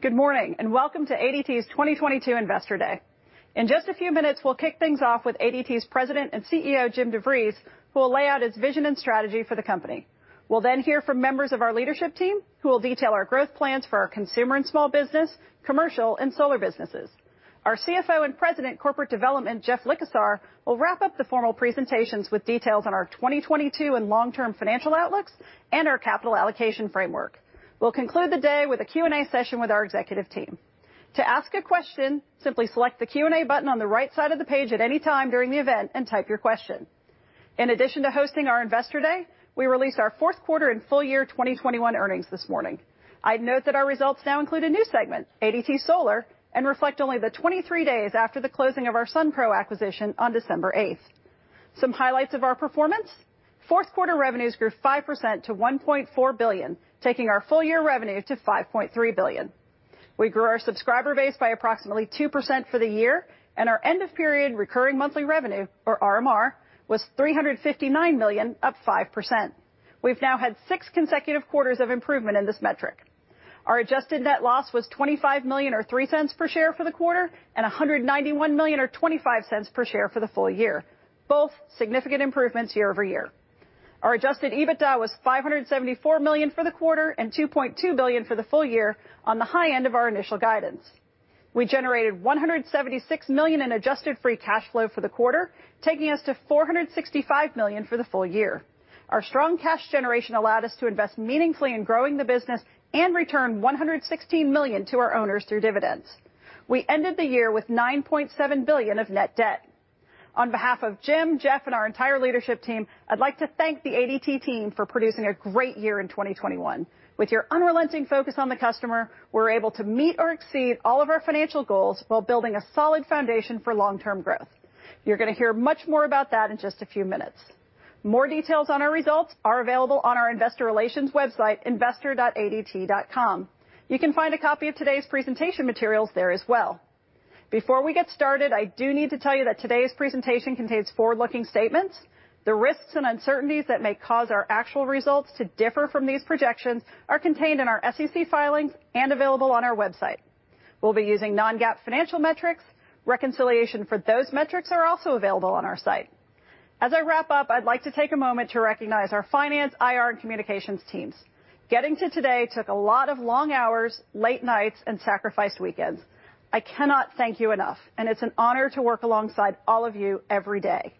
Good morning, and welcome to ADT's 2022 Investor Day. In just a few minutes, we'll kick things off with ADT's President and CEO, Jim DeVries, who will lay out his vision and strategy for the company. We'll then hear from members of our leadership team, who will detail our growth plans for our consumer and small business, commercial, and solar businesses. Our CFO and President, Corporate Development, Jeff Likosar, will wrap up the formal presentations with details on our 2022 and long-term financial outlooks and our capital allocation framework. We'll conclude the day with a Q&A session with our executive team. To ask a question, simply select the Q&A button on the right side of the page at any time during the event and type your question. In addition to hosting our Investor Day, we release our fourth quarter and full year 2021 earnings this morning. I'd note that our results now include a new segment, ADT Solar, and reflect only the 23 days after the closing of our Sunpro acquisition on December 8. Some highlights of our performance, fourth quarter revenues grew 5% to $1.4 billion, taking our full-year revenue to $5.3 billion. We grew our subscriber base by approximately 2% for the year, and our end-of-period recurring monthly revenue, or RMR, was $359 million, up 5%. We've now had 6 consecutive quarters of improvement in this metric. Our adjusted net loss was $25 million, or $0.03 per share for the quarter, and $191 million or $0.25 per share for the full year, both significant improvements year-over-year. Our adjusted EBITDA was $574 million for the quarter and $2.2 billion for the full year on the high end of our initial guidance. We generated $176 million in adjusted free cash flow for the quarter, taking us to $465 million for the full year. Our strong cash generation allowed us to invest meaningfully in growing the business and return $116 million to our owners through dividends. We ended the year with $9.7 billion of net debt. On behalf of Jim, Jeff, and our entire leadership team, I'd like to thank the ADT team for producing a great year in 2021. With your unrelenting focus on the customer, we're able to meet or exceed all of our financial goals while building a solid foundation for long-term growth. You're gonna hear much more about that in just a few minutes. More details on our results are available on our investor relations website, investor.adt.com. You can find a copy of today's presentation materials there as well. Before we get started, I do need to tell you that today's presentation contains forward-looking statements. The risks and uncertainties that may cause our actual results to differ from these projections are contained in our SEC filings and available on our website. We'll be using non-GAAP financial metrics. Reconciliation for those metrics are also available on our site. As I wrap up, I'd like to take a moment to recognize our finance, IR, and communications teams. Getting to today took a lot of long hours, late nights, and sacrificed weekends. I cannot thank you enough, and it's an honor to work alongside all of you every day.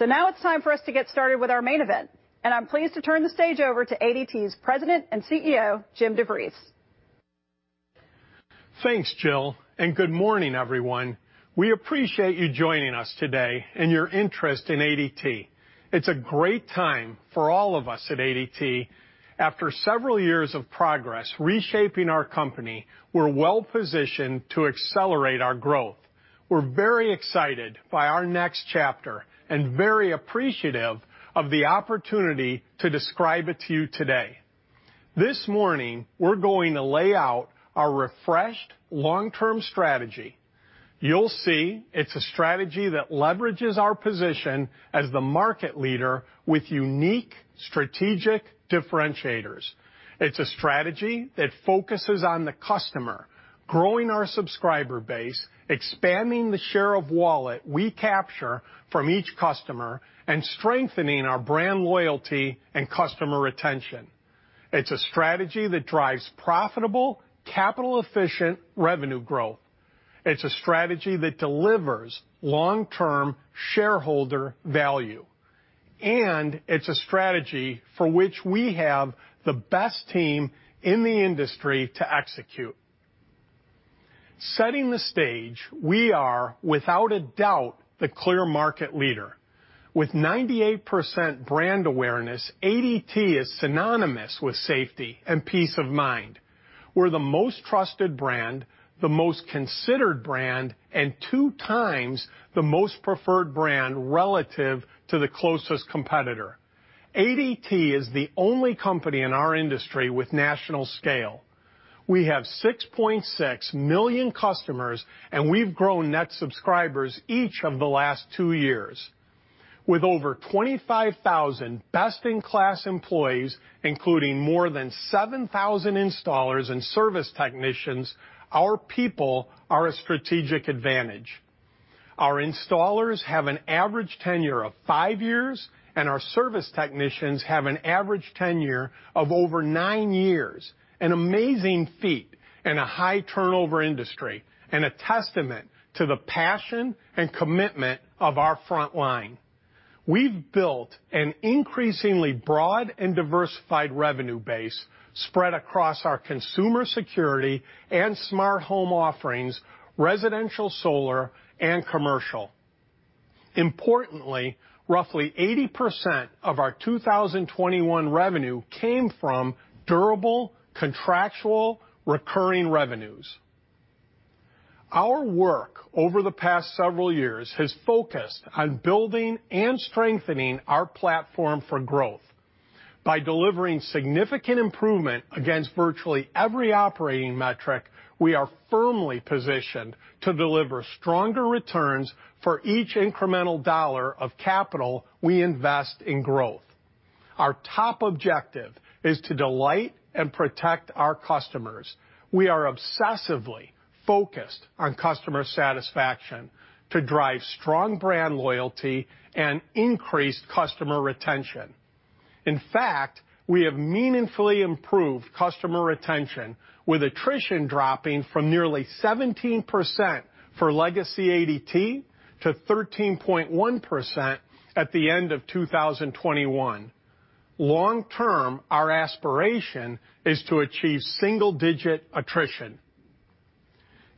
Now it's time for us to get started with our main event, and I'm pleased to turn the stage over to ADT's President and CEO, Jim DeVries. Thanks, Jill, and good morning, everyone. We appreciate you joining us today and your interest in ADT. It's a great time for all of us at ADT. After several years of progress reshaping our company, we're well-positioned to accelerate our growth. We're very excited by our next chapter and very appreciative of the opportunity to describe it to you today. This morning, we're going to lay out our refreshed long-term strategy. You'll see it's a strategy that leverages our position as the market leader with unique strategic differentiators. It's a strategy that focuses on the customer, growing our subscriber base, expanding the share of wallet we capture from each customer, and strengthening our brand loyalty and customer retention. It's a strategy that drives profitable, capital-efficient revenue growth. It's a strategy that delivers long-term shareholder value, and it's a strategy for which we have the best team in the industry to execute. Setting the stage, we are, without a doubt, the clear market leader. With 98% brand awareness, ADT is synonymous with safety and peace of mind. We're the most trusted brand, the most considered brand, and two times the most preferred brand relative to the closest competitor. ADT is the only company in our industry with national scale. We have 6.6 million customers, and we've grown net subscribers each of the last two years. With over 25,000 best-in-class employees, including more than 7,000 installers and service technicians, our people are a strategic advantage. Our installers have an average tenure of five years, and our service technicians have an average tenure of over nine years, an amazing feat in a high-turnover industry and a testament to the passion and commitment of our front line. We've built an increasingly broad and diversified revenue base spread across our consumer security and smart home offerings, residential, solar, and commercial. Importantly, roughly 80% of our 2021 revenue came from durable, contractual, recurring revenues. Our work over the past several years has focused on building and strengthening our platform for growth. By delivering significant improvement against virtually every operating metric, we are firmly positioned to deliver stronger returns for each incremental dollar of capital we invest in growth. Our top objective is to delight and protect our customers. We are obsessively focused on customer satisfaction to drive strong brand loyalty and increase customer retention. In fact, we have meaningfully improved customer retention with attrition dropping from nearly 17% for legacy ADT to 13.1% at the end of 2021. Long term, our aspiration is to achieve single-digit attrition.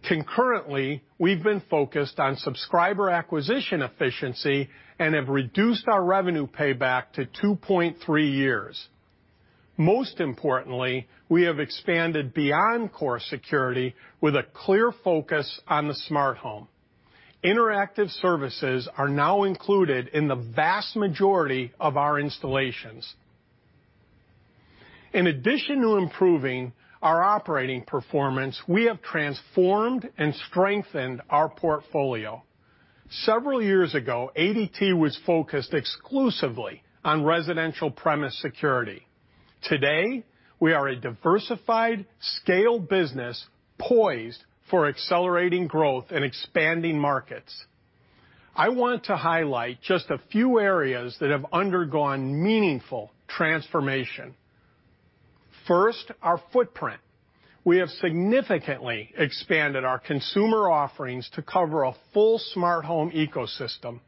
Concurrently, we've been focused on subscriber acquisition efficiency and have reduced our revenue payback to 2.3 years. Most importantly, we have expanded beyond core security with a clear focus on the smart home. Interactive services are now included in the vast majority of our installations. In addition to improving our operating performance, we have transformed and strengthened our portfolio. Several years ago, ADT was focused exclusively on residential premise security. Today, we are a diversified scale business poised for accelerating growth in expanding markets. I want to highlight just a few areas that have undergone meaningful transformation. First, our footprint. We have significantly expanded our consumer offerings to cover a full smart home ecosystem.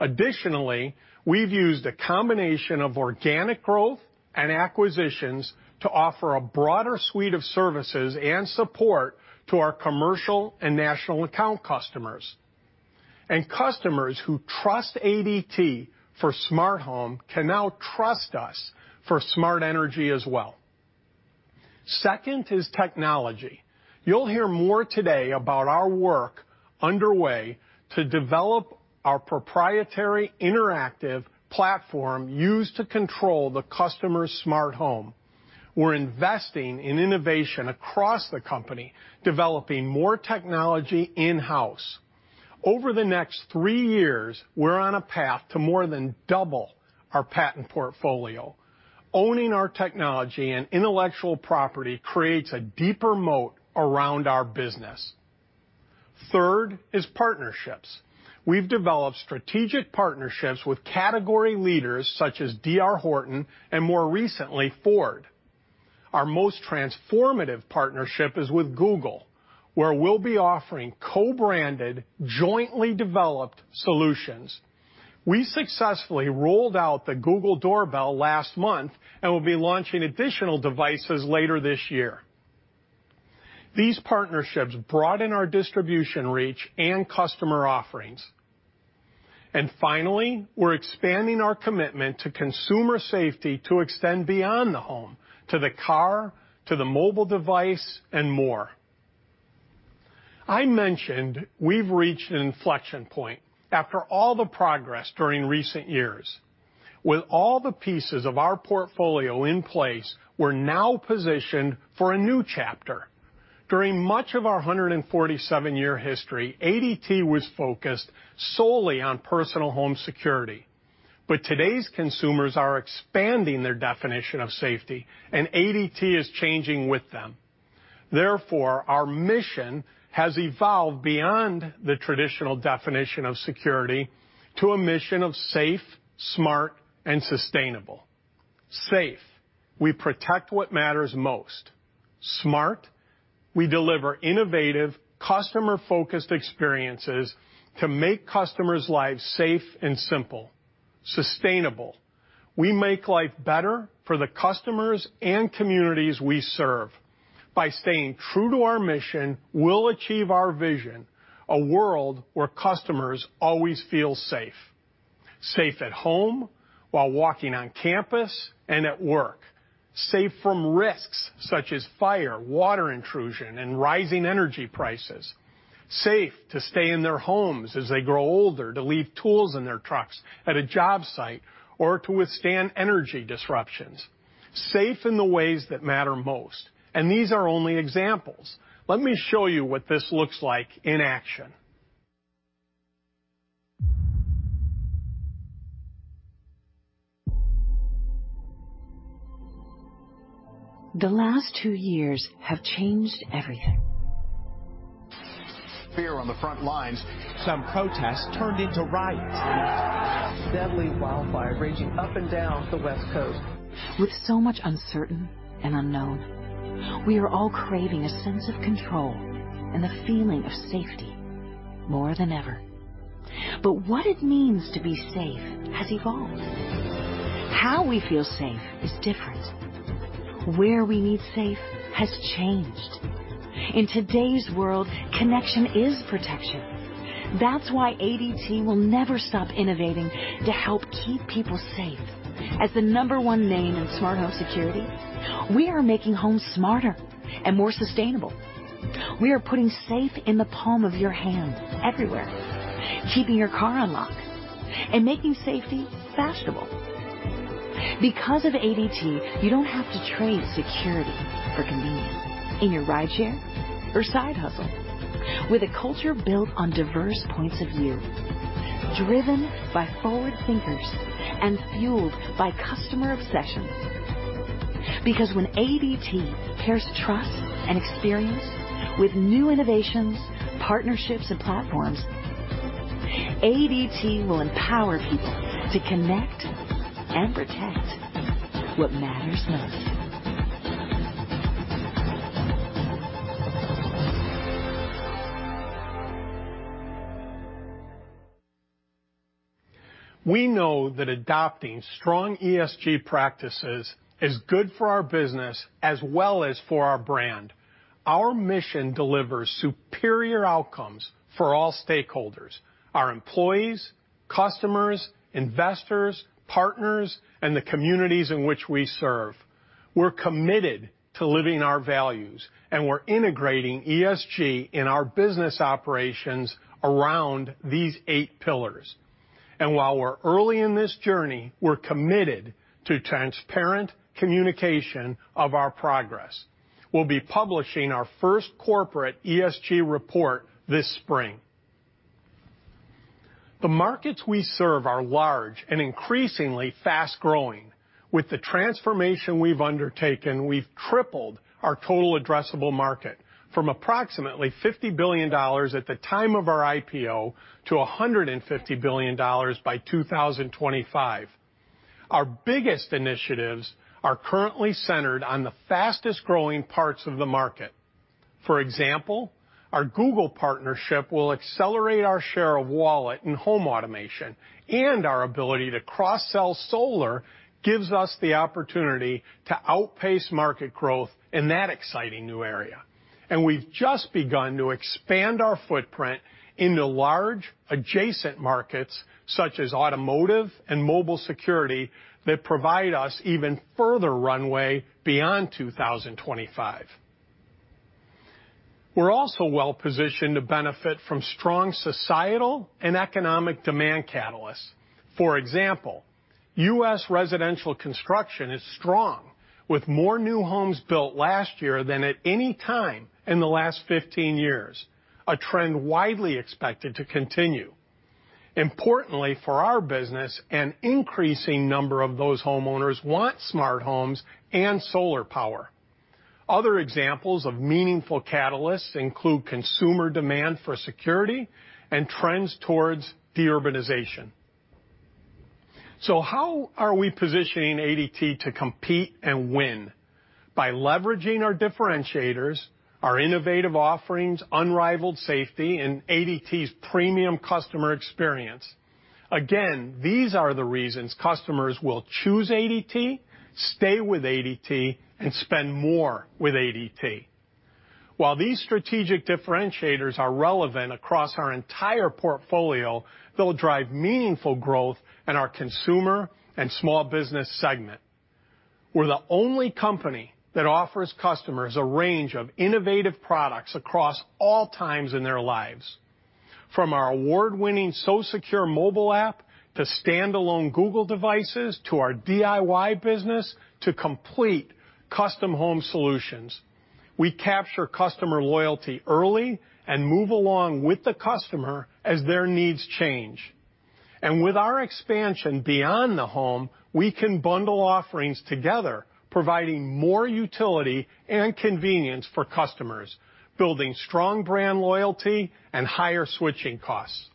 Additionally, we've used a combination of organic growth and acquisitions to offer a broader suite of services and support to our commercial and national account customers. Customers who trust ADT for smart home can now trust us for smart energy as well. Second is technology. You'll hear more today about our work underway to develop our proprietary interactive platform used to control the customer's smart home. We're investing in innovation across the company, developing more technology in-house. Over the next three years, we're on a path to more than double our patent portfolio. Owning our technology and intellectual property creates a deeper moat around our business. Third is partnerships. We've developed strategic partnerships with category leaders such as DR Horton and more recently, Ford. Our most transformative partnership is with Google, where we'll be offering co-branded, jointly developed solutions. We successfully rolled out the Google Doorbell last month and will be launching additional devices later this year. These partnerships broaden our distribution reach and customer offerings. Finally, we're expanding our commitment to consumer safety to extend beyond the home to the car, to the mobile device, and more. I mentioned we've reached an inflection point after all the progress during recent years. With all the pieces of our portfolio in place, we're now positioned for a new chapter. During much of our 147-year history, ADT was focused solely on personal home security. Today's consumers are expanding their definition of safety, and ADT is changing with them. Therefore, our mission has evolved beyond the traditional definition of security to a mission of safe, smart, and sustainable. Safe, we protect what matters most. Smart, we deliver innovative, customer-focused experiences to make customers' lives safe and simple. Sustainable, we make life better for the customers and communities we serve. By staying true to our mission, we'll achieve our vision, a world where customers always feel safe. Safe at home, while walking on campus, and at work. Safe from risks such as fire, water intrusion, and rising energy prices. Safe to stay in their homes as they grow older, to leave tools in their trucks at a job site, or to withstand energy disruptions. Safe in the ways that matter most, and these are only examples. Let me show you what this looks like in action. The last two years have changed everything. Fear on the front lines. Some protests turned into riots. Deadly wildfire raging up and down the West Coast. With so much uncertain and unknown, we are all craving a sense of control and the feeling of safety more than ever. What it means to be safe has evolved. How we feel safe is different. Where we need safe has changed. In today's world, connection is protection. That's why ADT will never stop innovating to help keep people safe. As the number one name in smart home security, we are making homes smarter and more sustainable. We are putting safe in the palm of your hand everywhere, keeping your car unlocked and making safety fashionable. Because of ADT, you don't have to trade security for convenience in your rideshare or side hustle. With a culture built on diverse points of view, driven by forward thinkers, and fueled by customer obsession. Because when ADT pairs trust and experience with new innovations, partnerships, and platforms, ADT will empower people to connect and protect what matters most. We know that adopting strong ESG practices is good for our business as well as for our brand. Our mission delivers superior outcomes for all stakeholders, our employees, customers, investors, partners, and the communities in which we serve. We're committed to living our values, and we're integrating ESG in our business operations around these eight pillars. While we're early in this journey, we're committed to transparent communication of our progress. We'll be publishing our first corporate ESG report this spring. The markets we serve are large and increasingly fast-growing. With the transformation we've undertaken, we've tripled our total addressable market from approximately $50 billion at the time of our IPO to $150 billion by 2025. Our biggest initiatives are currently centered on the fastest-growing parts of the market. For example, our Google partnership will accelerate our share of wallet and home automation, and our ability to cross-sell Solar gives us the opportunity to outpace market growth in that exciting new area. We've just begun to expand our footprint into large adjacent markets such as automotive and mobile security that provide us even further runway beyond 2025. We're also well-positioned to benefit from strong societal and economic demand catalysts. For example, U.S. residential construction is strong, with more new homes built last year than at any time in the last 15 years, a trend widely expected to continue. Importantly, for our business, an increasing number of those homeowners want smart homes and solar power. Other examples of meaningful catalysts include consumer demand for security and trends towards deurbanization. How are we positioning ADT to compete and win? By leveraging our differentiators, our innovative offerings, unrivaled safety, and ADT's premium customer experience. Again, these are the reasons customers will choose ADT, stay with ADT, and spend more with ADT. While these strategic differentiators are relevant across our entire portfolio, they'll drive meaningful growth in our consumer and small business segment. We're the only company that offers customers a range of innovative products across all times in their lives, from our award-winning SoSecure mobile app to stand-alone Google devices to our DIY business to complete custom home solutions. We capture customer loyalty early and move along with the customer as their needs change. With our expansion beyond the home, we can bundle offerings together, providing more utility and convenience for customers, building strong brand loyalty and higher switching costs.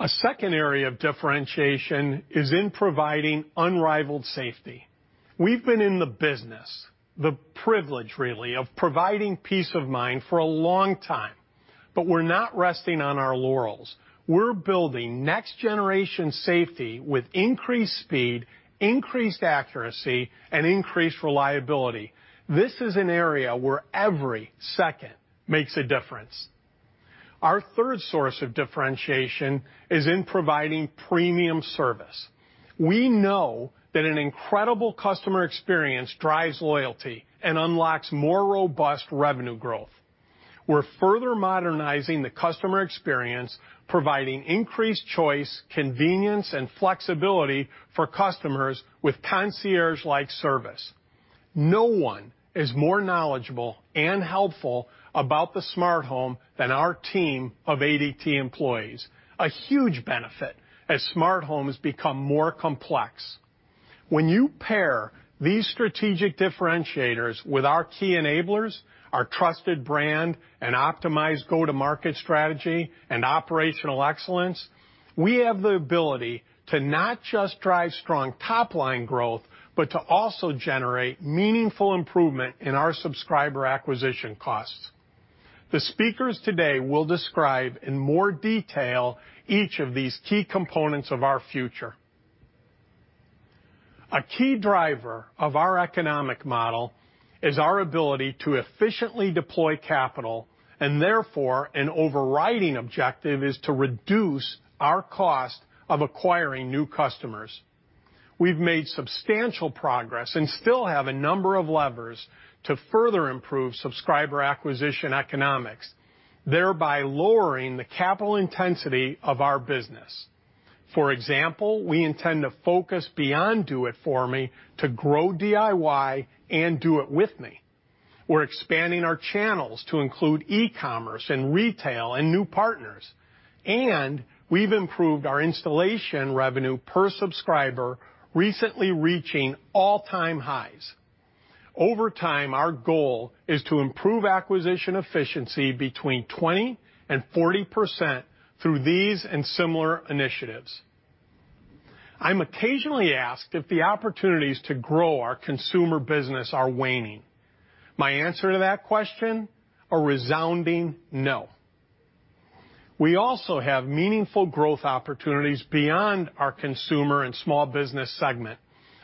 A second area of differentiation is in providing unrivaled safety. We've been in the business, the privilege, really, of providing peace of mind for a long time, but we're not resting on our laurels. We're building next-generation safety with increased speed, increased accuracy, and increased reliability. This is an area where every second makes a difference. Our third source of differentiation is in providing premium service. We know that an incredible customer experience drives loyalty and unlocks more robust revenue growth. We're further modernizing the customer experience, providing increased choice, convenience, and flexibility for customers with concierge-like service. No one is more knowledgeable and helpful about the smart home than our team of ADT employees. A huge benefit as smart homes become more complex. When you pair these strategic differentiators with our key enablers, our trusted brand, and optimized go-to-market strategy and operational excellence, we have the ability to not just drive strong top-line growth, but to also generate meaningful improvement in our subscriber acquisition costs. The speakers today will describe in more detail each of these key components of our future. A key driver of our economic model is our ability to efficiently deploy capital, and therefore, an overriding objective is to reduce our cost of acquiring new customers. We've made substantial progress and still have a number of levers to further improve subscriber acquisition economics, thereby lowering the capital intensity of our business. For example, we intend to focus beyond Do It For Me to grow DIY and Do It With Me. We're expanding our channels to include e-commerce and retail and new partners, and we've improved our installation revenue per subscriber, recently reaching all-time highs. Over time, our goal is to improve acquisition efficiency 20%-40% through these and similar initiatives. I'm occasionally asked if the opportunities to grow our consumer business are waning. My answer to that question, a resounding no. We also have meaningful growth opportunities beyond our consumer and small business segment.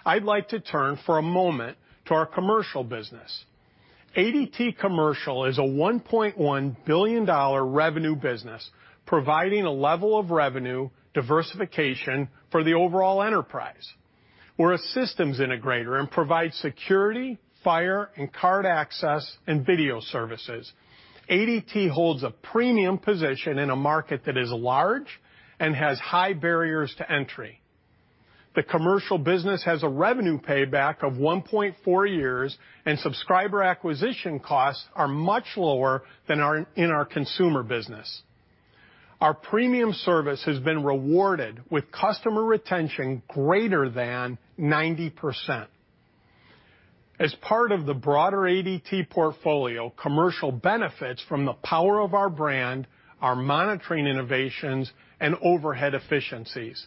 I'd like to turn for a moment to our commercial business. ADT Commercial is a $1.1 billion revenue business providing a level of revenue diversification for the overall enterprise. We're a systems integrator and provide security, fire, and card access and video services. ADT holds a premium position in a market that is large and has high barriers to entry. The Commercial business has a revenue payback of 1.4 years, and subscriber acquisition costs are much lower than our, in our consumer business. Our premium service has been rewarded with customer retention greater than 90%. As part of the broader ADT portfolio, Commercial benefits from the power of our brand, our monitoring innovations, and overhead efficiencies.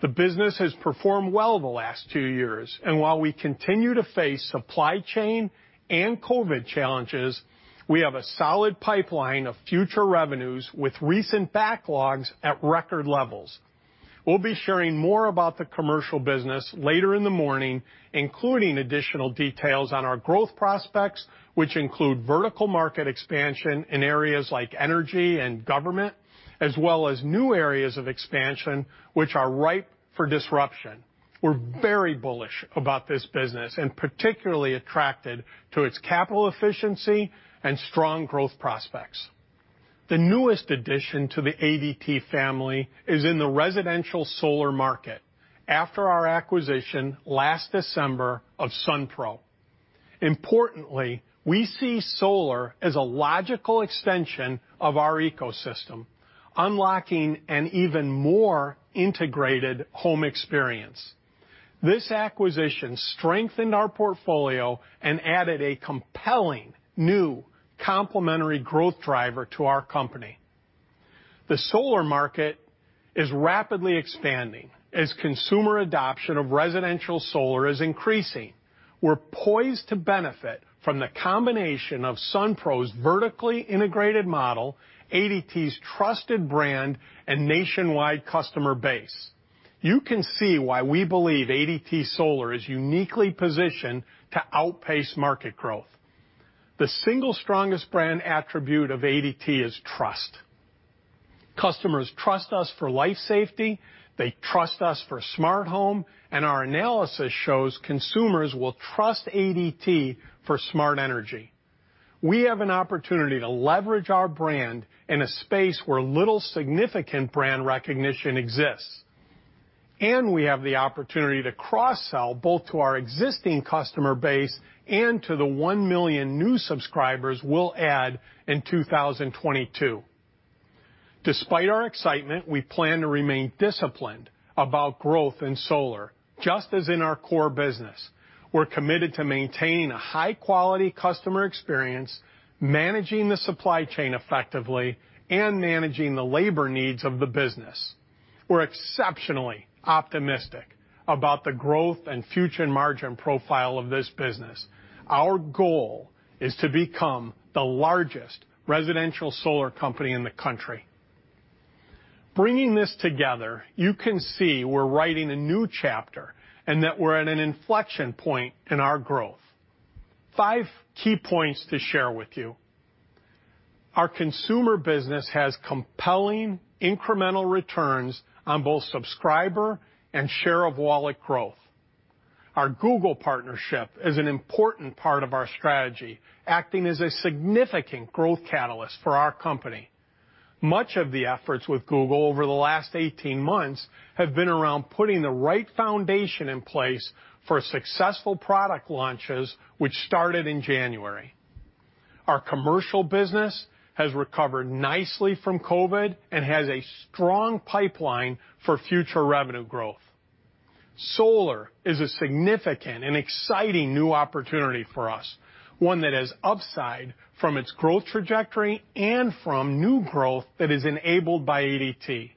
The business has performed well the last two years, and while we continue to face supply chain and COVID challenges, we have a solid pipeline of future revenues with recent backlogs at record levels. We'll be sharing more about the Commercial business later in the morning, including additional details on our growth prospects, which include vertical market expansion in areas like energy and government, as well as new areas of expansion which are ripe for disruption. We're very bullish about this business and particularly attracted to its capital efficiency and strong growth prospects. The newest addition to the ADT family is in the residential solar market after our acquisition last December of Sunpro. Importantly, we see solar as a logical extension of our ecosystem, unlocking an even more integrated home experience. This acquisition strengthened our portfolio and added a compelling new complementary growth driver to our company. The solar market is rapidly expanding as consumer adoption of residential solar is increasing. We're poised to benefit from the combination of Sunpro's vertically integrated model, ADT's trusted brand, and nationwide customer base. You can see why we believe ADT Solar is uniquely positioned to outpace market growth. The single strongest brand attribute of ADT is trust. Customers trust us for life safety, they trust us for smart home, and our analysis shows consumers will trust ADT for smart energy. We have an opportunity to leverage our brand in a space where little significant brand recognition exists, and we have the opportunity to cross-sell both to our existing customer base and to the 1 million new subscribers we'll add in 2022. Despite our excitement, we plan to remain disciplined about growth in solar. Just as in our core business, we're committed to maintaining a high-quality customer experience, managing the supply chain effectively, and managing the labor needs of the business. We're exceptionally optimistic about the growth and future margin profile of this business. Our goal is to become the largest residential solar company in the country. Bringing this together, you can see we're writing a new chapter and that we're at an inflection point in our growth. Five key points to share with you. Our consumer business has compelling incremental returns on both subscriber and share of wallet growth. Our Google partnership is an important part of our strategy, acting as a significant growth catalyst for our company. Much of the efforts with Google over the last 18 months have been around putting the right foundation in place for successful product launches, which started in January. Our commercial business has recovered nicely from COVID and has a strong pipeline for future revenue growth. Solar is a significant and exciting new opportunity for us, one that has upside from its growth trajectory and from new growth that is enabled by ADT.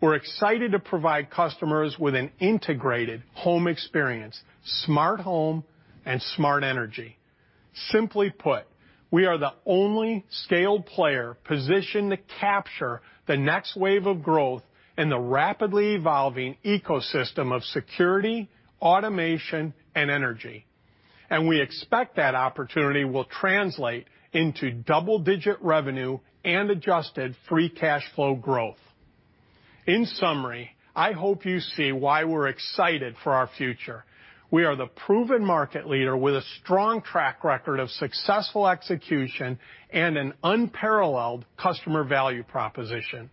We're excited to provide customers with an integrated home experience, smart home, and smart energy. Simply put, we are the only scaled player positioned to capture the next wave of growth in the rapidly evolving ecosystem of security, automation, and energy. We expect that opportunity will translate into double-digit revenue and adjusted free cash flow growth. In summary, I hope you see why we're excited for our future. We are the proven market leader with a strong track record of successful execution and an unparalleled customer value proposition.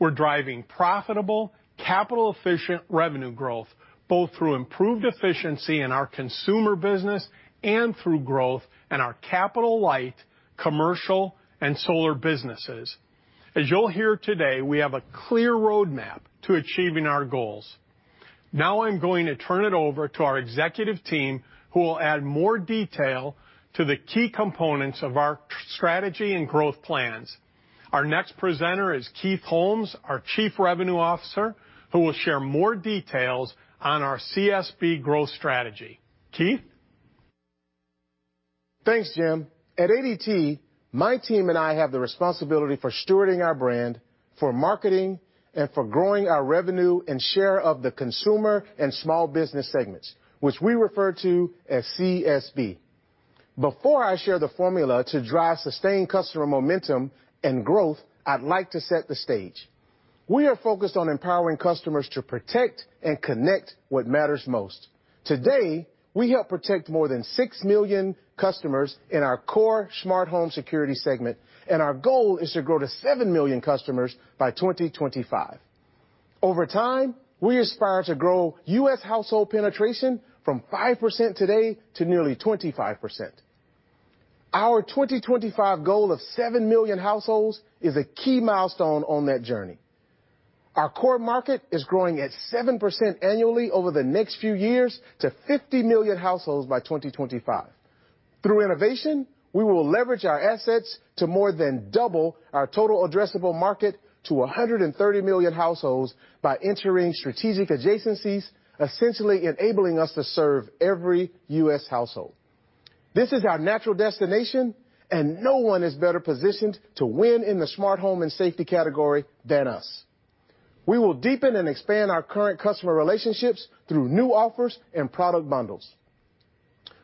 We're driving profitable, capital-efficient revenue growth, both through improved efficiency in our consumer business and through growth in our capital-light commercial and solar businesses. As you'll hear today, we have a clear roadmap to achieving our goals. Now I'm going to turn it over to our executive team, who will add more detail to the key components of our strategy and growth plans. Our next presenter is Keith Holmes, our Chief Revenue Officer, who will share more details on our CSB growth strategy. Keith? Thanks, Jim. At ADT, my team and I have the responsibility for stewarding our brand, for marketing, and for growing our revenue and share of the consumer and small business segments, which we refer to as CSB. Before I share the formula to drive sustained customer momentum and growth, I'd like to set the stage. We are focused on empowering customers to protect and connect what matters most. Today, we help protect more than 6 million customers in our core smart home security segment, and our goal is to grow to 7 million customers by 2025. Over time, we aspire to grow U.S. household penetration from 5% today to nearly 25%. Our 2025 goal of 7 million households is a key milestone on that journey. Our core market is growing at 7% annually over the next few years to 50 million households by 2025. Through innovation, we will leverage our assets to more than double our total addressable market to 130 million households by entering strategic adjacencies, essentially enabling us to serve every U.S. household. This is our natural destination, and no one is better positioned to win in the smart home and safety category than us. We will deepen and expand our current customer relationships through new offers and product bundles.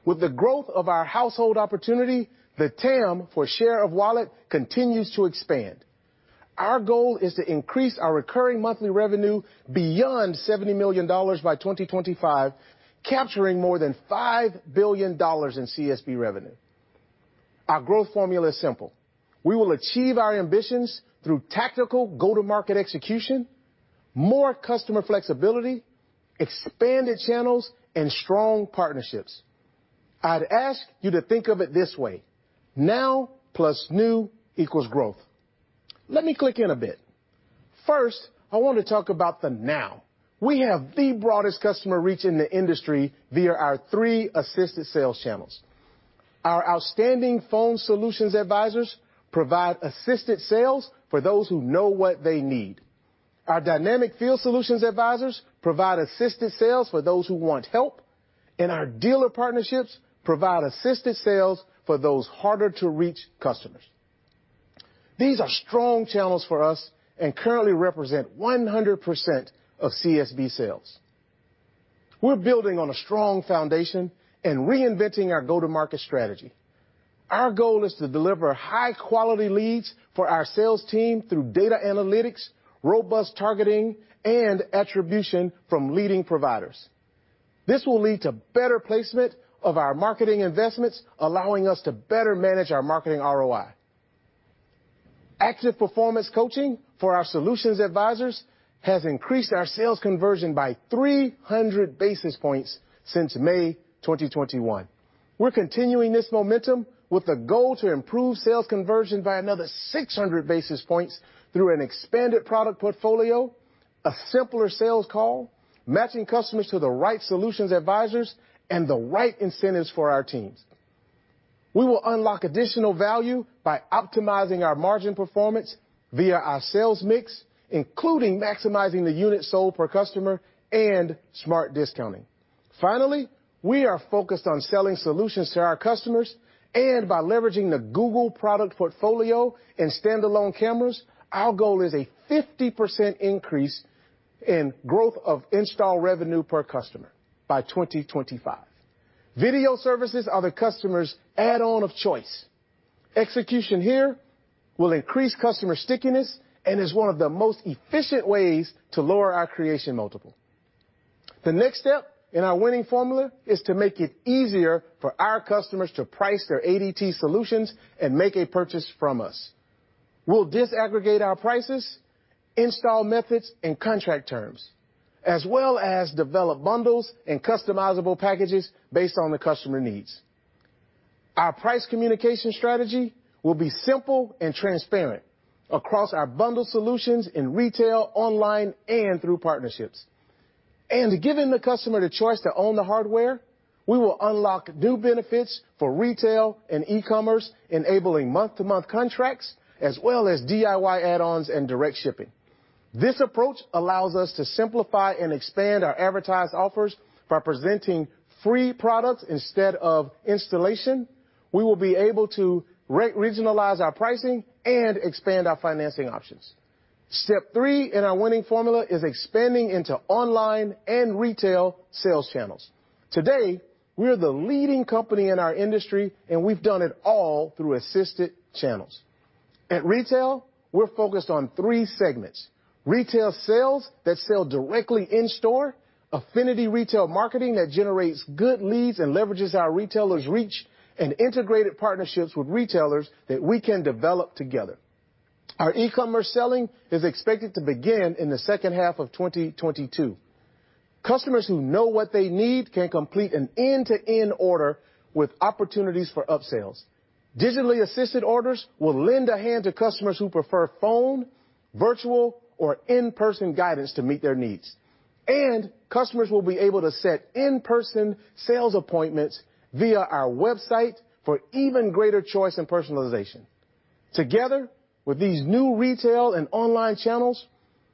With the growth of our household opportunity, the TAM for share of wallet continues to expand. Our goal is to increase our recurring monthly revenue beyond $70 million by 2025, capturing more than $5 billion in CSB revenue. Our growth formula is simple. We will achieve our ambitions through tactical go-to-market execution, more customer flexibility, expanded channels, and strong partnerships. I'd ask you to think of it this way. Now plus new equals growth. Let me click in a bit. First, I want to talk about the now. We have the broadest customer reach in the industry via our three assisted sales channels. Our outstanding phone solutions advisors provide assisted sales for those who know what they need. Our dynamic field solutions advisors provide assisted sales for those who want help. Our dealer partnerships provide assisted sales for those harder-to-reach customers. These are strong channels for us and currently represent 100% of CSB sales. We're building on a strong foundation and reinventing our go-to-market strategy. Our goal is to deliver high-quality leads for our sales team through data analytics, robust targeting, and attribution from leading providers. This will lead to better placement of our marketing investments, allowing us to better manage our marketing ROI. Active performance coaching for our solutions advisors has increased our sales conversion by 300 basis points since May 2021. We're continuing this momentum with the goal to improve sales conversion by another 600 basis points through an expanded product portfolio, a simpler sales call, matching customers to the right solutions advisors, and the right incentives for our teams. We will unlock additional value by optimizing our margin performance via our sales mix, including maximizing the units sold per customer and smart discounting. Finally, we are focused on selling solutions to our customers, and by leveraging the Google product portfolio and standalone cameras, our goal is a 50% increase in growth of install revenue per customer by 2025. Video services are the customers' add-on of choice. Execution here will increase customer stickiness and is one of the most efficient ways to lower our creation multiple. The next step in our winning formula is to make it easier for our customers to price their ADT solutions and make a purchase from us. We'll disaggregate our prices, install methods, and contract terms, as well as develop bundles and customizable packages based on the customer needs. Our price communication strategy will be simple and transparent across our bundled solutions in retail, online, and through partnerships. Giving the customer the choice to own the hardware, we will unlock new benefits for retail and e-commerce, enabling month-to-month contracts, as well as DIY add-ons and direct shipping. This approach allows us to simplify and expand our advertised offers by presenting free products instead of installation. We will be able to re-regionalize our pricing and expand our financing options. Step three in our winning formula is expanding into online and retail sales channels. Today, we're the leading company in our industry, and we've done it all through assisted channels. At retail, we're focused on three segments. Retail sales that sell directly in store, affinity retail marketing that generates good leads and leverages our retailers' reach, and integrated partnerships with retailers that we can develop together. Our e-commerce selling is expected to begin in the second half of 2022. Customers who know what they need can complete an end-to-end order with opportunities for upsales. Digitally assisted orders will lend a hand to customers who prefer phone, virtual, or in-person guidance to meet their needs. Customers will be able to set in-person sales appointments via our website for even greater choice and personalization. Together, with these new retail and online channels,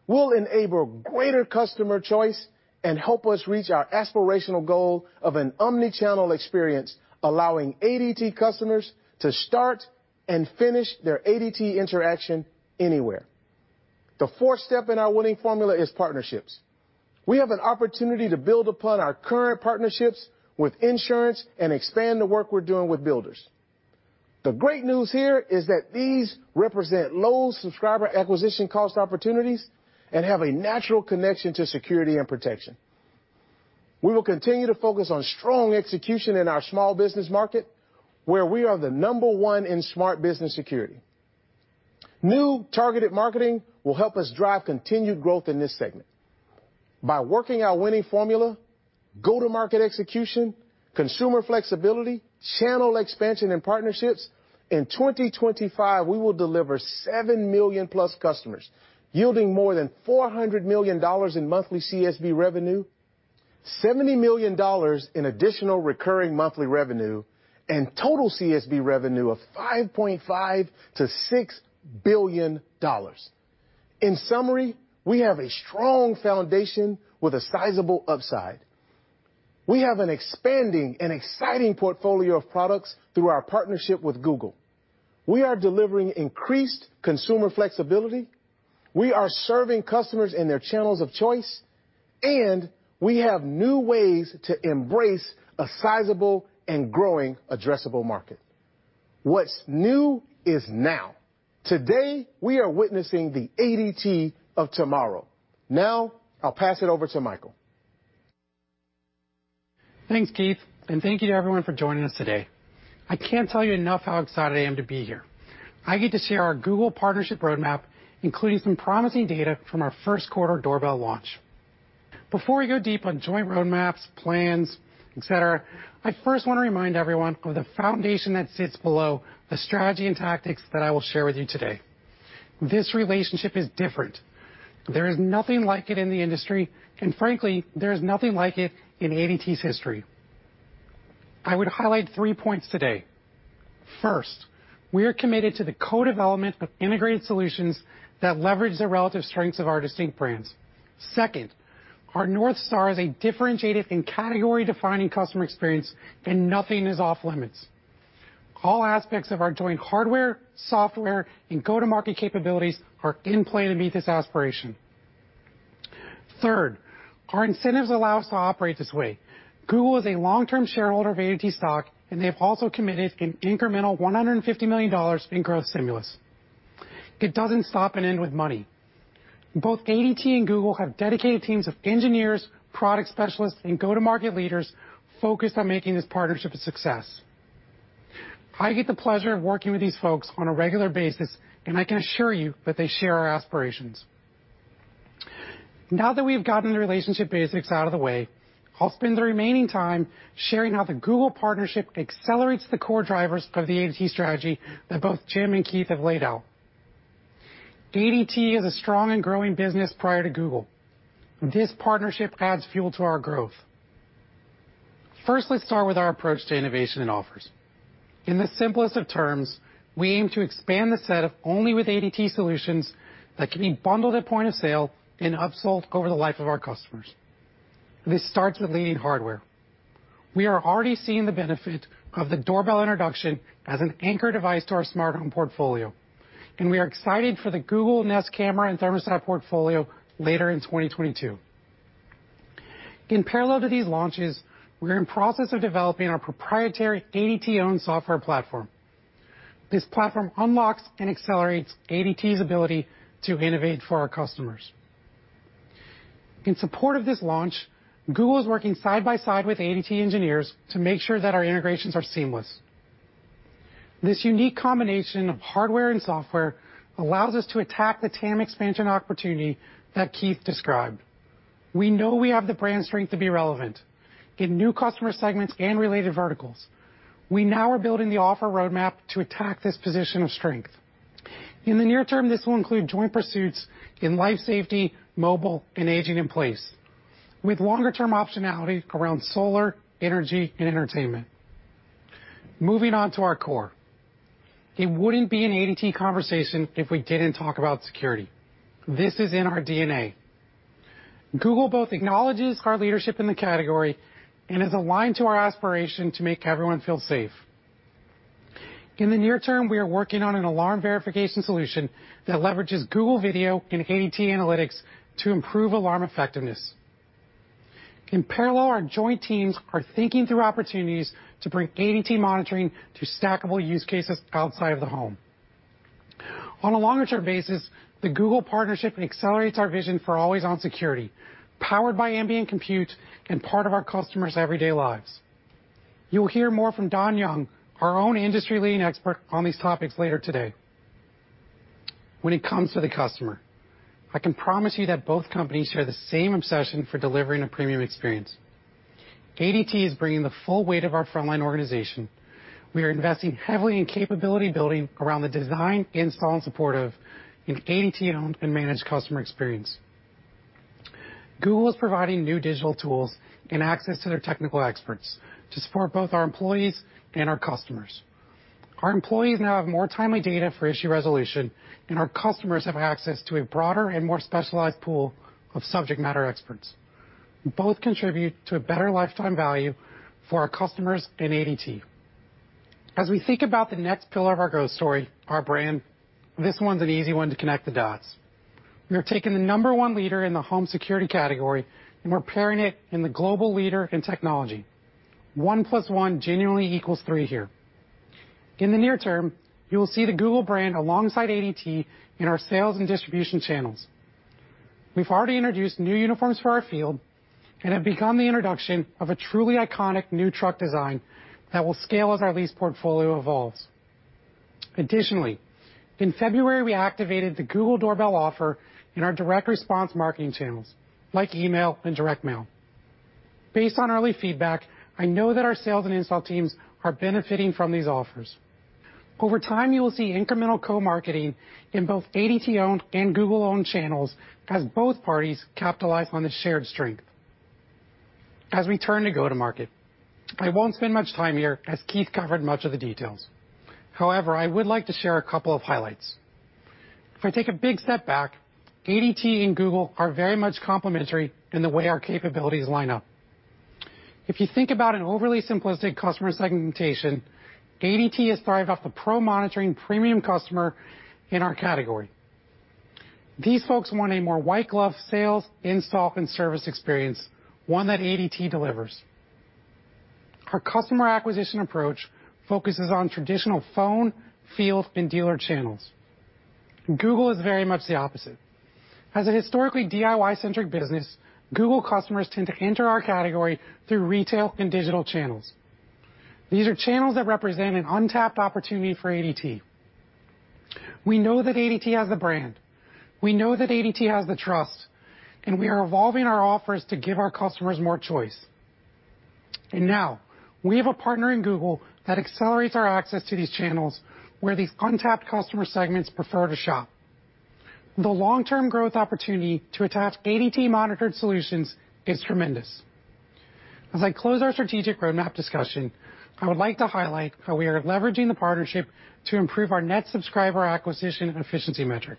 we'll enable greater customer choice and help us reach our aspirational goal of an omni-channel experience, allowing ADT customers to start and finish their ADT interaction anywhere. The fourth step in our winning formula is partnerships. We have an opportunity to build upon our current partnerships with insurance and expand the work we're doing with builders. The great news here is that these represent low subscriber acquisition cost opportunities and have a natural connection to security and protection. We will continue to focus on strong execution in our small business market, where we are the number one in smart business security. New targeted marketing will help us drive continued growth in this segment. By working our winning formula, go-to-market execution, consumer flexibility, channel expansion, and partnerships, in 2025, we will deliver 7 million+ customers, yielding more than $400 million in monthly CSB revenue, $70 million in additional recurring monthly revenue, and total CSB revenue of $5.5 billion-$6 billion. In summary, we have a strong foundation with a sizable upside. We have an expanding and exciting portfolio of products through our partnership with Google. We are delivering increased consumer flexibility, we are serving customers in their channels of choice, and we have new ways to embrace a sizable and growing addressable market. What's new is now. Today, we are witnessing the ADT of tomorrow. Now, I'll pass it over to Michael. Thanks, Keith, and thank you to everyone for joining us today. I can't tell you enough how excited I am to be here. I get to share our Google partnership roadmap, including some promising data from our first quarter doorbell launch. Before we go deep on joint roadmaps, plans, et cetera, I first wanna remind everyone of the foundation that sits below the strategy and tactics that I will share with you today. This relationship is different. There is nothing like it in the industry, and frankly, there is nothing like it in ADT's history. I would highlight three points today. First, we are committed to the co-development of integrated solutions that leverage the relative strengths of our distinct brands. Second, our North Star is a differentiated and category-defining customer experience, and nothing is off-limits. All aspects of our joint hardware, software, and go-to-market capabilities are in play to meet this aspiration. Third, our incentives allow us to operate this way. Google is a long-term shareholder of ADT stock, and they have also committed an incremental $150 million in growth stimulus. It doesn't stop and end with money. Both ADT and Google have dedicated teams of engineers, product specialists, and go-to-market leaders focused on making this partnership a success. I get the pleasure of working with these folks on a regular basis, and I can assure you that they share our aspirations. Now that we've gotten the relationship basics out of the way, I'll spend the remaining time sharing how the Google partnership accelerates the core drivers of the ADT strategy that both Jim and Keith have laid out. ADT is a strong and growing business prior to Google. This partnership adds fuel to our growth. First, let's start with our approach to innovation and offers. In the simplest of terms, we aim to expand the set of only with ADT solutions that can be bundled at point of sale and upsold over the life of our customers. This starts with leading hardware. We are already seeing the benefit of the doorbell introduction as an anchor device to our smart home portfolio, and we are excited for the Google Nest camera and thermostat portfolio later in 2022. In parallel to these launches, we're in process of developing our proprietary ADT-owned software platform. This platform unlocks and accelerates ADT's ability to innovate for our customers. In support of this launch, Google is working side by side with ADT engineers to make sure that our integrations are seamless. This unique combination of hardware and software allows us to attack the TAM expansion opportunity that Keith described. We know we have the brand strength to be relevant in new customer segments and related verticals. We now are building the offer roadmap to attack this position of strength. In the near term, this will include joint pursuits in life safety, mobile, and aging in place, with longer-term optionality around solar, energy, and entertainment. Moving on to our core. It wouldn't be an ADT conversation if we didn't talk about security. This is in our DNA. Google both acknowledges our leadership in the category and is aligned to our aspiration to make everyone feel safe. In the near term, we are working on an alarm verification solution that leverages Google Video and ADT Analytics to improve alarm effectiveness. In parallel, our joint teams are thinking through opportunities to bring ADT monitoring to stackable use cases outside of the home. On a longer-term basis, the Google partnership accelerates our vision for always-on security, powered by ambient compute and part of our customers' everyday lives. You will hear more from Don Young, our own industry-leading expert on these topics later today. When it comes to the customer, I can promise you that both companies share the same obsession for delivering a premium experience. ADT is bringing the full weight of our frontline organization. We are investing heavily in capability building around the design, install, and support in ADT-owned and managed customer experience. Google is providing new digital tools and access to their technical experts to support both our employees and our customers. Our employees now have more timely data for issue resolution, and our customers have access to a broader and more specialized pool of subject matter experts. Both contribute to a better lifetime value for our customers in ADT. We think about the next pillar of our growth story, our brand. This one's an easy one to connect the dots. We are taking the number one leader in the home security category and we're pairing it with the global leader in technology. 1+1 genuinely equals three here. In the near term, you will see the Google brand alongside ADT in our sales and distribution channels. We've already introduced new uniforms for our field and have begun the introduction of a truly iconic new truck design that will scale as our lease portfolio evolves. Additionally, in February, we activated the Google Doorbell offer in our direct response marketing channels, like email and direct mail. Based on early feedback, I know that our sales and install teams are benefiting from these offers. Over time, you will see incremental co-marketing in both ADT-owned and Google-owned channels as both parties capitalize on the shared strength. As we turn to go to market, I won't spend much time here as Keith covered much of the details. However, I would like to share a couple of highlights. If I take a big step back, ADT and Google are very much complementary in the way our capabilities line up. If you think about an overly simplistic customer segmentation, ADT thrives off the pro-monitoring premium customer in our category. These folks want a more white-glove sales, install, and service experience, one that ADT delivers. Our customer acquisition approach focuses on traditional phone, field, and dealer channels. Google is very much the opposite. As a historically DIY-centric business, Google customers tend to enter our category through retail and digital channels. These are channels that represent an untapped opportunity for ADT. We know that ADT has the brand. We know that ADT has the trust, and we are evolving our offers to give our customers more choice. Now we have a partner in Google that accelerates our access to these channels where these untapped customer segments prefer to shop. The long-term growth opportunity to attach ADT monitored solutions is tremendous. As I close our strategic roadmap discussion, I would like to highlight how we are leveraging the partnership to improve our net subscriber acquisition efficiency metric.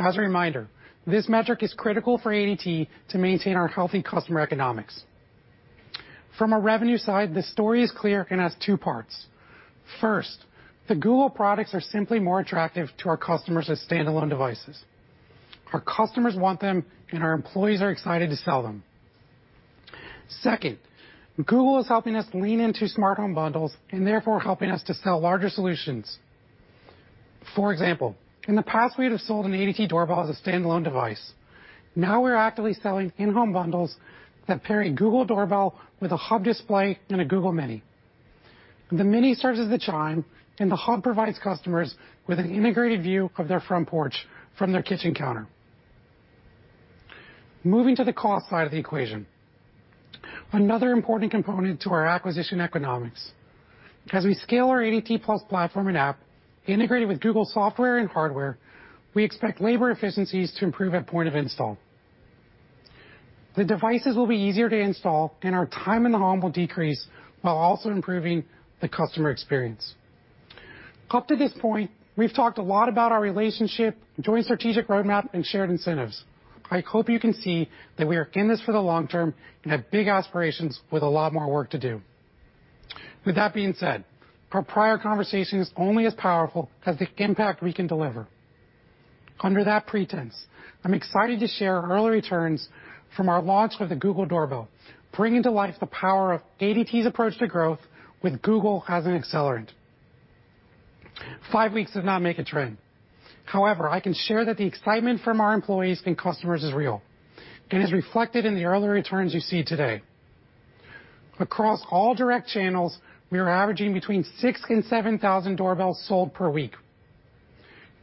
As a reminder, this metric is critical for ADT to maintain our healthy customer economics. From a revenue side, the story is clear and has two parts. First, the Google products are simply more attractive to our customers as standalone devices. Our customers want them and our employees are excited to sell them. Second, Google is helping us lean into smart home bundles and therefore helping us to sell larger solutions. For example, in the past, we'd have sold a Google Nest Doorbell as a standalone device. Now we're actively selling in-home bundles that pair a Google Doorbell with a Hub display and a Google Mini. The Mini serves as the chime, and the Hub provides customers with an integrated view of their front porch from their kitchen counter. Moving to the cost side of the equation, another important component to our acquisition economics. As we scale our ADT+ platform and app integrated with Google software and hardware, we expect labor efficiencies to improve at point of install. The devices will be easier to install, and our time in the home will decrease while also improving the customer experience. Up to this point, we've talked a lot about our relationship, joint strategic roadmap, and shared incentives. I hope you can see that we are in this for the long term and have big aspirations with a lot more work to do. With that being said, our prior conversation is only as powerful as the impact we can deliver. Under that pretense, I'm excited to share early returns from our launch with the Google Doorbell, bringing to life the power of ADT's approach to growth with Google as an accelerant. Five weeks does not make a trend. However, I can share that the excitement from our employees and customers is real and is reflected in the early returns you see today. Across all direct channels, we are averaging between 6,000 and 7,000 doorbells sold per week.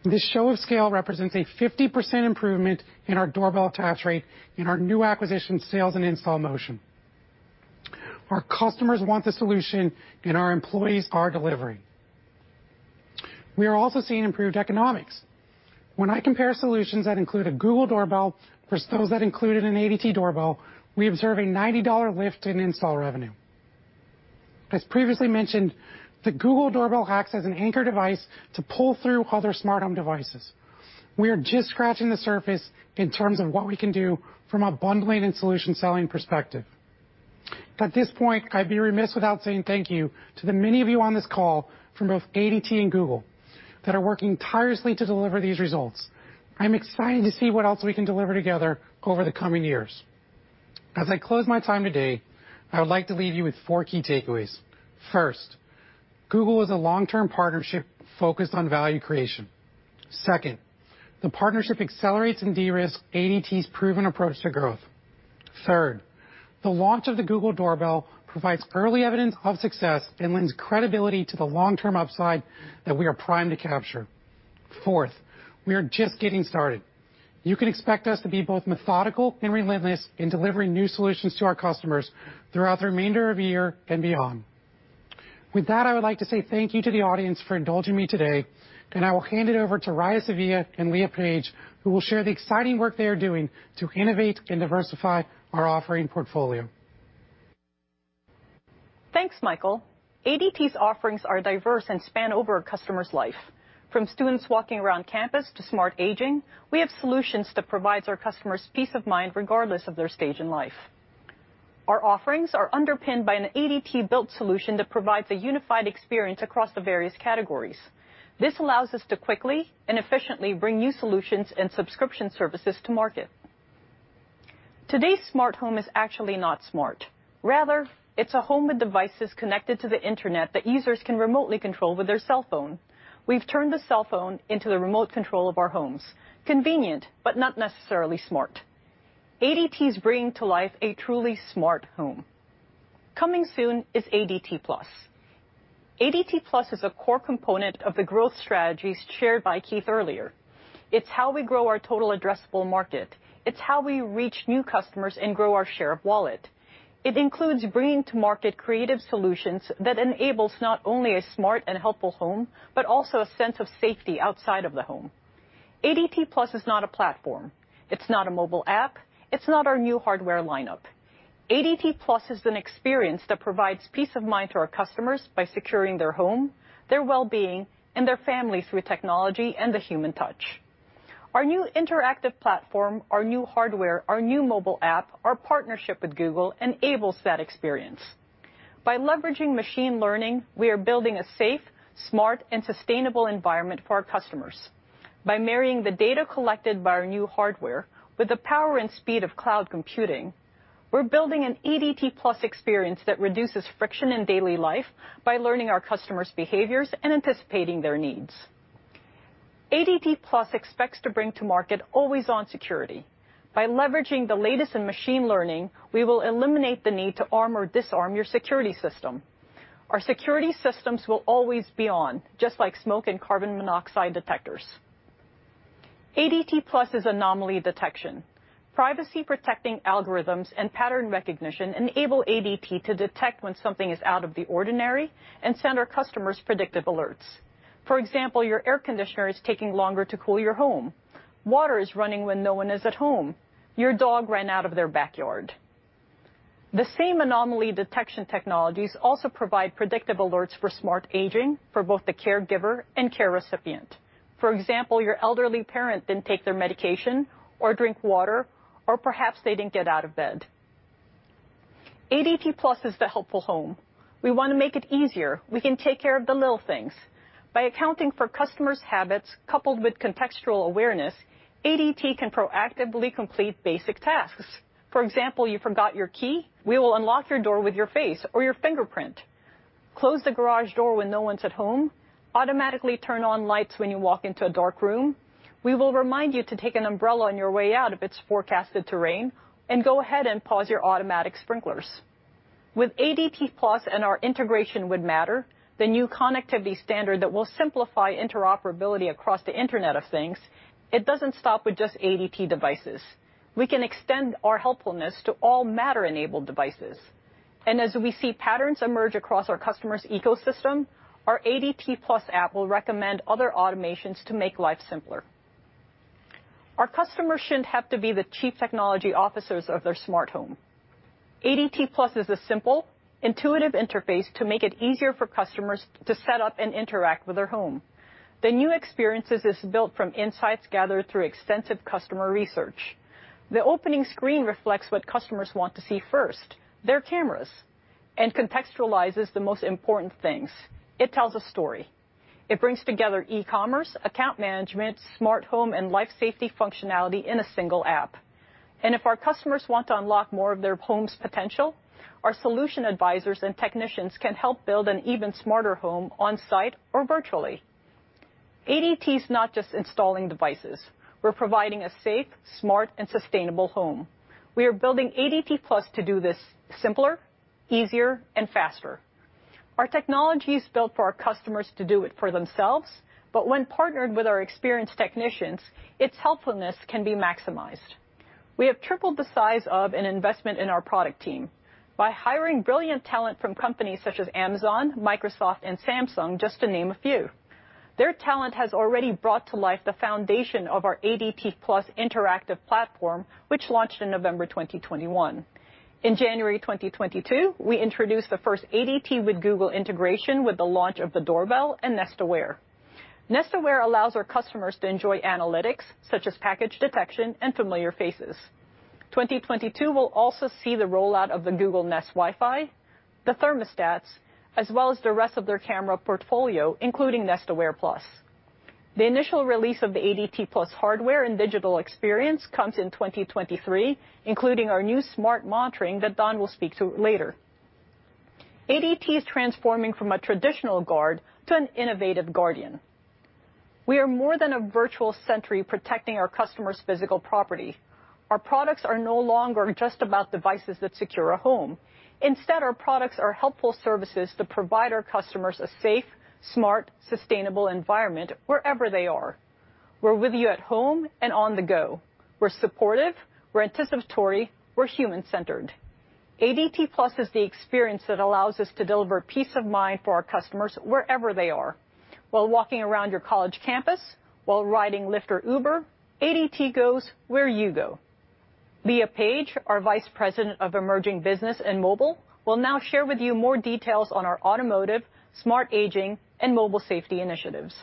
This show of scale represents a 50% improvement in our doorbell attach rate in our new acquisition, sales, and install motion. Our customers want the solution and our employees are delivering. We are also seeing improved economics. When I compare solutions that include a Google Doorbell versus those that included an ADT Doorbell, we observe a $90 lift in install revenue. As previously mentioned, the Google Doorbell acts as an anchor device to pull through other smart home devices. We are just scratching the surface in terms of what we can do from a bundling and solution selling perspective. At this point, I'd be remiss without saying thank you to the many of you on this call from both ADT and Google that are working tirelessly to deliver these results. I'm excited to see what else we can deliver together over the coming years. As I close my time today, I would like to leave you with four key takeaways. First, Google is a long-term partnership focused on value creation. Second, the partnership accelerates and de-risks ADT's proven approach to growth. Third, the launch of the Google Doorbell provides early evidence of success and lends credibility to the long-term upside that we are primed to capture. Fourth, we are just getting started. You can expect us to be both methodical and relentless in delivering new solutions to our customers throughout the remainder of the year and beyond. With that, I would like to say thank you to the audience for indulging me today, and I will hand it over to Raya Sevilla and Leah Page, who will share the exciting work they are doing to innovate and diversify our offering portfolio. Thanks, Michael. ADT's offerings are diverse and span over a customer's life. From students walking around campus to smart aging, we have solutions that provides our customers peace of mind regardless of their stage in life. Our offerings are underpinned by an ADT-built solution that provides a unified experience across the various categories. This allows us to quickly and efficiently bring new solutions and subscription services to market. Today's smart home is actually not smart. Rather, it's a home with devices connected to the Internet that users can remotely control with their cell phone. We've turned the cell phone into the remote control of our homes. Convenient, but not necessarily smart. ADT is bringing to life a truly smart home. Coming soon is ADT+. ADT+ is a core component of the growth strategies shared by Keith earlier. It's how we grow our total addressable market. It's how we reach new customers and grow our share of wallet. It includes bringing to market creative solutions that enables not only a smart and helpful home, but also a sense of safety outside of the home. ADT+ is not a platform. It's not a mobile app. It's not our new hardware lineup. ADT+ is an experience that provides peace of mind to our customers by securing their home, their well-being, and their family through technology and the human touch. Our new interactive platform, our new hardware, our new mobile app, our partnership with Google enables that experience. By leveraging machine learning, we are building a safe, smart, and sustainable environment for our customers. By marrying the data collected by our new hardware with the power and speed of cloud computing, we're building an ADT+ experience that reduces friction in daily life by learning our customers' behaviors and anticipating their needs. ADT+ expects to bring to market always-on security. By leveraging the latest in machine learning, we will eliminate the need to arm or disarm your security system. Our security systems will always be on, just like smoke and carbon monoxide detectors. ADT+ is anomaly detection. Privacy-protecting algorithms and pattern recognition enable ADT to detect when something is out of the ordinary and send our customers predictive alerts. For example, your air conditioner is taking longer to cool your home. Water is running when no one is at home. Your dog ran out of their backyard. The same anomaly detection technologies also provide predictive alerts for smart aging for both the caregiver and care recipient. For example, your elderly parent didn't take their medication or drink water, or perhaps they didn't get out of bed. ADT+ is the helpful home. We want to make it easier. We can take care of the little things. By accounting for customers' habits coupled with contextual awareness, ADT can proactively complete basic tasks. For example, you forgot your key, we will unlock your door with your face or your fingerprint, close the garage door when no one's at home, automatically turn on lights when you walk into a dark room. We will remind you to take an umbrella on your way out if it's forecasted to rain, and go ahead and pause your automatic sprinklers. With ADT+ and our integration with Matter, the new connectivity standard that will simplify interoperability across the Internet of Things, it doesn't stop with just ADT devices. We can extend our helpfulness to all Matter-enabled devices. As we see patterns emerge across our customers' ecosystem, our ADT+ app will recommend other automations to make life simpler. Our customers shouldn't have to be the chief technology officers of their smartphone. ADT+ is a simple, intuitive interface to make it easier for customers to set up and interact with their home. The new experience is built from insights gathered through extensive customer research. The opening screen reflects what customers want to see first, their cameras, and contextualizes the most important things. It tells a story. It brings together e-commerce, account management, smart home, and life safety functionality in a single app. If our customers want to unlock more of their home's potential, our solution advisors and technicians can help build an even smarter home on-site or virtually. ADT's not just installing devices. We're providing a safe, smart, and sustainable home. We are building ADT+ to do this simpler, easier, and faster. Our technology is built for our customers to do it for themselves, but when partnered with our experienced technicians, its helpfulness can be maximized. We have tripled the size of an investment in our product team by hiring brilliant talent from companies such as Amazon, Microsoft, and Samsung, just to name a few. Their talent has already brought to life the foundation of our ADT+ interactive platform, which launched in November 2021. In January 2022, we introduced the first ADT with Google integration with the launch of the Doorbell and Nest Aware. Nest Aware allows our customers to enjoy analytics such as package detection and familiar faces. 2022 will also see the rollout of the Google Nest Wifi, the thermostats, as well as the rest of their camera portfolio, including Nest Aware Plus. The initial release of the ADT+ hardware and digital experience comes in 2023, including our new smart monitoring that Don will speak to later. ADT is transforming from a traditional guard to an innovative guardian. We are more than a virtual sentry protecting our customers' physical property. Our products are no longer just about devices that secure a home. Instead, our products are helpful services to provide our customers a safe, smart, sustainable environment wherever they are. We're with you at home and on the go. We're supportive, we're anticipatory, we're human-centered. ADT+ is the experience that allows us to deliver peace of mind for our customers wherever they are. While walking around your college campus, while riding Lyft or Uber, ADT goes where you go. Leah Page, our Vice President of Emerging Business and Mobile, will now share with you more details on our automotive, smart aging, and mobile safety initiatives.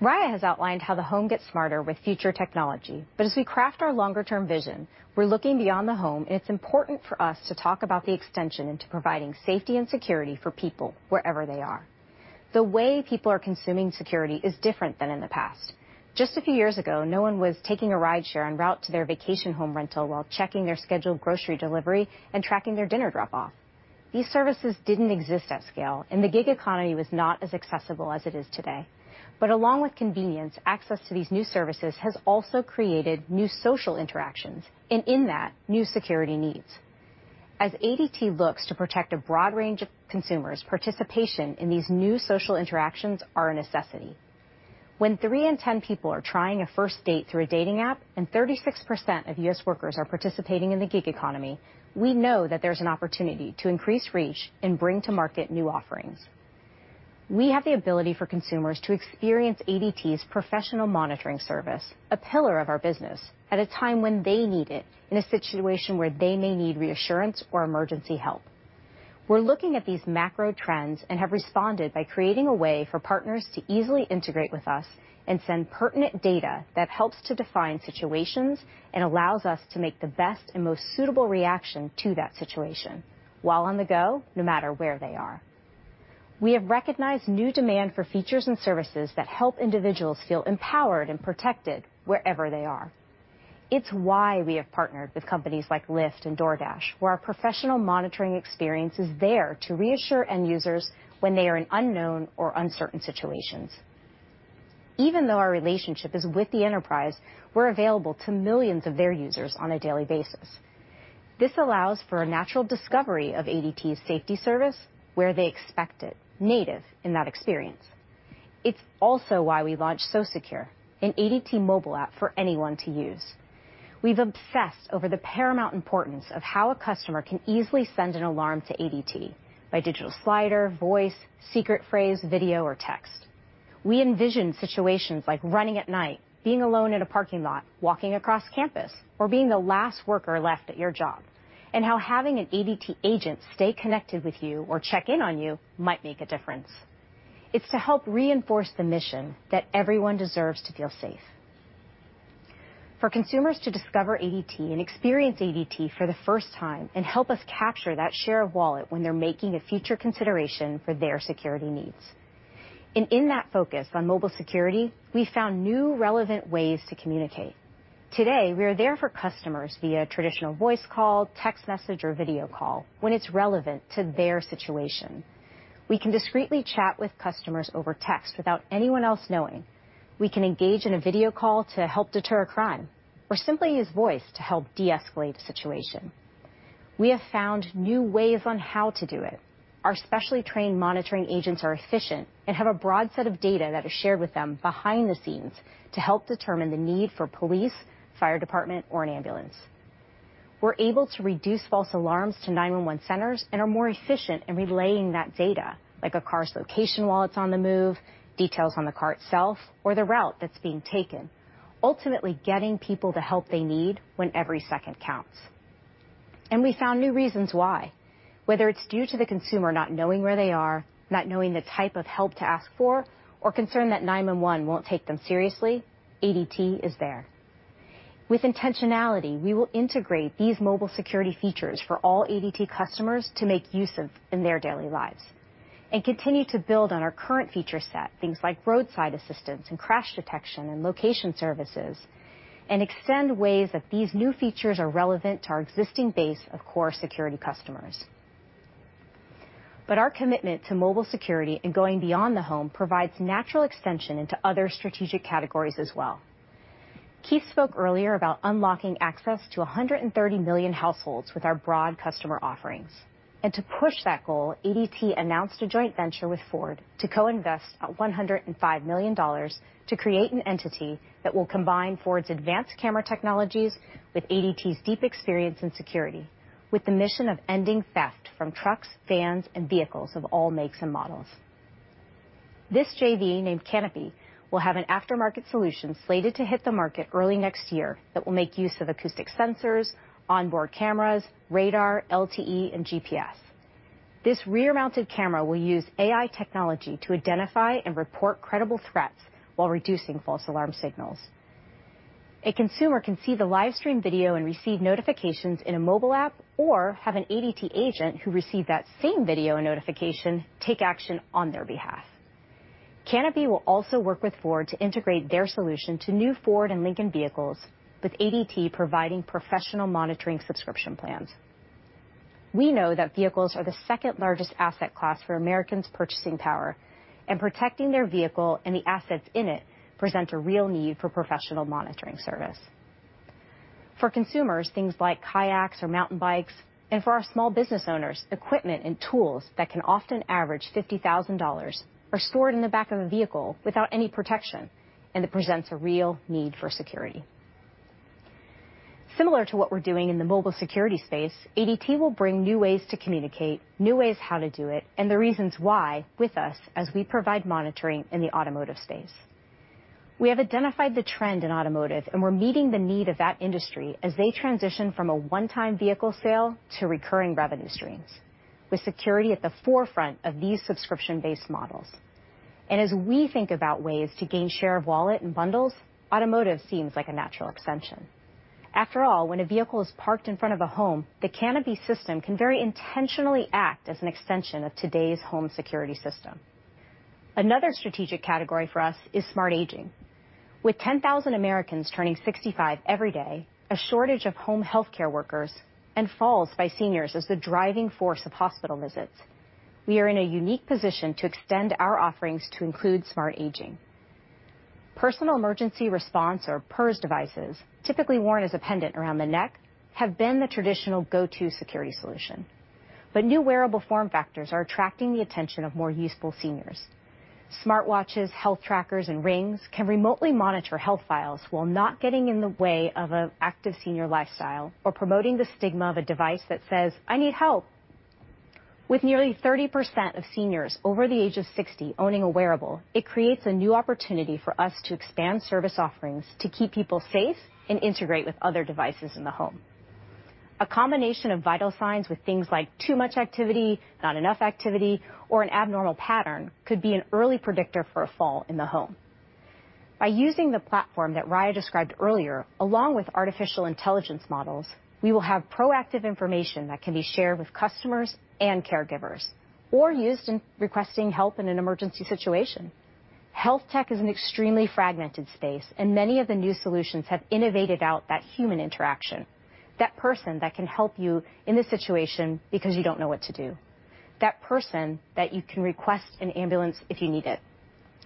Raya has outlined how the home gets smarter with future technology, but as we craft our longer-term vision, we're looking beyond the home, and it's important for us to talk about the extension into providing safety and security for people wherever they are. The way people are consuming security is different than in the past. Just a few years ago, no one was taking a rideshare en route to their vacation home rental while checking their scheduled grocery delivery and tracking their dinner drop-off. These services didn't exist at scale, and the gig economy was not as accessible as it is today. Along with convenience, access to these new services has also created new social interactions, and in that, new security needs. As ADT looks to protect a broad range of consumers, participation in these new social interactions are a necessity. When three in 10 people are trying a first date through a dating app, and 36% of U.S. workers are participating in the gig economy, we know that there's an opportunity to increase reach and bring to market new offerings. We have the ability for consumers to experience ADT's professional monitoring service, a pillar of our business, at a time when they need it in a situation where they may need reassurance or emergency help. We're looking at these macro trends and have responded by creating a way for partners to easily integrate with us and send pertinent data that helps to define situations and allows us to make the best and most suitable reaction to that situation while on the go, no matter where they are. We have recognized new demand for features and services that help individuals feel empowered and protected wherever they are. It's why we have partnered with companies like Lyft and DoorDash, where our professional monitoring experience is there to reassure end users when they are in unknown or uncertain situations. Even though our relationship is with the enterprise, we're available to millions of their users on a daily basis. This allows for a natural discovery of ADT's safety service where they expect it, native in that experience. It's also why we launched SoSecure, an ADT mobile app for anyone to use. We've obsessed over the paramount importance of how a customer can easily send an alarm to ADT by digital slider, voice, secret phrase, video, or text. We envision situations like running at night, being alone in a parking lot, walking across campus, or being the last worker left at your job, and how having an ADT agent stay connected with you or check in on you might make a difference. It's to help reinforce the mission that everyone deserves to feel safe. For consumers to discover ADT and experience ADT for the first time and help us capture that share of wallet when they're making a future consideration for their security needs. In that focus on mobile security, we found new, relevant ways to communicate. Today, we are there for customers via traditional voice call, text message, or video call when it's relevant to their situation. We can discreetly chat with customers over text without anyone else knowing. We can engage in a video call to help deter a crime or simply use voice to help de-escalate a situation. We have found new ways on how to do it. Our specially trained monitoring agents are efficient and have a broad set of data that is shared with them behind the scenes to help determine the need for police, fire department, or an ambulance. We're able to reduce false alarms to 911 centers and are more efficient in relaying that data, like a car's location while it's on the move, details on the car itself or the route that's being taken, ultimately, getting people the help they need when every second counts. We found new reasons why. Whether it's due to the consumer not knowing where they are, not knowing the type of help to ask for, or concerned that 911 won't take them seriously, ADT is there. With intentionality, we will integrate these mobile security features for all ADT customers to make use of in their daily lives and continue to build on our current feature set, things like roadside assistance and crash detection and location services, and extend ways that these new features are relevant to our existing base of core security customers. Our commitment to mobile security and going beyond the home provides natural extension into other strategic categories as well. Keith spoke earlier about unlocking access to 130 million households with our broad customer offerings. To push that goal, ADT announced a joint venture with Ford to co-invest at $105 million to create an entity that will combine Ford's advanced camera technologies with ADT's deep experience in security, with the mission of ending theft from trucks, vans, and vehicles of all makes and models. This JV, named Canopy, will have an aftermarket solution slated to hit the market early next year that will make use of acoustic sensors, onboard cameras, radar, LTE, and GPS. This rear-mounted camera will use AI technology to identify and report credible threats while reducing false alarm signals. A consumer can see the live stream video and receive notifications in a mobile app or have an ADT agent who received that same video notification take action on their behalf. Canopy will also work with Ford to integrate their solution to new Ford and Lincoln vehicles with ADT providing professional monitoring subscription plans. We know that vehicles are the second-largest asset class for Americans' purchasing power, and protecting their vehicle and the assets in it present a real need for professional monitoring service. For consumers, things like kayaks or mountain bikes, and for our small business owners, equipment and tools that can often average $50,000 are stored in the back of a vehicle without any protection, and it presents a real need for security. Similar to what we're doing in the mobile security space, ADT will bring new ways to communicate, new ways how to do it, and the reasons why with us as we provide monitoring in the automotive space. We have identified the trend in automotive, and we're meeting the need of that industry as they transition from a one-time vehicle sale to recurring revenue streams, with security at the forefront of these subscription-based models. As we think about ways to gain share of wallet and bundles, automotive seems like a natural extension. After all, when a vehicle is parked in front of a home, the Canopy system can very intentionally act as an extension of today's home security system. Another strategic category for us is smart aging. With 10,000 Americans turning 65 every day, a shortage of home healthcare workers, and falls by seniors as the driving force of hospital visits, we are in a unique position to extend our offerings to include smart aging. Personal emergency response or PERS devices, typically worn as a pendant around the neck, have been the traditional go-to security solution, but new wearable form factors are attracting the attention of more mobile seniors. Smart watches, health trackers, and rings can remotely monitor vitals while not getting in the way of an active senior lifestyle or promoting the stigma of a device that says, "I need help." With nearly 30% of seniors over the age of 60 owning a wearable, it creates a new opportunity for us to expand service offerings to keep people safe and integrate with other devices in the home. A combination of vital signs with things like too much activity, not enough activity, or an abnormal pattern could be an early predictor for a fall in the home. By using the platform that Raya described earlier, along with artificial intelligence models, we will have proactive information that can be shared with customers and caregivers or used in requesting help in an emergency situation. Health tech is an extremely fragmented space, and many of the new solutions have innovated out that human interaction, that person that can help you in this situation because you don't know what to do, that person that you can request an ambulance if you need it,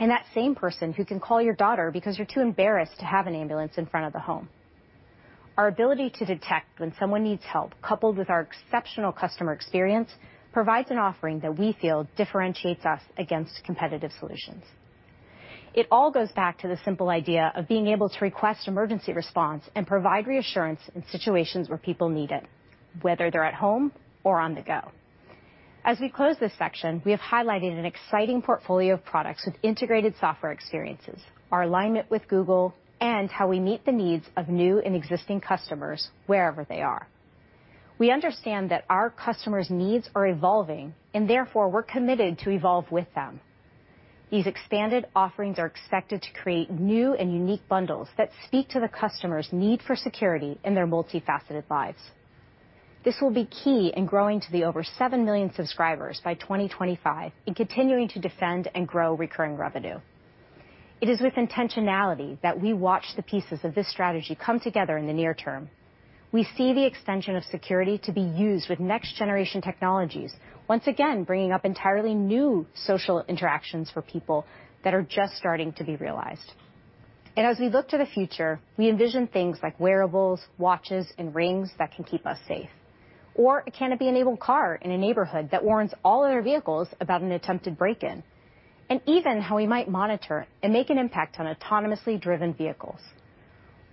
and that same person who can call your daughter because you're too embarrassed to have an ambulance in front of the home. Our ability to detect when someone needs help, coupled with our exceptional customer experience, provides an offering that we feel differentiates us against competitive solutions. It all goes back to the simple idea of being able to request emergency response and provide reassurance in situations where people need it, whether they're at home or on the go. As we close this section, we have highlighted an exciting portfolio of products with integrated software experiences, our alignment with Google, and how we meet the needs of new and existing customers wherever they are. We understand that our customers' needs are evolving, and therefore, we're committed to evolve with them. These expanded offerings are expected to create new and unique bundles that speak to the customer's need for security in their multifaceted lives. This will be key in growing to over 7 million subscribers by 2025 in continuing to defend and grow recurring revenue. It is with intentionality that we watch the pieces of this strategy come together in the near term. We see the extension of security to be used with next-generation technologies, once again, bringing up entirely new social interactions for people that are just starting to be realized. As we look to the future, we envision things like wearables, watches, and rings that can keep us safe. A Canopy-enabled car in a neighborhood that warns all other vehicles about an attempted break-in, and even how we might monitor and make an impact on autonomously driven vehicles,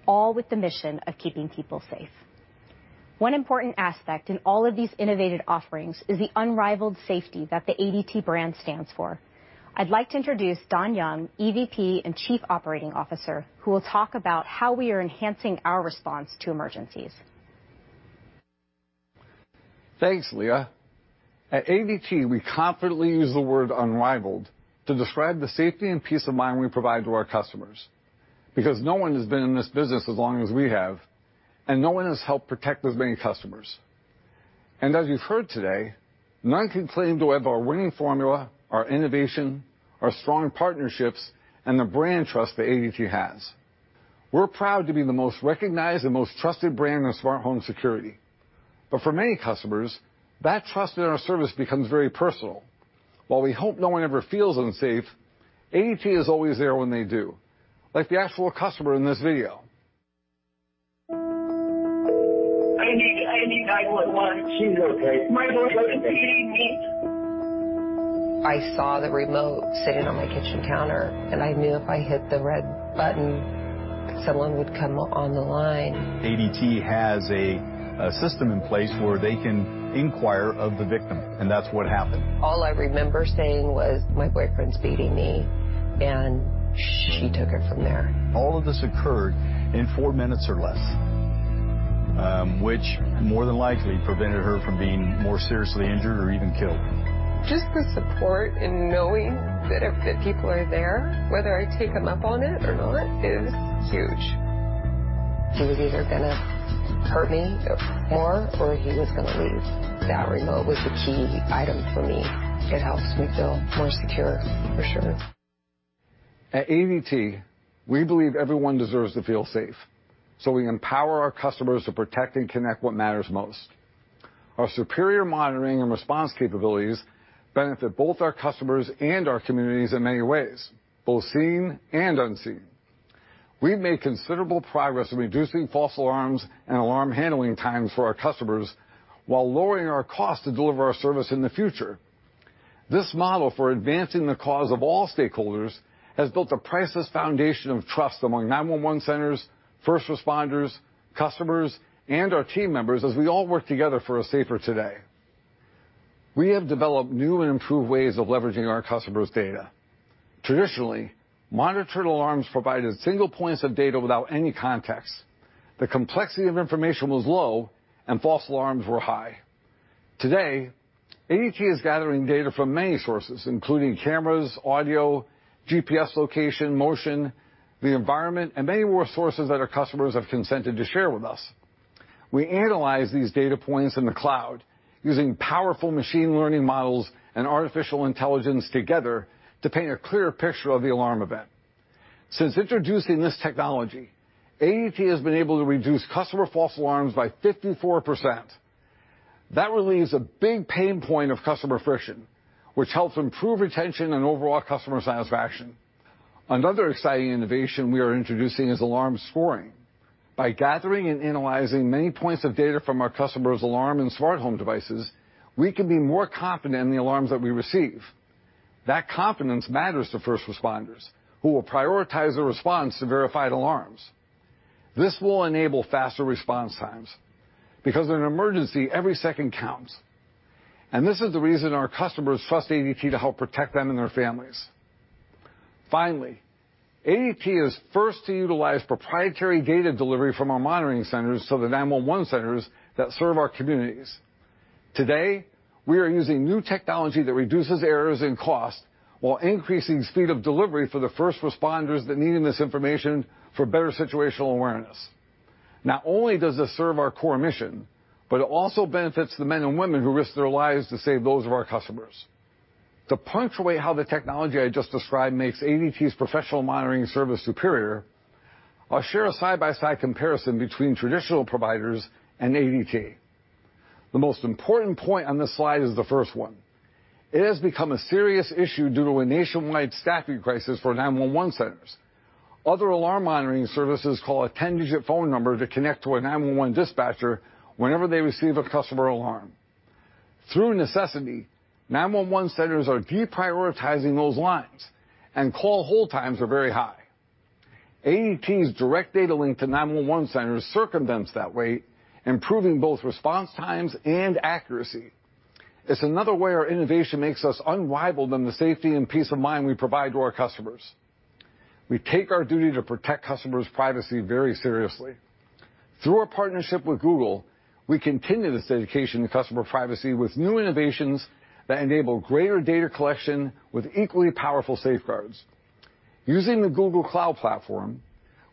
all with the mission of keeping people safe. One important aspect in all of these innovative offerings is the unrivaled safety that the ADT brand stands for. I'd like to introduce Don Young, EVP and Chief Operating Officer, who will talk about how we are enhancing our response to emergencies. Thanks, Leah. At ADT, we confidently use the word unrivaled to describe the safety and peace of mind we provide to our customers because no one has been in this business as long as we have, and no one has helped protect as many customers. As you've heard today, none can claim to have our winning formula, our innovation, our strong partnerships, and the brand trust that ADT has. We're proud to be the most recognized and most trusted brand in smart home security. For many customers, that trust in our service becomes very personal. While we hope no one ever feels unsafe, ADT is always there when they do. Like the actual customer in this video. I need 911. She's okay. My boyfriend's beating me. I saw the remote sitting on my kitchen counter, and I knew if I hit the red button, someone would come on the line. ADT has a system in place where they can inquire of the victim, and that's what happened. All I remember saying was, "My boyfriend's beating me," and she took it from there. All of this occurred in four minutes or less. Which more than likely prevented her from being more seriously injured or even killed. Just the support and knowing that people are there, whether I take them up on it or not, is huge. He was either gonna hurt me more or he was gonna leave. That remote was the key item for me. It helps me feel more secure for sure. At ADT, we believe everyone deserves to feel safe, so we empower our customers to protect and connect what matters most. Our superior monitoring and response capabilities benefit both our customers and our communities in many ways, both seen and unseen. We've made considerable progress in reducing false alarms and alarm handling times for our customers while lowering our cost to deliver our service in the future. This model for advancing the cause of all stakeholders has built a priceless foundation of trust among 911 centers, first responders, customers, and our team members as we all work together for a safer today. We have developed new and improved ways of leveraging our customers' data. Traditionally, monitored alarms provided single points of data without any context. The complexity of information was low and false alarms were high. Today, ADT is gathering data from many sources, including cameras, audio, GPS location, motion, the environment, and many more sources that our customers have consented to share with us. We analyze these data points in the cloud using powerful machine learning models and artificial intelligence together to paint a clearer picture of the alarm event. Since introducing this technology, ADT has been able to reduce customer false alarms by 54%. That relieves a big pain point of customer friction, which helps improve retention and overall customer satisfaction. Another exciting innovation we are introducing is alarm scoring. By gathering and analyzing many points of data from our customers' alarm and smart home devices, we can be more confident in the alarms that we receive. That confidence matters to first responders who will prioritize a response to verified alarms. This will enable faster response times because in an emergency, every second counts, and this is the reason our customers trust ADT to help protect them and their families. Finally, ADT is first to utilize proprietary data delivery from our monitoring centers to the 911 centers that serve our communities. Today, we are using new technology that reduces errors and costs while increasing speed of delivery for the first responders that are needing this information for better situational awareness. Not only does this serve our core mission, but it also benefits the men and women who risk their lives to save those of our customers. To punctuate how the technology I just described makes ADT's professional monitoring service superior, I'll share a side-by-side comparison between traditional providers and ADT. The most important point on this slide is the first one. It has become a serious issue due to a nationwide staffing crisis for 911 centers. Other alarm monitoring services call a ten-digit phone number to connect to a 911 dispatcher whenever they receive a customer alarm. Through necessity, 911 centers are deprioritizing those lines and call hold times are very high. ADT's direct data link to 911 centers circumvents that wait, improving both response times and accuracy. It's another way our innovation makes us unrivaled in the safety and peace of mind we provide to our customers. We take our duty to protect customers' privacy very seriously. Through our partnership with Google, we continue this dedication to customer privacy with new innovations that enable greater data collection with equally powerful safeguards. Using the Google Cloud platform,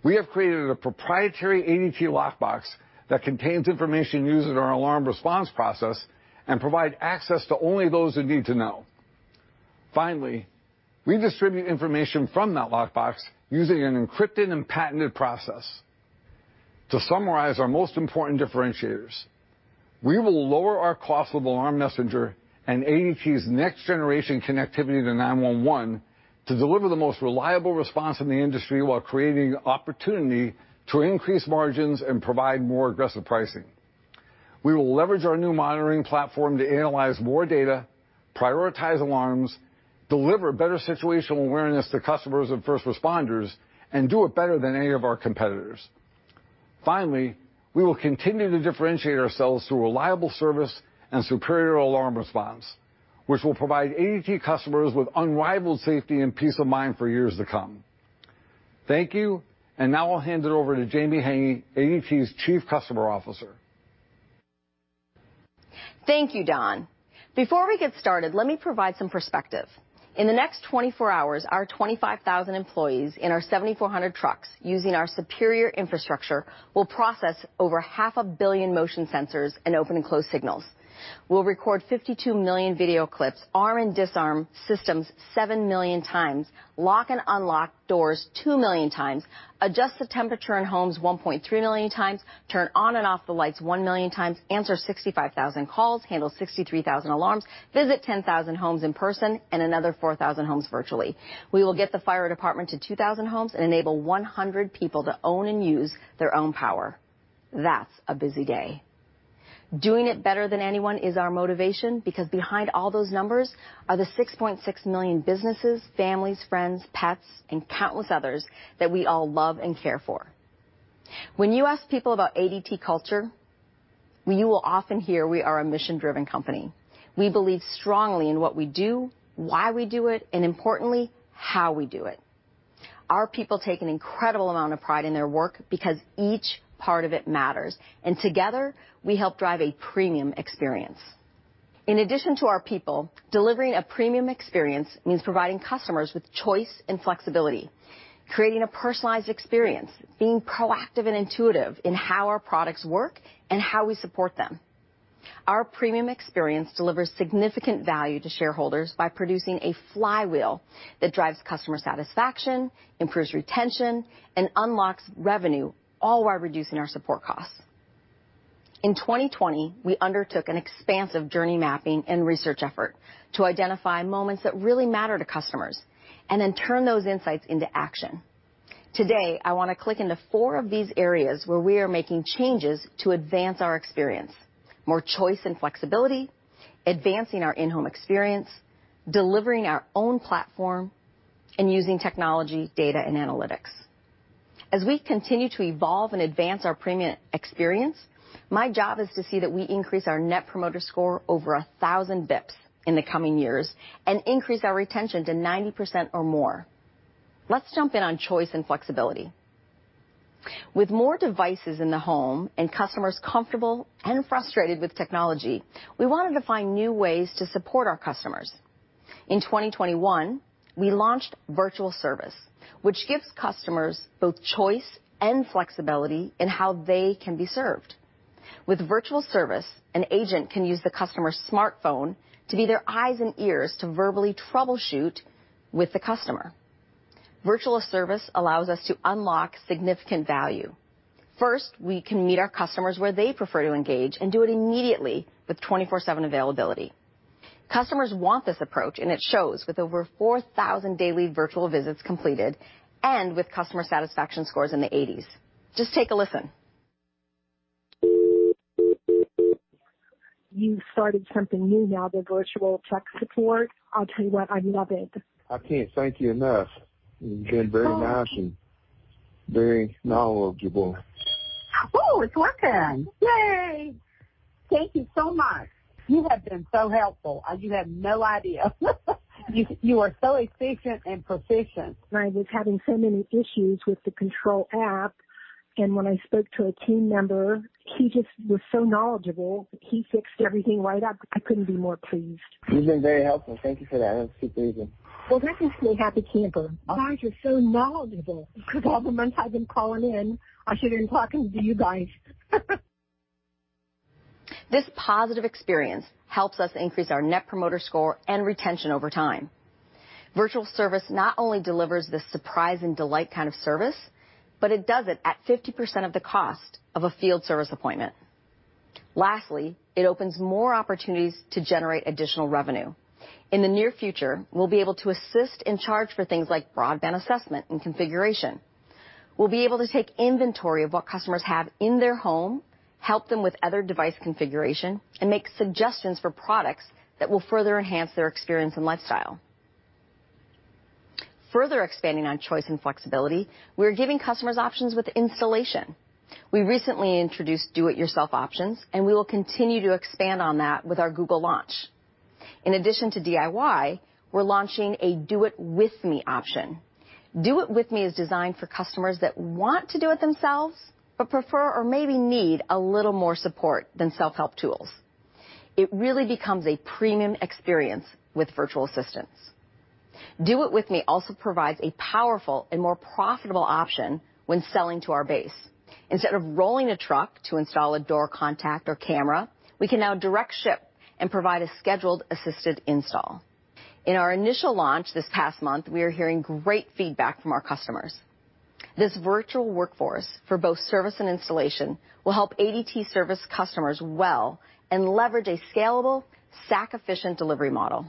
we have created a proprietary ADT Lockbox that contains information used in our alarm response process and provide access to only those who need to know. Finally, we distribute information from that lockbox using an encrypted and patented process. To summarize our most important differentiators, we will lower our costs with Alarm Messenger and ADT's next-generation connectivity to 911 to deliver the most reliable response in the industry while creating opportunity to increase margins and provide more aggressive pricing. We will leverage our new monitoring platform to analyze more data, prioritize alarms, deliver better situational awareness to customers and first responders, and do it better than any of our competitors. Finally, we will continue to differentiate ourselves through reliable service and superior alarm response, which will provide ADT customers with unrivaled safety and peace of mind for years to come. Thank you, and now I'll hand it over to Jamie Haenggi, ADT's Chief Customer Officer. Thank you, Don. Before we get started, let me provide some perspective. In the next 24 hours, our 25,000 employees in our 7,400 trucks using our superior infrastructure will process over 500 million motion sensors and open and close signals. We'll record 52 million video clips, arm and disarm systems 7 million times, lock and unlock doors 2 million times, adjust the temperature in homes 1.3 million times, turn on and off the lights 1 million times, answer 65,000 calls, handle 63,000 alarms, visit 10,000 homes in person and another 4,000 homes virtually. We will get the fire department to 2,000 homes and enable 100 people to own and use their own power. That's a busy day. Doing it better than anyone is our motivation because behind all those numbers are the 6.6 million businesses, families, friends, pets, and countless others that we all love and care for. When you ask people about ADT culture, you will often hear we are a mission-driven company. We believe strongly in what we do, why we do it, and importantly, how we do it. Our people take an incredible amount of pride in their work because each part of it matters, and together, we help drive a premium experience. In addition to our people, delivering a premium experience means providing customers with choice and flexibility, creating a personalized experience, being proactive and intuitive in how our products work and how we support them. Our premium experience delivers significant value to shareholders by producing a flywheel that drives customer satisfaction, improves retention, and unlocks revenue, all while reducing our support costs. In 2020, we undertook an expansive journey mapping and research effort to identify moments that really matter to customers and then turn those insights into action. Today, I want to click into four of these areas where we are making changes to advance our experience. More choice and flexibility, advancing our in-home experience, delivering our own platform, and using technology, data, and analytics. As we continue to evolve and advance our premium experience, my job is to see that we increase our Net Promoter Score over 1000 basis points in the coming years and increase our retention to 90% or more. Let's jump in on choice and flexibility. With more devices in the home and customers comfortable and frustrated with technology, we wanted to find new ways to support our customers. In 2021, we launched Virtual Service, which gives customers both choice and flexibility in how they can be served. With Virtual Service, an agent can use the customer's smartphone to be their eyes and ears to verbally troubleshoot with the customer. Virtual Service allows us to unlock significant value. First, we can meet our customers where they prefer to engage and do it immediately with 24/7 availability. Customers want this approach, and it shows with over 4,000 daily virtual visits completed and with customer satisfaction scores in the 80s. Just take a listen. You started something new now, the virtual tech support. I'll tell you what, I love it. I can't thank you enough. You've been very nice and very knowledgeable. Oh, it's working. Yay. Thank you so much. You have been so helpful. You have no idea. You are so efficient and proficient. I was having so many issues with the control app, and when I spoke to a team member, he just was so knowledgeable. He fixed everything right up. I couldn't be more pleased. You've been very helpful. Thank you for that. I appreciate you. Well, that makes me a happy camper. Guys, you're so knowledgeable because all the months I've been calling in, I should have been talking to you guys. This positive experience helps us increase our Net Promoter Score and retention over time. Virtual service not only delivers the surprise and delight kind of service, but it does it at 50% of the cost of a field service appointment. Lastly, it opens more opportunities to generate additional revenue. In the near future, we'll be able to assist and charge for things like broadband assessment and configuration. We'll be able to take inventory of what customers have in their home, help them with other device configuration, and make suggestions for products that will further enhance their experience and lifestyle. Further expanding on choice and flexibility, we're giving customers options with installation. We recently introduced do-it-yourself options, and we will continue to expand on that with our Google Launch. In addition to DIY, we're launching a Do It With Me option. Do It With Me is designed for customers that want to do it themselves, but prefer or maybe need a little more support than self-help tools. It really becomes a premium experience with virtual assistants. Do It With Me also provides a powerful and more profitable option when selling to our base. Instead of rolling a truck to install a door contact or camera, we can now direct ship and provide a scheduled assisted install. In our initial launch this past month, we are hearing great feedback from our customers. This virtual workforce for both service and installation will help ADT service customers well and leverage a scalable, SAC-efficient delivery model.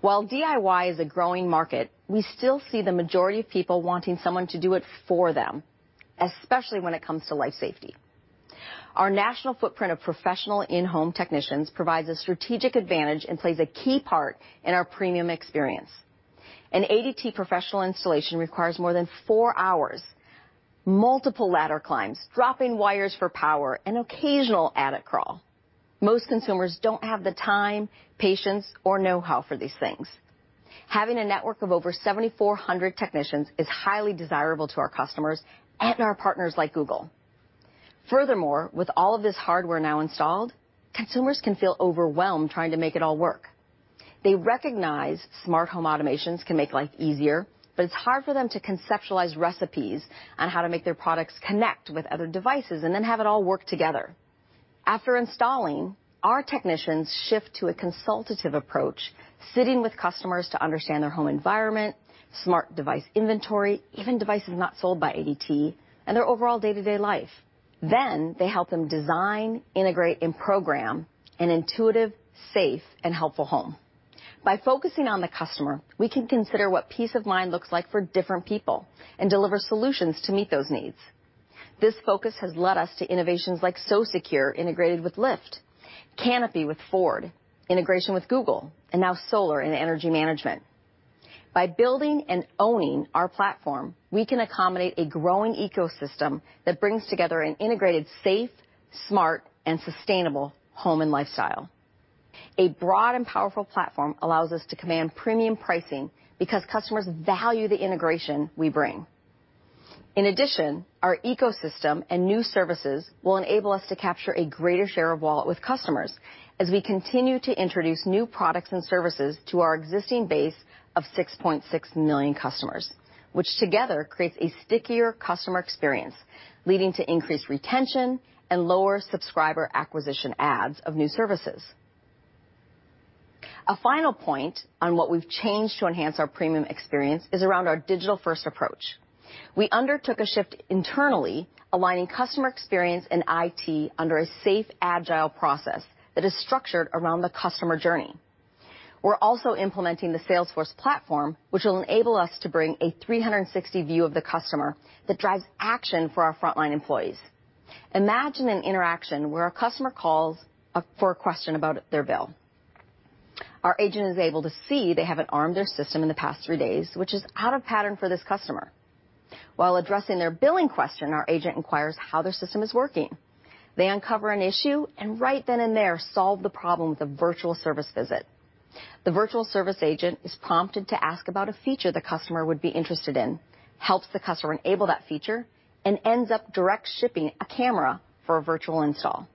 While DIY is a growing market, we still see the majority of people wanting someone to do it for them, especially when it comes to life safety. Our national footprint of professional in-home technicians provides a strategic advantage and plays a key part in our premium experience. An ADT professional installation requires more than four hours, multiple ladder climbs, dropping wires for power, and occasional attic crawl. Most consumers don't have the time, patience, or know-how for these things. Having a network of over 7,400 technicians is highly desirable to our customers and our partners like Google. Furthermore, with all of this hardware now installed, consumers can feel overwhelmed trying to make it all work. They recognize smart home automations can make life easier, but it's hard for them to conceptualize recipes on how to make their products connect with other devices and then have it all work together. After installing, our technicians shift to a consultative approach, sitting with customers to understand their home environment, smart device inventory, even devices not sold by ADT, and their overall day-to-day life. They help them design, integrate, and program an intuitive, safe, and helpful home. By focusing on the customer, we can consider what peace of mind looks like for different people and deliver solutions to meet those needs. This focus has led us to innovations like SoSecure integrated with Lyft, Canopy with Ford, integration with Google, and now solar and energy management. By building and owning our platform, we can accommodate a growing ecosystem that brings together an integrated, safe, smart, and sustainable home and lifestyle. A broad and powerful platform allows us to command premium pricing because customers value the integration we bring. In addition, our ecosystem and new services will enable us to capture a greater share of wallet with customers as we continue to introduce new products and services to our existing base of 6.6 million customers, which together creates a stickier customer experience, leading to increased retention and lower subscriber acquisition costs of new services. A final point on what we've changed to enhance our premium experience is around our digital-first approach. We undertook a shift internally, aligning customer experience and IT under a safe, agile process that is structured around the customer journey. We're also implementing the Salesforce platform, which will enable us to bring a 360 view of the customer that drives action for our frontline employees. Imagine an interaction where a customer calls up for a question about their bill. Our agent is able to see they haven't armed their system in the past three days, which is out of pattern for this customer. While addressing their billing question, our agent inquires how their system is working. They uncover an issue, and right then and there, solve the problem with a virtual service visit. The virtual service agent is prompted to ask about a feature the customer would be interested in, helps the customer enable that feature, and ends up direct shipping a camera for a virtual install.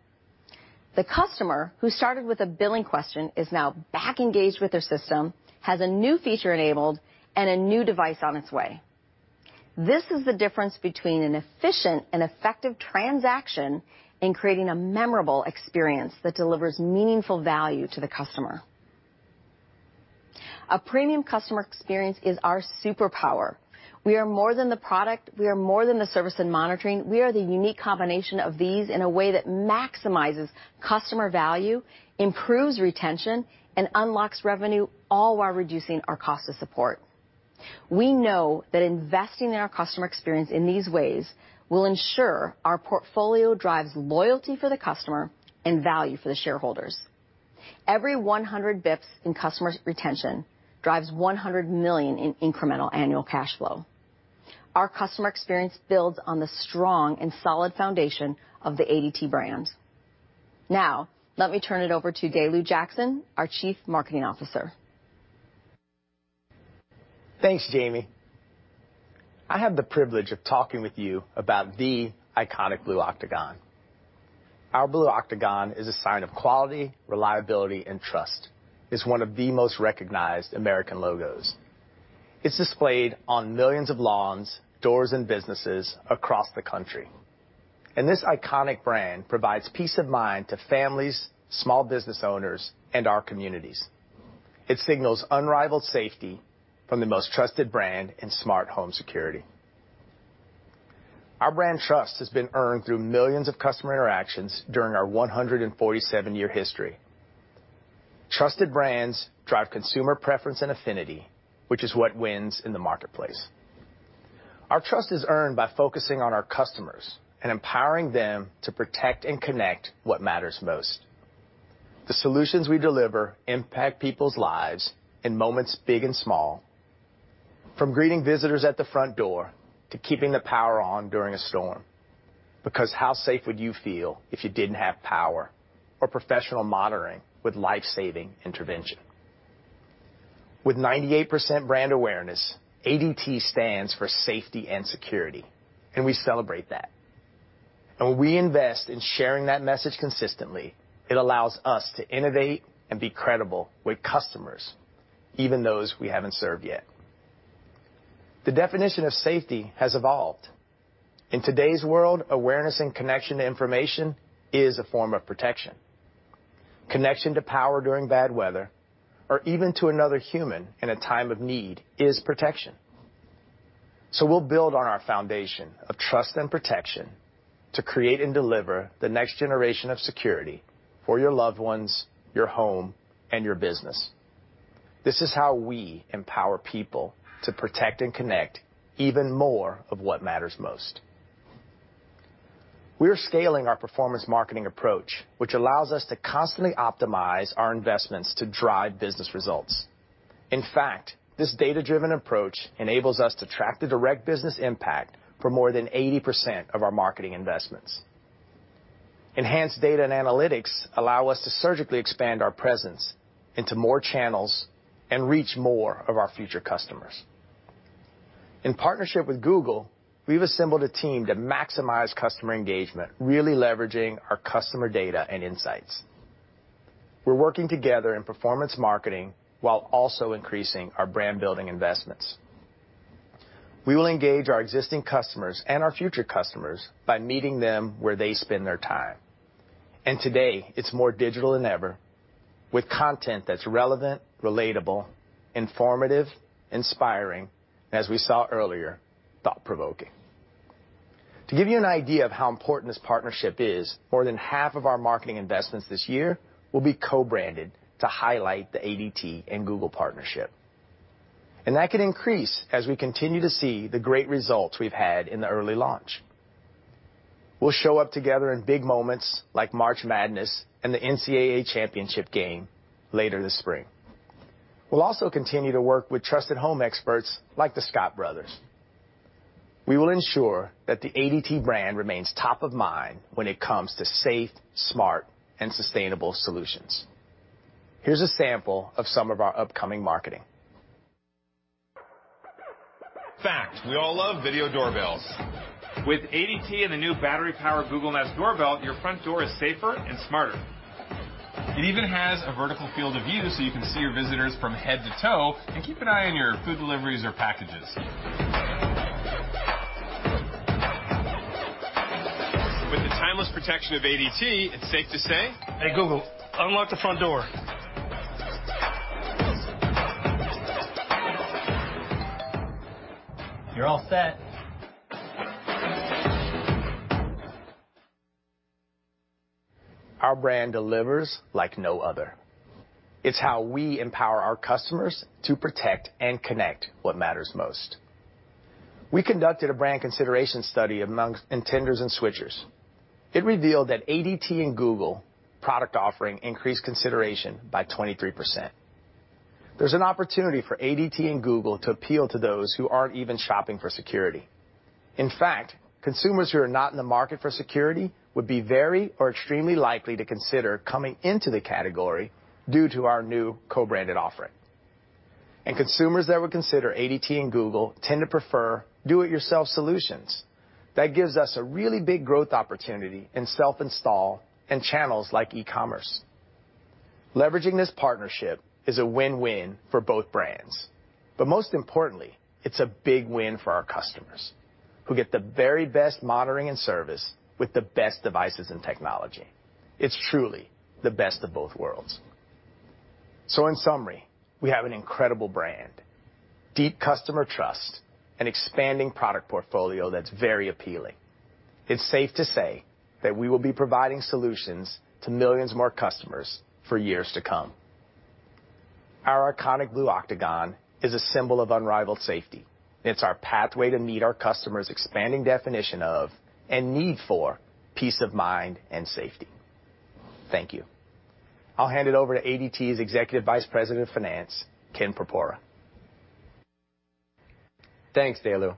The customer who started with a billing question is now back engaged with their system, has a new feature enabled, and a new device on its way. This is the difference between an efficient and effective transaction in creating a memorable experience that delivers meaningful value to the customer. A premium customer experience is our superpower. We are more than the product. We are more than the service and monitoring. We are the unique combination of these in a way that maximizes customer value, improves retention, and unlocks revenue, all while reducing our cost of support. We know that investing in our customer experience in these ways will ensure our portfolio drives loyalty for the customer and value for the shareholders. Every 100 basis points in customer retention drives $100 million in incremental annual cash flow. Our customer experience builds on the strong and solid foundation of the ADT brand. Now, let me turn it over to DeLu Jackson, our Chief Marketing Officer. Thanks, Jamie. I have the privilege of talking with you about the iconic Blue Octagon. Our Blue Octagon is a sign of quality, reliability, and trust. It's one of the most recognized American logos. It's displayed on millions of lawns, doors, and businesses across the country. This iconic brand provides peace of mind to families, small business owners, and our communities. It signals unrivaled safety from the most trusted brand in smart home security. Our brand trust has been earned through millions of customer interactions during our 147-year history. Trusted brands drive consumer preference and affinity, which is what wins in the marketplace. Our trust is earned by focusing on our customers and empowering them to protect and connect what matters most. The solutions we deliver impact people's lives in moments, big and small, from greeting visitors at the front door to keeping the power on during a storm, because how safe would you feel if you didn't have power or professional monitoring with life-saving intervention? With 98% brand awareness, ADT stands for safety and security, and we celebrate that. When we invest in sharing that message consistently, it allows us to innovate and be credible with customers, even those we haven't served yet. The definition of safety has evolved. In today's world, awareness and connection to information is a form of protection. Connection to power during bad weather or even to another human in a time of need is protection. We'll build on our foundation of trust and protection to create and deliver the next generation of security for your loved ones, your home, and your business. This is how we empower people to protect and connect even more of what matters most. We're scaling our performance marketing approach, which allows us to constantly optimize our investments to drive business results. In fact, this data-driven approach enables us to track the direct business impact for more than 80% of our marketing investments. Enhanced data and analytics allow us to surgically expand our presence into more channels and reach more of our future customers. In partnership with Google, we've assembled a team to maximize customer engagement, really leveraging our customer data and insights. We're working together in performance marketing while also increasing our brand-building investments. We will engage our existing customers and our future customers by meeting them where they spend their time. Today, it's more digital than ever with content that's relevant, relatable, informative, inspiring, and as we saw earlier, thought-provoking. To give you an idea of how important this partnership is, more than half of our marketing investments this year will be co-branded to highlight the ADT and Google partnership. That could increase as we continue to see the great results we've had in the early launch. We'll show up together in big moments like March Madness and the NCAA championship game later this spring. We'll also continue to work with trusted home experts like the Scott Brothers. We will ensure that the ADT brand remains top of mind when it comes to safe, smart, and sustainable solutions. Here's a sample of some of our upcoming marketing. Fact: We all love video doorbells. With ADT and the new battery-powered Google Nest Doorbell, your front door is safer and smarter. It even has a vertical field of view so you can see your visitors from head to toe and keep an eye on your food deliveries or packages. With the timeless protection of ADT, it's safe to say, "Hey, Google, unlock the front door. You're all set. Our brand delivers like no other. It's how we empower our customers to protect and connect what matters most. We conducted a brand consideration study among intenders and switchers. It revealed that ADT and Google product offering increased consideration by 23%. There's an opportunity for ADT and Google to appeal to those who aren't even shopping for security. In fact, consumers who are not in the market for security would be very or extremely likely to consider coming into the category due to our new co-branded offering. Consumers that would consider ADT and Google tend to prefer do-it-yourself solutions. That gives us a really big growth opportunity in self-install and channels like e-commerce. Leveraging this partnership is a win-win for both brands, but most importantly, it's a big win for our customers, who get the very best monitoring and service with the best devices and technology. It's truly the best of both worlds. In summary, we have an incredible brand, deep customer trust, an expanding product portfolio that's very appealing. It's safe to say that we will be providing solutions to millions more customers for years to come. Our iconic Blue Octagon is a symbol of unrivaled safety. It's our pathway to meet our customers expanding definition of and need for peace of mind and safety. Thank you. I'll hand it over to ADT's Executive Vice President of Finance, Ken Porpora. Thanks, DeLu.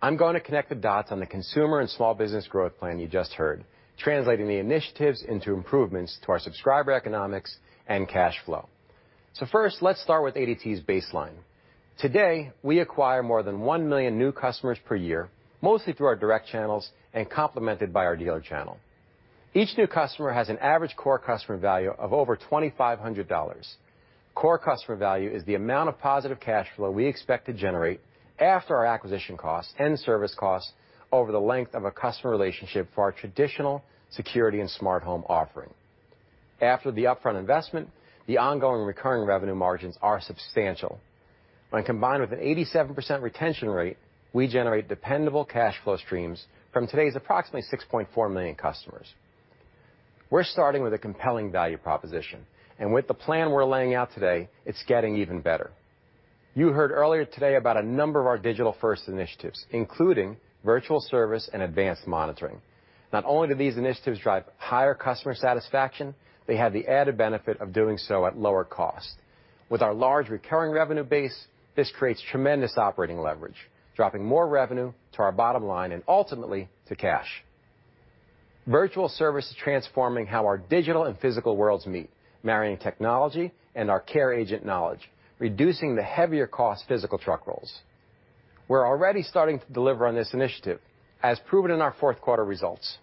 I'm going to connect the dots on the consumer and small business growth plan you just heard, translating the initiatives into improvements to our subscriber economics and cash flow. First, let's start with ADT's baseline. Today, we acquire more than 1 million new customers per year, mostly through our direct channels and complemented by our dealer channel. Each new customer has an average core customer value of over $2,500. Core customer value is the amount of positive cash flow we expect to generate after our acquisition costs and service costs over the length of a customer relationship for our traditional security and smart home offering. After the upfront investment, the ongoing recurring revenue margins are substantial. When combined with an 87% retention rate, we generate dependable cash flow streams from today's approximately 6.4 million customers. We're starting with a compelling value proposition, and with the plan we're laying out today, it's getting even better. You heard earlier today about a number of our digital-first initiatives, including virtual service and advanced monitoring. Not only do these initiatives drive higher customer satisfaction, they have the added benefit of doing so at lower cost. With our large recurring revenue base, this creates tremendous operating leverage, dropping more revenue to our bottom line and ultimately to cash. Virtual service is transforming how our digital and physical worlds meet, marrying technology and our care agent knowledge, reducing the heavier cost physical truck rolls. We're already starting to deliver on this initiative, as proven in our fourth quarter results.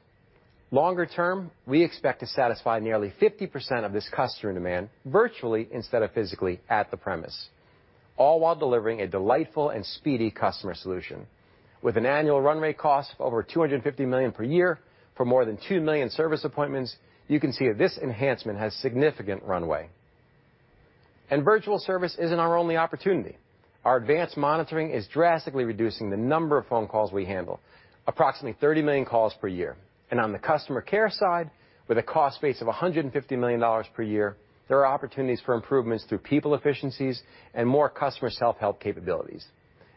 Longer term, we expect to satisfy nearly 50% of this customer demand virtually instead of physically at the premise, all while delivering a delightful and speedy customer solution. With an annual runway cost of over $250 million per year for more than 2 million service appointments, you can see this enhancement has significant runway. Virtual service isn't our only opportunity. Our advanced monitoring is drastically reducing the number of phone calls we handle, approximately 30 million calls per year. On the customer care side, with a cost base of $150 million per year, there are opportunities for improvements through people efficiencies and more customer self-help capabilities.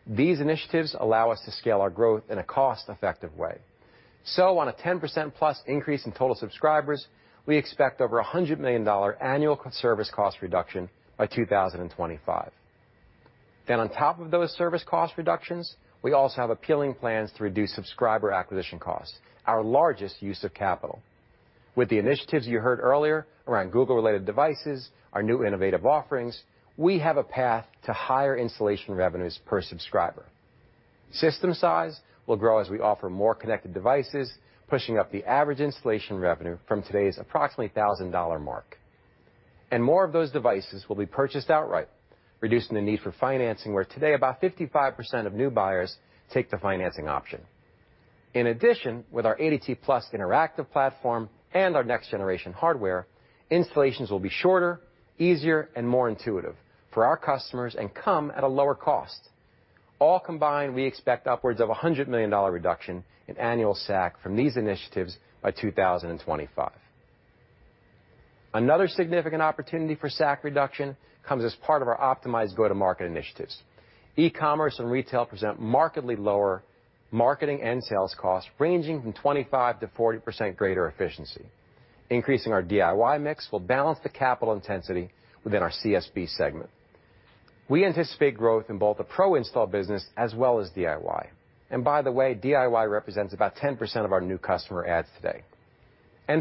These initiatives allow us to scale our growth in a cost-effective way. On a 10%+ increase in total subscribers, we expect over $100 million annual service cost reduction by 2025. On top of those service cost reductions, we also have appealing plans to reduce subscriber acquisition costs, our largest use of capital. With the initiatives you heard earlier around Google-related devices, our new innovative offerings, we have a path to higher installation revenues per subscriber. System size will grow as we offer more connected devices, pushing up the average installation revenue from today's approximately $1,000 mark. More of those devices will be purchased outright, reducing the need for financing, where today about 55% of new buyers take the financing option. In addition, with our ADT+ interactive platform and our next generation hardware, installations will be shorter, easier, and more intuitive for our customers and come at a lower cost. All combined, we expect upwards of $100 million reduction in annual SAC from these initiatives by 2025. Another significant opportunity for SAC reduction comes as part of our optimized go-to-market initiatives. E-commerce and retail present markedly lower marketing and sales costs, ranging from 25%-40% greater efficiency. Increasing our DIY mix will balance the capital intensity within our CSB segment. We anticipate growth in both the pro install business as well as DIY. By the way, DIY represents about 10% of our new customer adds today.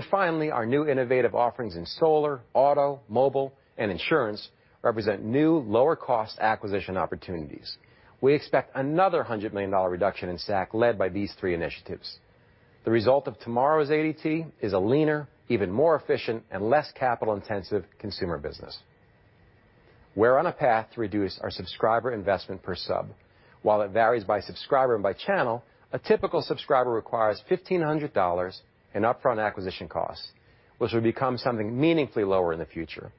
Finally, our new innovative offerings in solar, auto, mobile, and insurance represent new lower cost acquisition opportunities. We expect another $100 million reduction in SAC led by these three initiatives. The result of tomorrow's ADT is a leaner, even more efficient and less capital-intensive consumer business. We're on a path to reduce our subscriber investment per sub. While it varies by subscriber and by channel, a typical subscriber requires $1,500 in upfront acquisition costs, which will become something meaningfully lower in the future.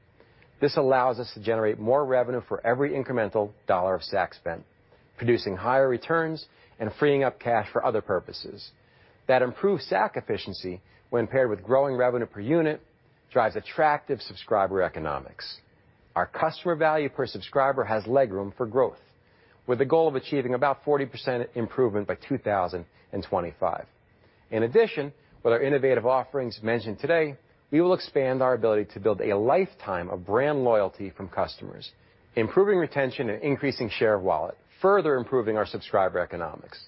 This allows us to generate more revenue for every incremental $1 of SAC spend, producing higher returns and freeing up cash for other purposes. That improved SAC efficiency, when paired with growing revenue per unit, drives attractive subscriber economics. Our customer value per subscriber has leg room for growth, with the goal of achieving about 40% improvement by 2025. In addition, with our innovative offerings mentioned today, we will expand our ability to build a lifetime of brand loyalty from customers, improving retention and increasing share of wallet, further improving our subscriber economics.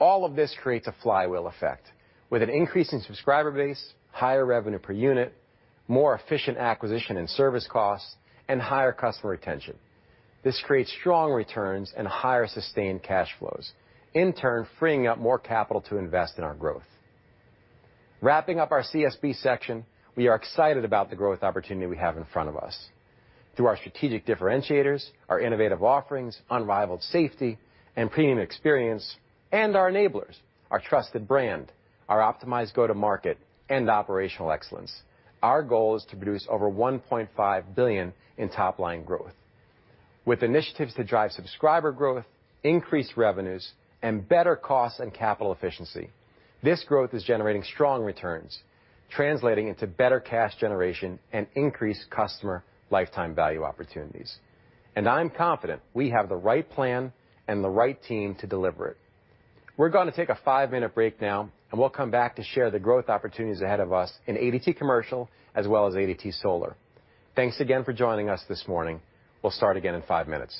All of this creates a flywheel effect with an increase in subscriber base, higher revenue per unit, more efficient acquisition and service costs, and higher customer retention. This creates strong returns and higher sustained cash flows, in turn, freeing up more capital to invest in our growth. Wrapping up our CSB section, we are excited about the growth opportunity we have in front of us. Through our strategic differentiators, our innovative offerings, unrivaled safety and premium experience, and our enablers, our trusted brand, our optimized go-to-market and operational excellence, our goal is to produce over $1.5 billion in top line growth. With initiatives to drive subscriber growth, increase revenues, and better costs and capital efficiency, this growth is generating strong returns, translating into better cash generation and increased customer lifetime value opportunities. I'm confident we have the right plan and the right team to deliver it. We're gonna take a five-minute break now, and we'll come back to share the growth opportunities ahead of us in ADT Commercial as well as ADT Solar. Thanks again for joining us this morning. We'll start again in five minutes.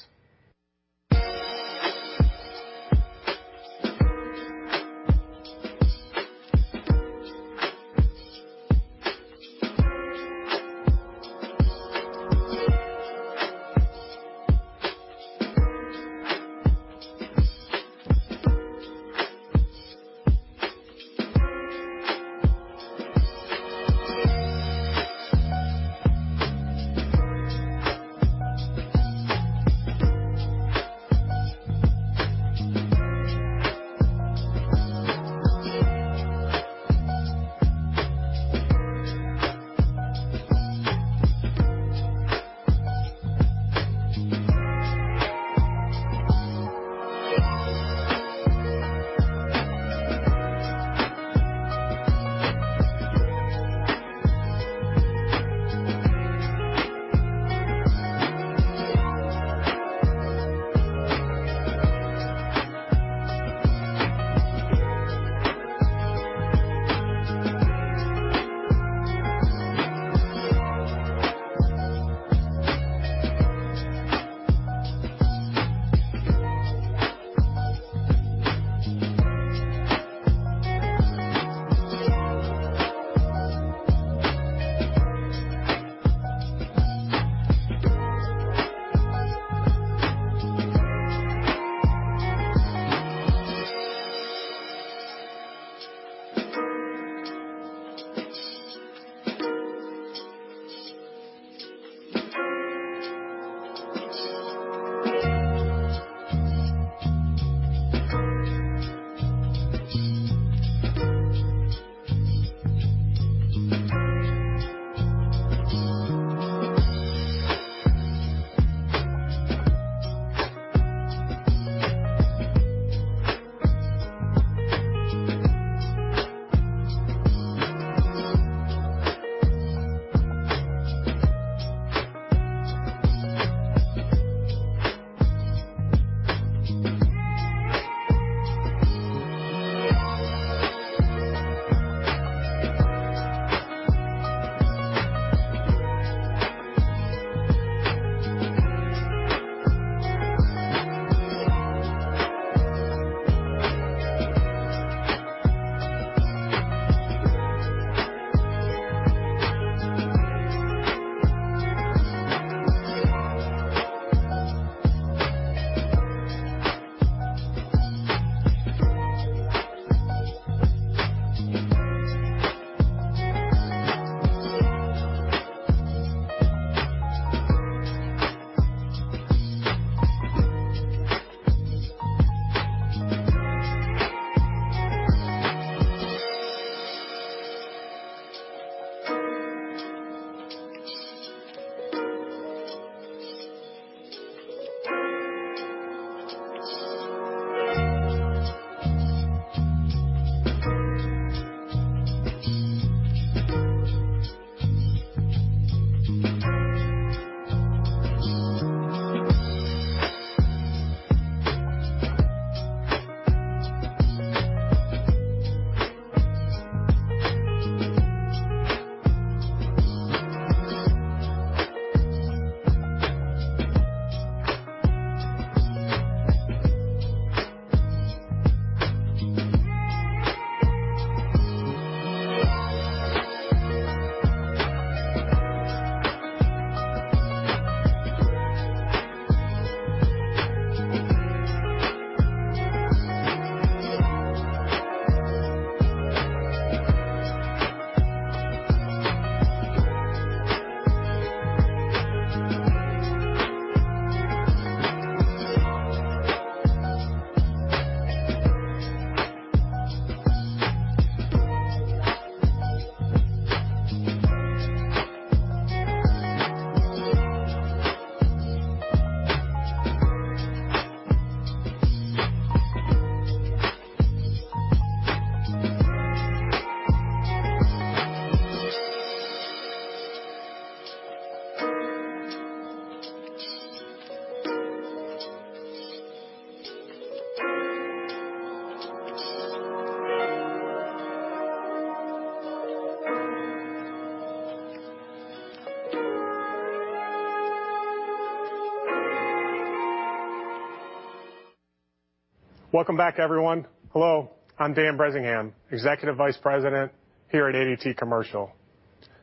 Welcome back, everyone. Hello. I'm Dan Bresingham, Executive Vice President here at ADT Commercial.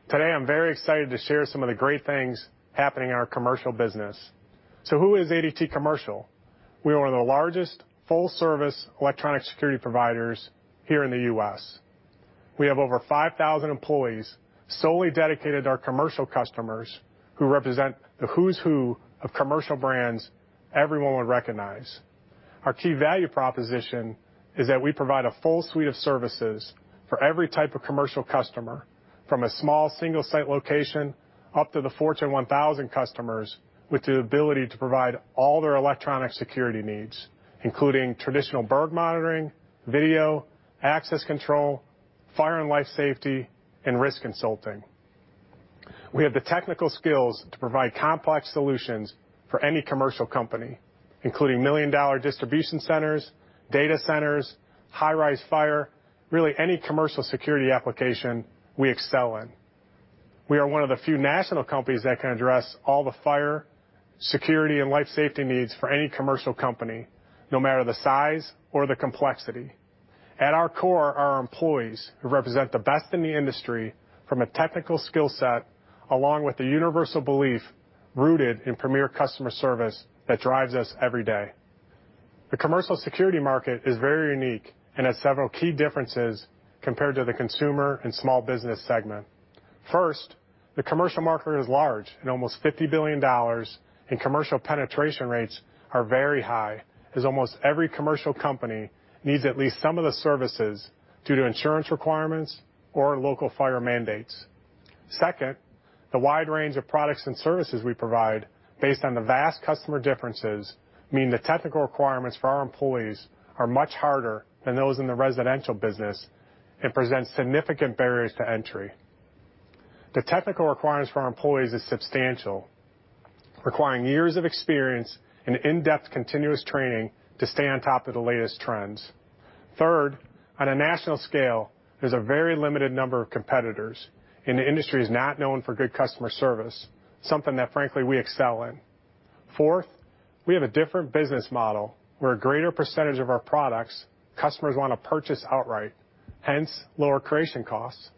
Today, I'm very excited to share some of the great things happening in our commercial business. Who is ADT Commercial? We are one of the largest full-service electronic security providers here in the U.S. We have over 5,000 employees solely dedicated to our commercial customers who represent the who's who of commercial brands everyone would recognize. Our key value proposition is that we provide a full suite of services for every type of commercial customer, from a small single-site location up to the Fortune 1000 customers, with the ability to provide all their electronic security needs, including traditional burglar monitoring, video, access control, fire and life safety, and risk consulting. We have the technical skills to provide complex solutions for any commercial company, including million-dollar distribution centers, data centers, high-rise fire. Really any commercial security application we excel in. We are one of the few national companies that can address all the fire, security, and life safety needs for any commercial company, no matter the size or the complexity. At our core are our employees who represent the best in the industry from a technical skill set, along with the universal belief rooted in premier customer service that drives us every day. The commercial security market is very unique and has several key differences compared to the consumer and small business segment. First, the commercial market is large, in almost $50 billion, and commercial penetration rates are very high, as almost every commercial company needs at least some of the services due to insurance requirements or local fire mandates. Second, the wide range of products and services we provide based on the vast customer differences mean the technical requirements for our employees are much harder than those in the residential business and presents significant barriers to entry. The technical requirements for our employees is substantial, requiring years of experience and in-depth continuous training to stay on top of the latest trends. Third, on a national scale, there's a very limited number of competitors, and the industry is not known for good customer service, something that frankly we excel in. Fourth, we have a different business model where a greater percentage of our products customers wanna purchase outright, hence lower acquisition costs.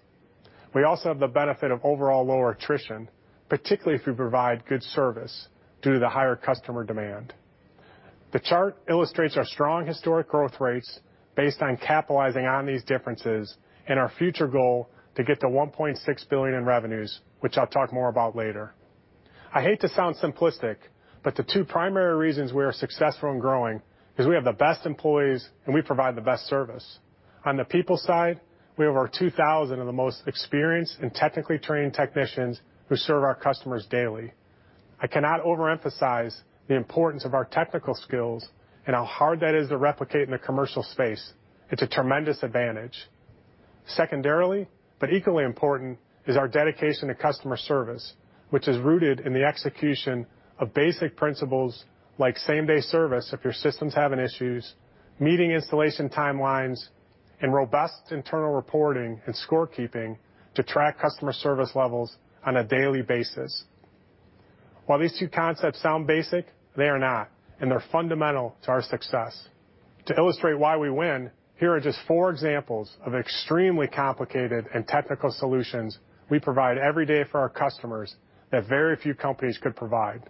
We also have the benefit of overall lower attrition, particularly if we provide good service due to the higher customer demand. The chart illustrates our strong historic growth rates based on capitalizing on these differences and our future goal to get to $1.6 billion in revenues, which I'll talk more about later. I hate to sound simplistic, but the two primary reasons we are successful and growing is we have the best employees and we provide the best service. On the people side, we have over 2,000 of the most experienced and technically trained technicians who serve our customers daily. I cannot overemphasize the importance of our technical skills and how hard that is to replicate in the commercial space. It's a tremendous advantage. Secondarily, but equally important, is our dedication to customer service, which is rooted in the execution of basic principles like same-day service if your system's having issues, meeting installation timelines, and robust internal reporting and scorekeeping to track customer service levels on a daily basis. While these two concepts sound basic, they are not, and they're fundamental to our success. To illustrate why we win, here are just four examples of extremely complicated and technical solutions we provide every day for our customers that very few companies could provide.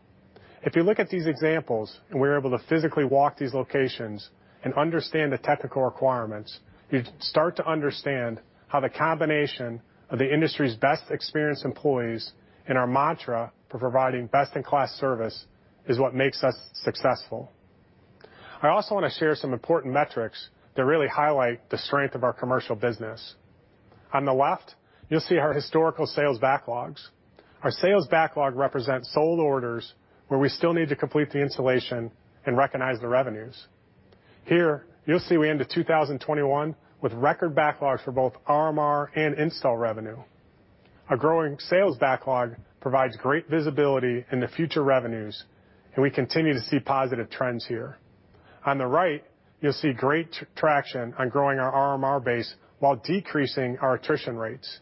If you look at these examples and we're able to physically walk these locations and understand the technical requirements, you start to understand how the combination of the industry's best experienced employees and our mantra for providing best-in-class service is what makes us successful. I also wanna share some important metrics that really highlight the strength of our commercial business. On the left, you'll see our historical sales backlogs. Our sales backlog represents sold orders where we still need to complete the installation and recognize the revenues. Here, you'll see we ended 2021 with record backlogs for both RMR and install revenue. Our growing sales backlog provides great visibility in the future revenues, and we continue to see positive trends here. On the right, you'll see great traction on growing our RMR base while decreasing our attrition rates.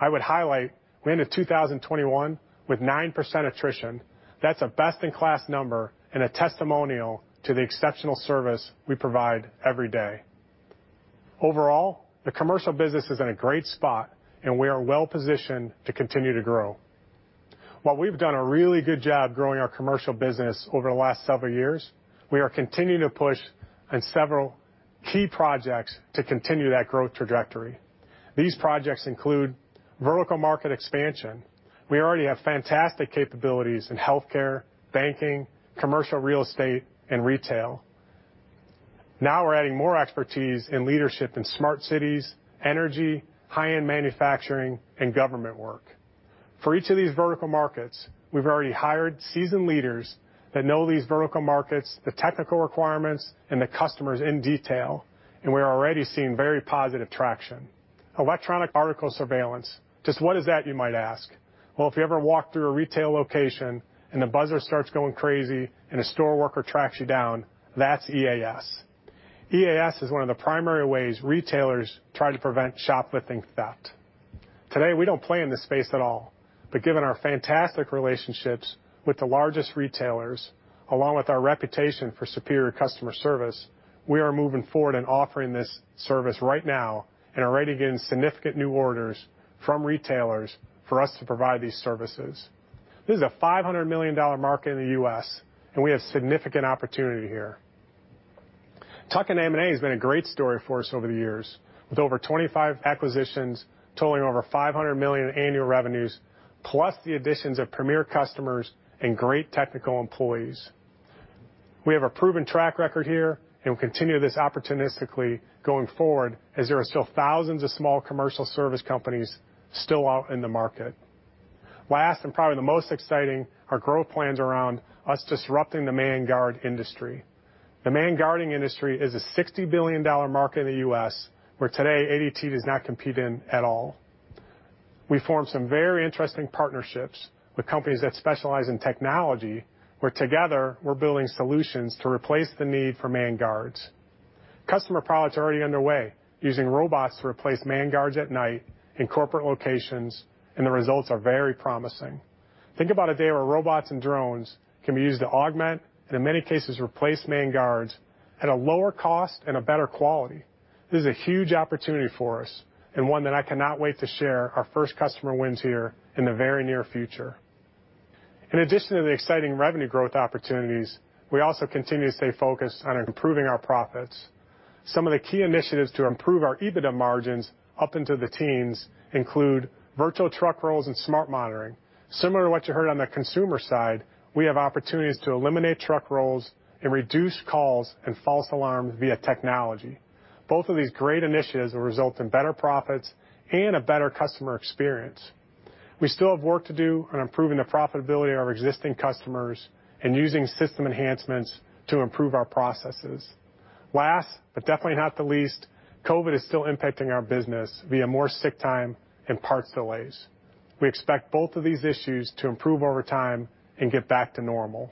I would highlight we ended 2021 with 9% attrition. That's a best-in-class number and a testimonial to the exceptional service we provide every day. Overall, the commercial business is in a great spot, and we are well-positioned to continue to grow. While we've done a really good job growing our commercial business over the last several years, we are continuing to push on several key projects to continue that growth trajectory. These projects include vertical market expansion. We already have fantastic capabilities in healthcare, banking, commercial real estate, and retail. Now we're adding more expertise and leadership in smart cities, energy, high-end manufacturing, and government work. For each of these vertical markets, we've already hired seasoned leaders that know these vertical markets, the technical requirements, and the customers in detail, and we're already seeing very positive traction. Electronic Article Surveillance. Just what is that, you might ask. Well, if you ever walk through a retail location, and the buzzer starts going crazy and a store worker tracks you down, that's EAS. EAS is one of the primary ways retailers try to prevent shoplifting theft. Today, we don't play in this space at all, but given our fantastic relationships with the largest retailers, along with our reputation for superior customer service, we are moving forward in offering this service right now and are already getting significant new orders from retailers for us to provide these services. This is a $500 million market in the U.S., and we have significant opportunity here. Tuck-in M&A has been a great story for us over the years, with over 25 acquisitions totaling over $500 million annual revenues, plus the additions of premier customers and great technical employees. We have a proven track record here and will continue this opportunistically going forward as there are still thousands of small commercial service companies still out in the market. Last and probably the most exciting are growth plans around us disrupting the manned guard industry. The manned guarding industry is a $60 billion market in the U.S. where today ADT does not compete in at all. We formed some very interesting partnerships with companies that specialize in technology, where together we're building solutions to replace the need for manned guards. Customer pilots are already underway, using robots to replace manned guards at night in corporate locations, and the results are very promising. Think about a day where robots and drones can be used to augment and in many cases, replace manned guards at a lower cost and a better quality. This is a huge opportunity for us and one that I cannot wait to share our first customer wins here in the very near future. In addition to the exciting revenue growth opportunities, we also continue to stay focused on improving our profits. Some of the key initiatives to improve our EBITDA margins up into the teens include virtual truck rolls and smart monitoring. Similar to what you heard on the consumer side, we have opportunities to eliminate truck rolls and reduce calls and false alarms via technology. Both of these great initiatives will result in better profits and a better customer experience. We still have work to do on improving the profitability of our existing customers and using system enhancements to improve our processes. Last, but definitely not the least, COVID is still impacting our business via more sick time and parts delays. We expect both of these issues to improve over time and get back to normal.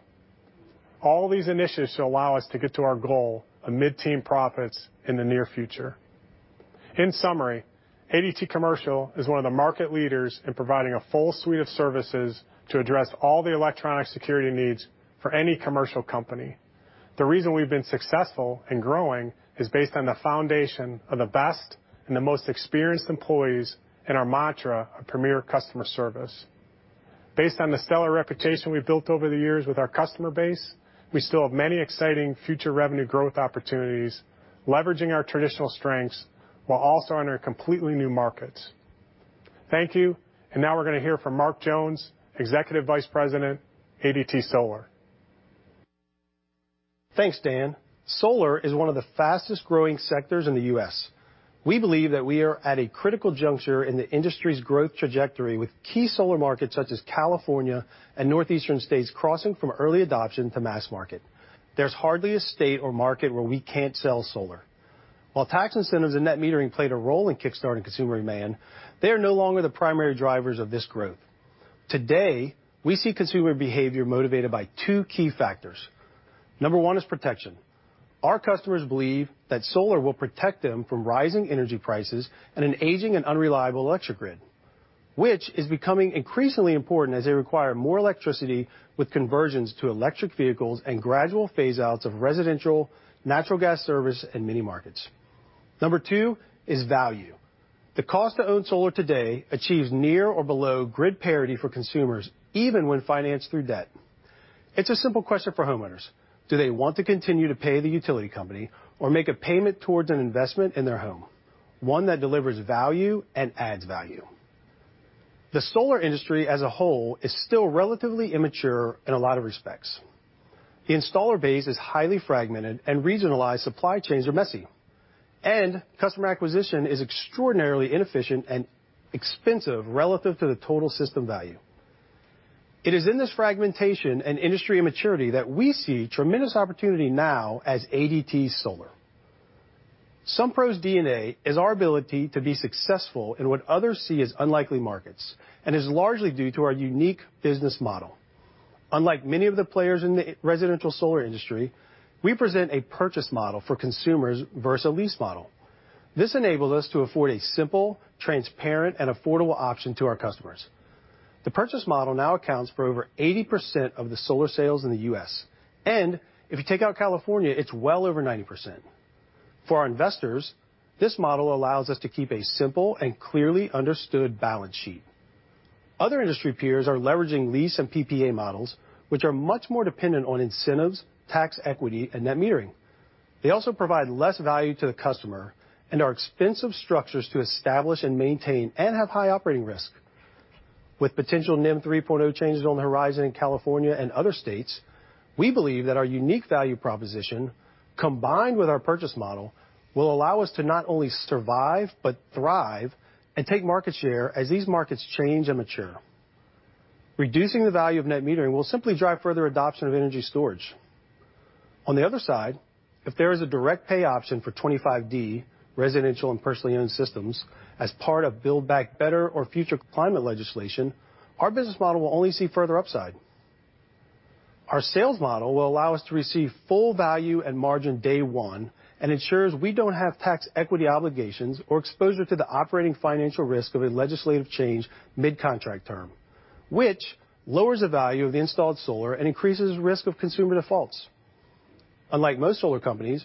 All these initiatives should allow us to get to our goal of mid-teen profits in the near future. In summary, ADT Commercial is one of the market leaders in providing a full suite of services to address all the electronic security needs for any commercial company. The reason we've been successful in growing is based on the foundation of the best and the most experienced employees and our mantra of premier customer service. Based on the stellar reputation we've built over the years with our customer base, we still have many exciting future revenue growth opportunities, leveraging our traditional strengths while also entering completely new markets. Thank you. Now we're gonna hear from Marc Jones, Executive Vice President, ADT Solar. Thanks, Dan. Solar is one of the fastest-growing sectors in the U.S. We believe that we are at a critical juncture in the industry's growth trajectory with key solar markets such as California and Northeastern states crossing from early adoption to mass market. There's hardly a state or market where we can't sell solar. While tax incentives and net metering played a role in kickstarting consumer demand, they are no longer the primary drivers of this growth. Today, we see consumer behavior motivated by two key factors. Number one is protection. Our customers believe that solar will protect them from rising energy prices and an aging and unreliable electric grid, which is becoming increasingly important as they require more electricity with conversions to electric vehicles and gradual phase outs of residential, natural gas service, and mini markets. Number two is value. The cost to own solar today achieves near or below grid parity for consumers, even when financed through debt. It's a simple question for homeowners. Do they want to continue to pay the utility company or make a payment towards an investment in their home, one that delivers value and adds value? The solar industry as a whole is still relatively immature in a lot of respects. The installer base is highly fragmented and regionalized supply chains are messy, and customer acquisition is extraordinarily inefficient and expensive relative to the total system value. It is in this fragmentation and industry immaturity that we see tremendous opportunity now as ADT Solar. Sunpro's DNA is our ability to be successful in what others see as unlikely markets and is largely due to our unique business model. Unlike many of the players in the residential solar industry, we present a purchase model for consumers versus a lease model. This enables us to afford a simple, transparent, and affordable option to our customers. The purchase model now accounts for over 80% of the solar sales in the U.S., and if you take out California, it's well over 90%. For our investors, this model allows us to keep a simple and clearly understood balance sheet. Other industry peers are leveraging lease and PPA models, which are much more dependent on incentives, tax equity, and net metering. They also provide less value to the customer and are expensive structures to establish and maintain and have high operating risk. With potential NEM 3.0 changes on the horizon in California and other states, we believe that our unique value proposition, combined with our purchase model, will allow us to not only survive, but thrive and take market share as these markets change and mature. Reducing the value of net metering will simply drive further adoption of energy storage. On the other side, if there is a direct pay option for 25D residential and personally owned systems as part of Build Back Better or future climate legislation, our business model will only see further upside. Our sales model will allow us to receive full value and margin day one and ensures we don't have tax equity obligations or exposure to the operating financial risk of a legislative change mid-contract term, which lowers the value of the installed solar and increases risk of consumer defaults. Unlike most solar companies,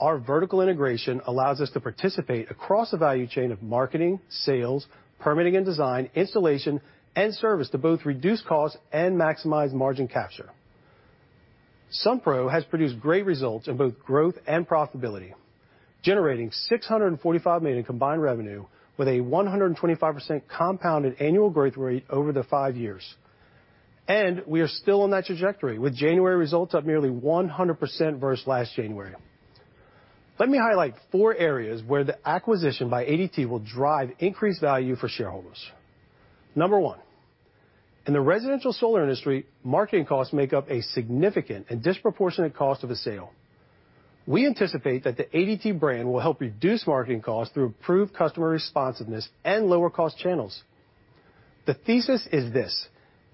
our vertical integration allows us to participate across the value chain of marketing, sales, permitting and design, installation, and service to both reduce costs and maximize margin capture. Sunpro has produced great results in both growth and profitability, generating $645 million combined revenue with a 125% compounded annual growth rate over the five years. We are still on that trajectory, with January results up nearly 100% versus last January. Let me highlight four areas where the acquisition by ADT will drive increased value for shareholders. Number one, in the residential solar industry, marketing costs make up a significant and disproportionate cost of a sale. We anticipate that the ADT brand will help reduce marketing costs through improved customer responsiveness and lower-cost channels. The thesis is this: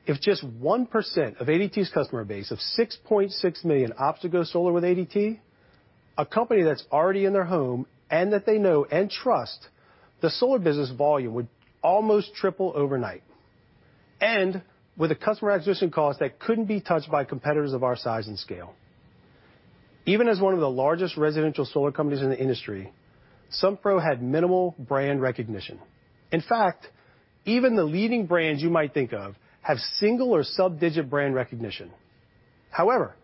if just 1% of ADT's customer base of 6.6 million opts to go solar with ADT, a company that's already in their home and that they know and trust, the solar business volume would almost triple overnight. With a customer acquisition cost that couldn't be touched by competitors of our size and scale. Even as one of the largest residential solar companies in the industry, Sunpro had minimal brand recognition. In fact, even the leading brands you might think of have single or sub-digit brand recognition. However,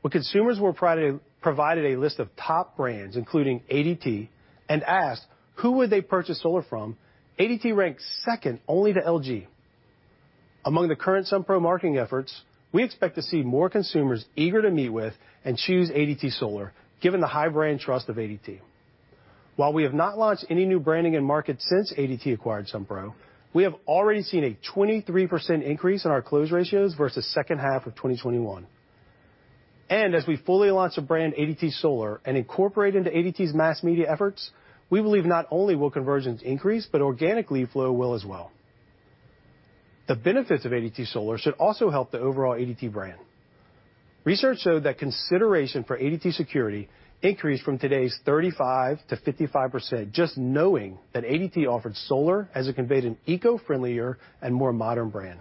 when consumers were provided a list of top brands, including ADT, and asked who would they purchase solar from, ADT ranked second only to LG. Among the current Sunpro marketing efforts, we expect to see more consumers eager to meet with and choose ADT Solar, given the high brand trust of ADT. While we have not launched any new branding in-market since ADT acquired Sunpro, we have already seen a 23% increase in our close ratios versus second half of 2021. As we fully launch the brand ADT Solar and incorporate into ADT's mass media efforts, we believe not only will conversions increase, but organically flow will as well. The benefits of ADT Solar should also help the overall ADT brand. Research showed that consideration for ADT Security increased from 35% to 55%, just knowing that ADT offered solar as it conveyed an eco-friendlier and more modern brand.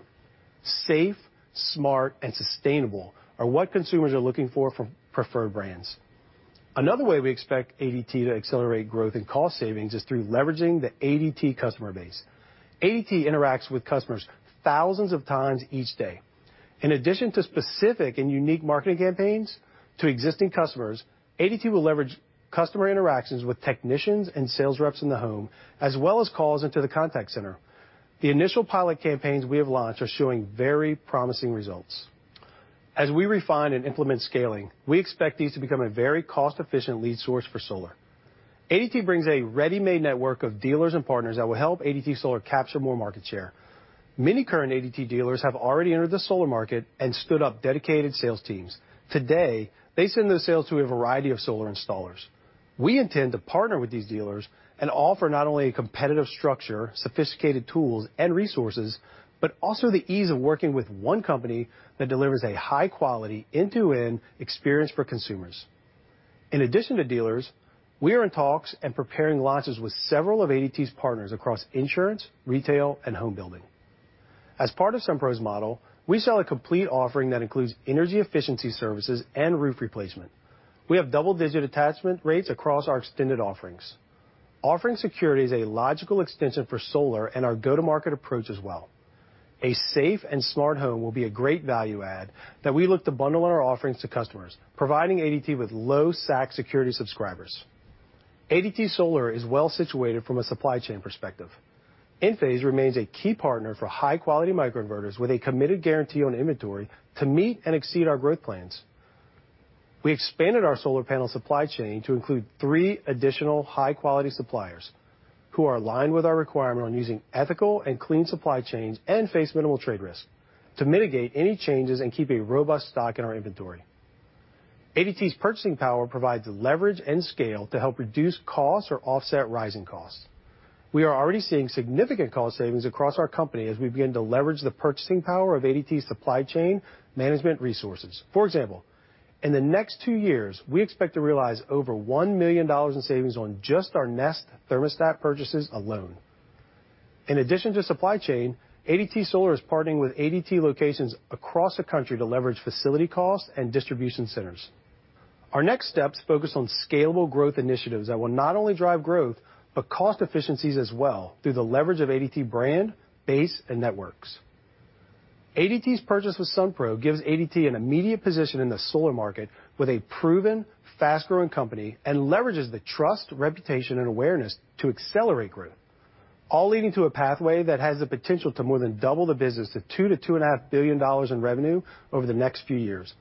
Safe, smart, and sustainable are what consumers are looking for from preferred brands. Another way we expect ADT to accelerate growth and cost savings is through leveraging the ADT customer base. ADT interacts with customers thousands of times each day. In addition to specific and unique marketing campaigns to existing customers, ADT will leverage customer interactions with technicians and sales reps in the home, as well as calls into the contact center. The initial pilot campaigns we have launched are showing very promising results. As we refine and implement scaling, we expect these to become a very cost-efficient lead source for solar. ADT brings a ready-made network of dealers and partners that will help ADT Solar capture more market share. Many current ADT dealers have already entered the solar market and stood up dedicated sales teams. Today, they send those sales to a variety of solar installers. We intend to partner with these dealers and offer not only a competitive structure, sophisticated tools and resources, but also the ease of working with one company that delivers a high-quality end-to-end experience for consumers. In addition to dealers, we are in talks and preparing launches with several of ADT's partners across insurance, retail, and home building. As part of Sunpro's model, we sell a complete offering that includes energy efficiency services and roof replacement. We have double-digit attachment rates across our extended offerings. Offering security is a logical extension for solar and our go-to-market approach as well. A safe and smart home will be a great value add that we look to bundle in our offerings to customers, providing ADT with low SAC security subscribers. ADT Solar is well-situated from a supply chain perspective. Enphase remains a key partner for high-quality microinverters with a committed guarantee on inventory to meet and exceed our growth plans. We expanded our solar panel supply chain to include three additional high-quality suppliers who are aligned with our requirement on using ethical and clean supply chains and face minimal trade risk to mitigate any changes and keep a robust stock in our inventory. ADT's purchasing power provides the leverage and scale to help reduce costs or offset rising costs. We are already seeing significant cost savings across our company as we begin to leverage the purchasing power of ADT's supply chain management resources. For example, in the next two years, we expect to realize over $1 million in savings on just our Nest Thermostat purchases alone. In addition to supply chain, ADT Solar is partnering with ADT locations across the country to leverage facility costs and distribution centers. Our next steps focus on scalable growth initiatives that will not only drive growth, but cost efficiencies as well through the leverage of ADT brand, base, and networks. ADT's purchase of Sunpro gives ADT an immediate position in the solar market with a proven, fast-growing company, and leverages the trust, reputation, and awareness to accelerate growth, all leading to a pathway that has the potential to more than double the business to $2 billion-$2.5 billion in revenue over the next few years.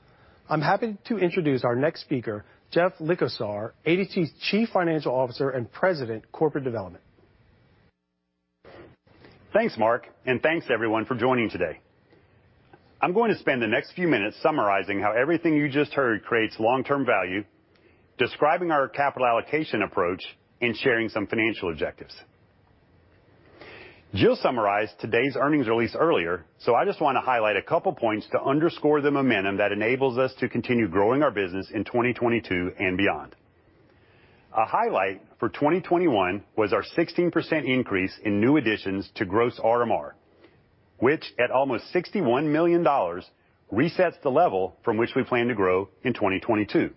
I'm happy to introduce our next speaker, Jeff Likosar, ADT's Chief Financial Officer and President, Corporate Development. Thanks, Mark, and thanks, everyone, for joining today. I'm going to spend the next few minutes summarizing how everything you just heard creates long-term value, describing our capital allocation approach, and sharing some financial objectives. Jill summarized today's earnings release earlier, so I just wanna highlight a couple points to underscore the momentum that enables us to continue growing our business in 2022 and beyond. A highlight for 2021 was our 16% increase in new additions to gross RMR, which at almost $61 million, resets the level from which we plan to grow in 2022.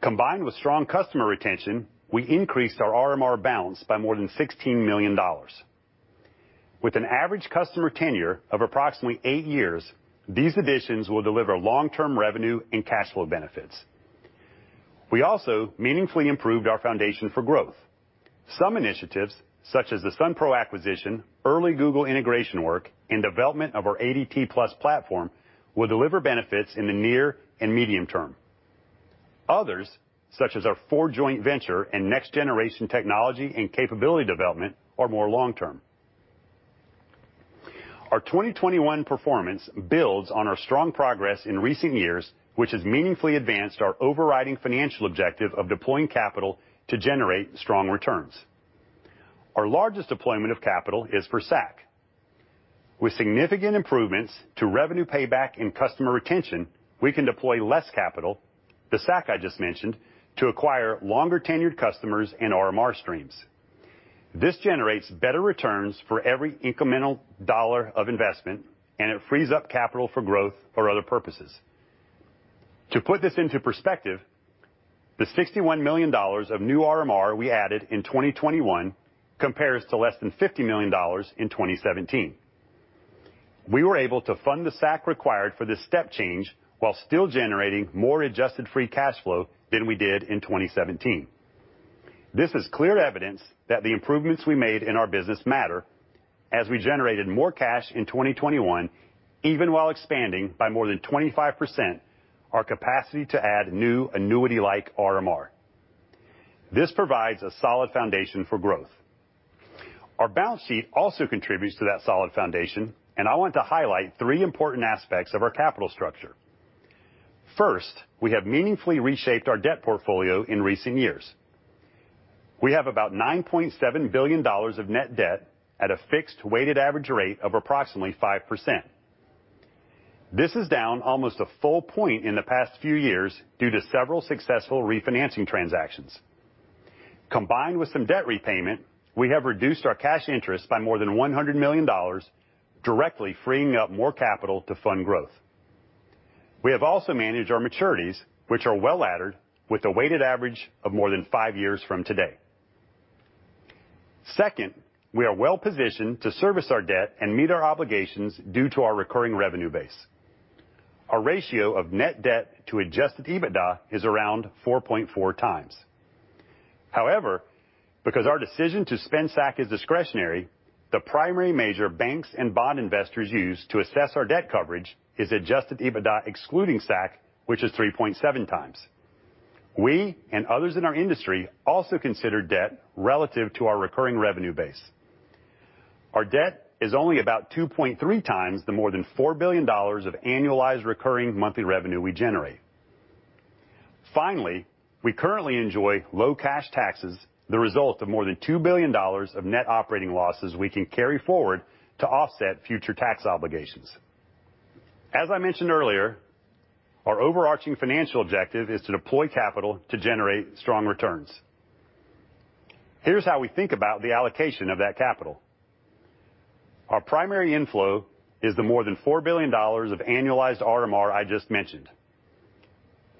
Combined with strong customer retention, we increased our RMR balance by more than $16 million. With an average customer tenure of approximately eight years, these additions will deliver long-term revenue and cash flow benefits. We also meaningfully improved our foundation for growth. Some initiatives, such as the Sunpro acquisition, early Google integration work, and development of our ADT+ platform, will deliver benefits in the near and medium term. Others, such as our Ford joint venture and next-generation technology and capability development, are more long term. Our 2021 performance builds on our strong progress in recent years, which has meaningfully advanced our overriding financial objective of deploying capital to generate strong returns. Our largest deployment of capital is for SAC. With significant improvements to revenue payback and customer retention, we can deploy less capital, the SAC I just mentioned, to acquire longer-tenured customers and RMR streams. This generates better returns for every incremental dollar of investment, and it frees up capital for growth or other purposes. To put this into perspective, the $61 million of new RMR we added in 2021 compares to less than $50 million in 2017. We were able to fund the SAC required for this step change while still generating more adjusted free cash flow than we did in 2017. This is clear evidence that the improvements we made in our business matter as we generated more cash in 2021, even while expanding by more than 25% our capacity to add new annuity-like RMR. This provides a solid foundation for growth. Our balance sheet also contributes to that solid foundation, and I want to highlight three important aspects of our capital structure. First, we have meaningfully reshaped our debt portfolio in recent years. We have about $9.7 billion of net debt at a fixed weighted average rate of approximately 5%. This is down almost a full point in the past few years due to several successful refinancing transactions. Combined with some debt repayment, we have reduced our cash interest by more than $100 million, directly freeing up more capital to fund growth. We have also managed our maturities, which are well-laddered, with a weighted average of more than 5 years from today. Second, we are well-positioned to service our debt and meet our obligations due to our recurring revenue base. Our ratio of net debt to adjusted EBITDA is around 4.4 times. However, because our decision to spend SAC is discretionary, the primary measure banks and bond investors use to assess our debt coverage is adjusted EBITDA excluding SAC, which is 3.7 times. We and others in our industry also consider debt relative to our recurring revenue base. Our debt is only about 2.3 times the more than $4 billion of annualized recurring monthly revenue we generate. Finally, we currently enjoy low cash taxes, the result of more than $2 billion of net operating losses we can carry forward to offset future tax obligations. As I mentioned earlier, our overarching financial objective is to deploy capital to generate strong returns. Here's how we think about the allocation of that capital. Our primary inflow is the more than $4 billion of annualized RMR I just mentioned.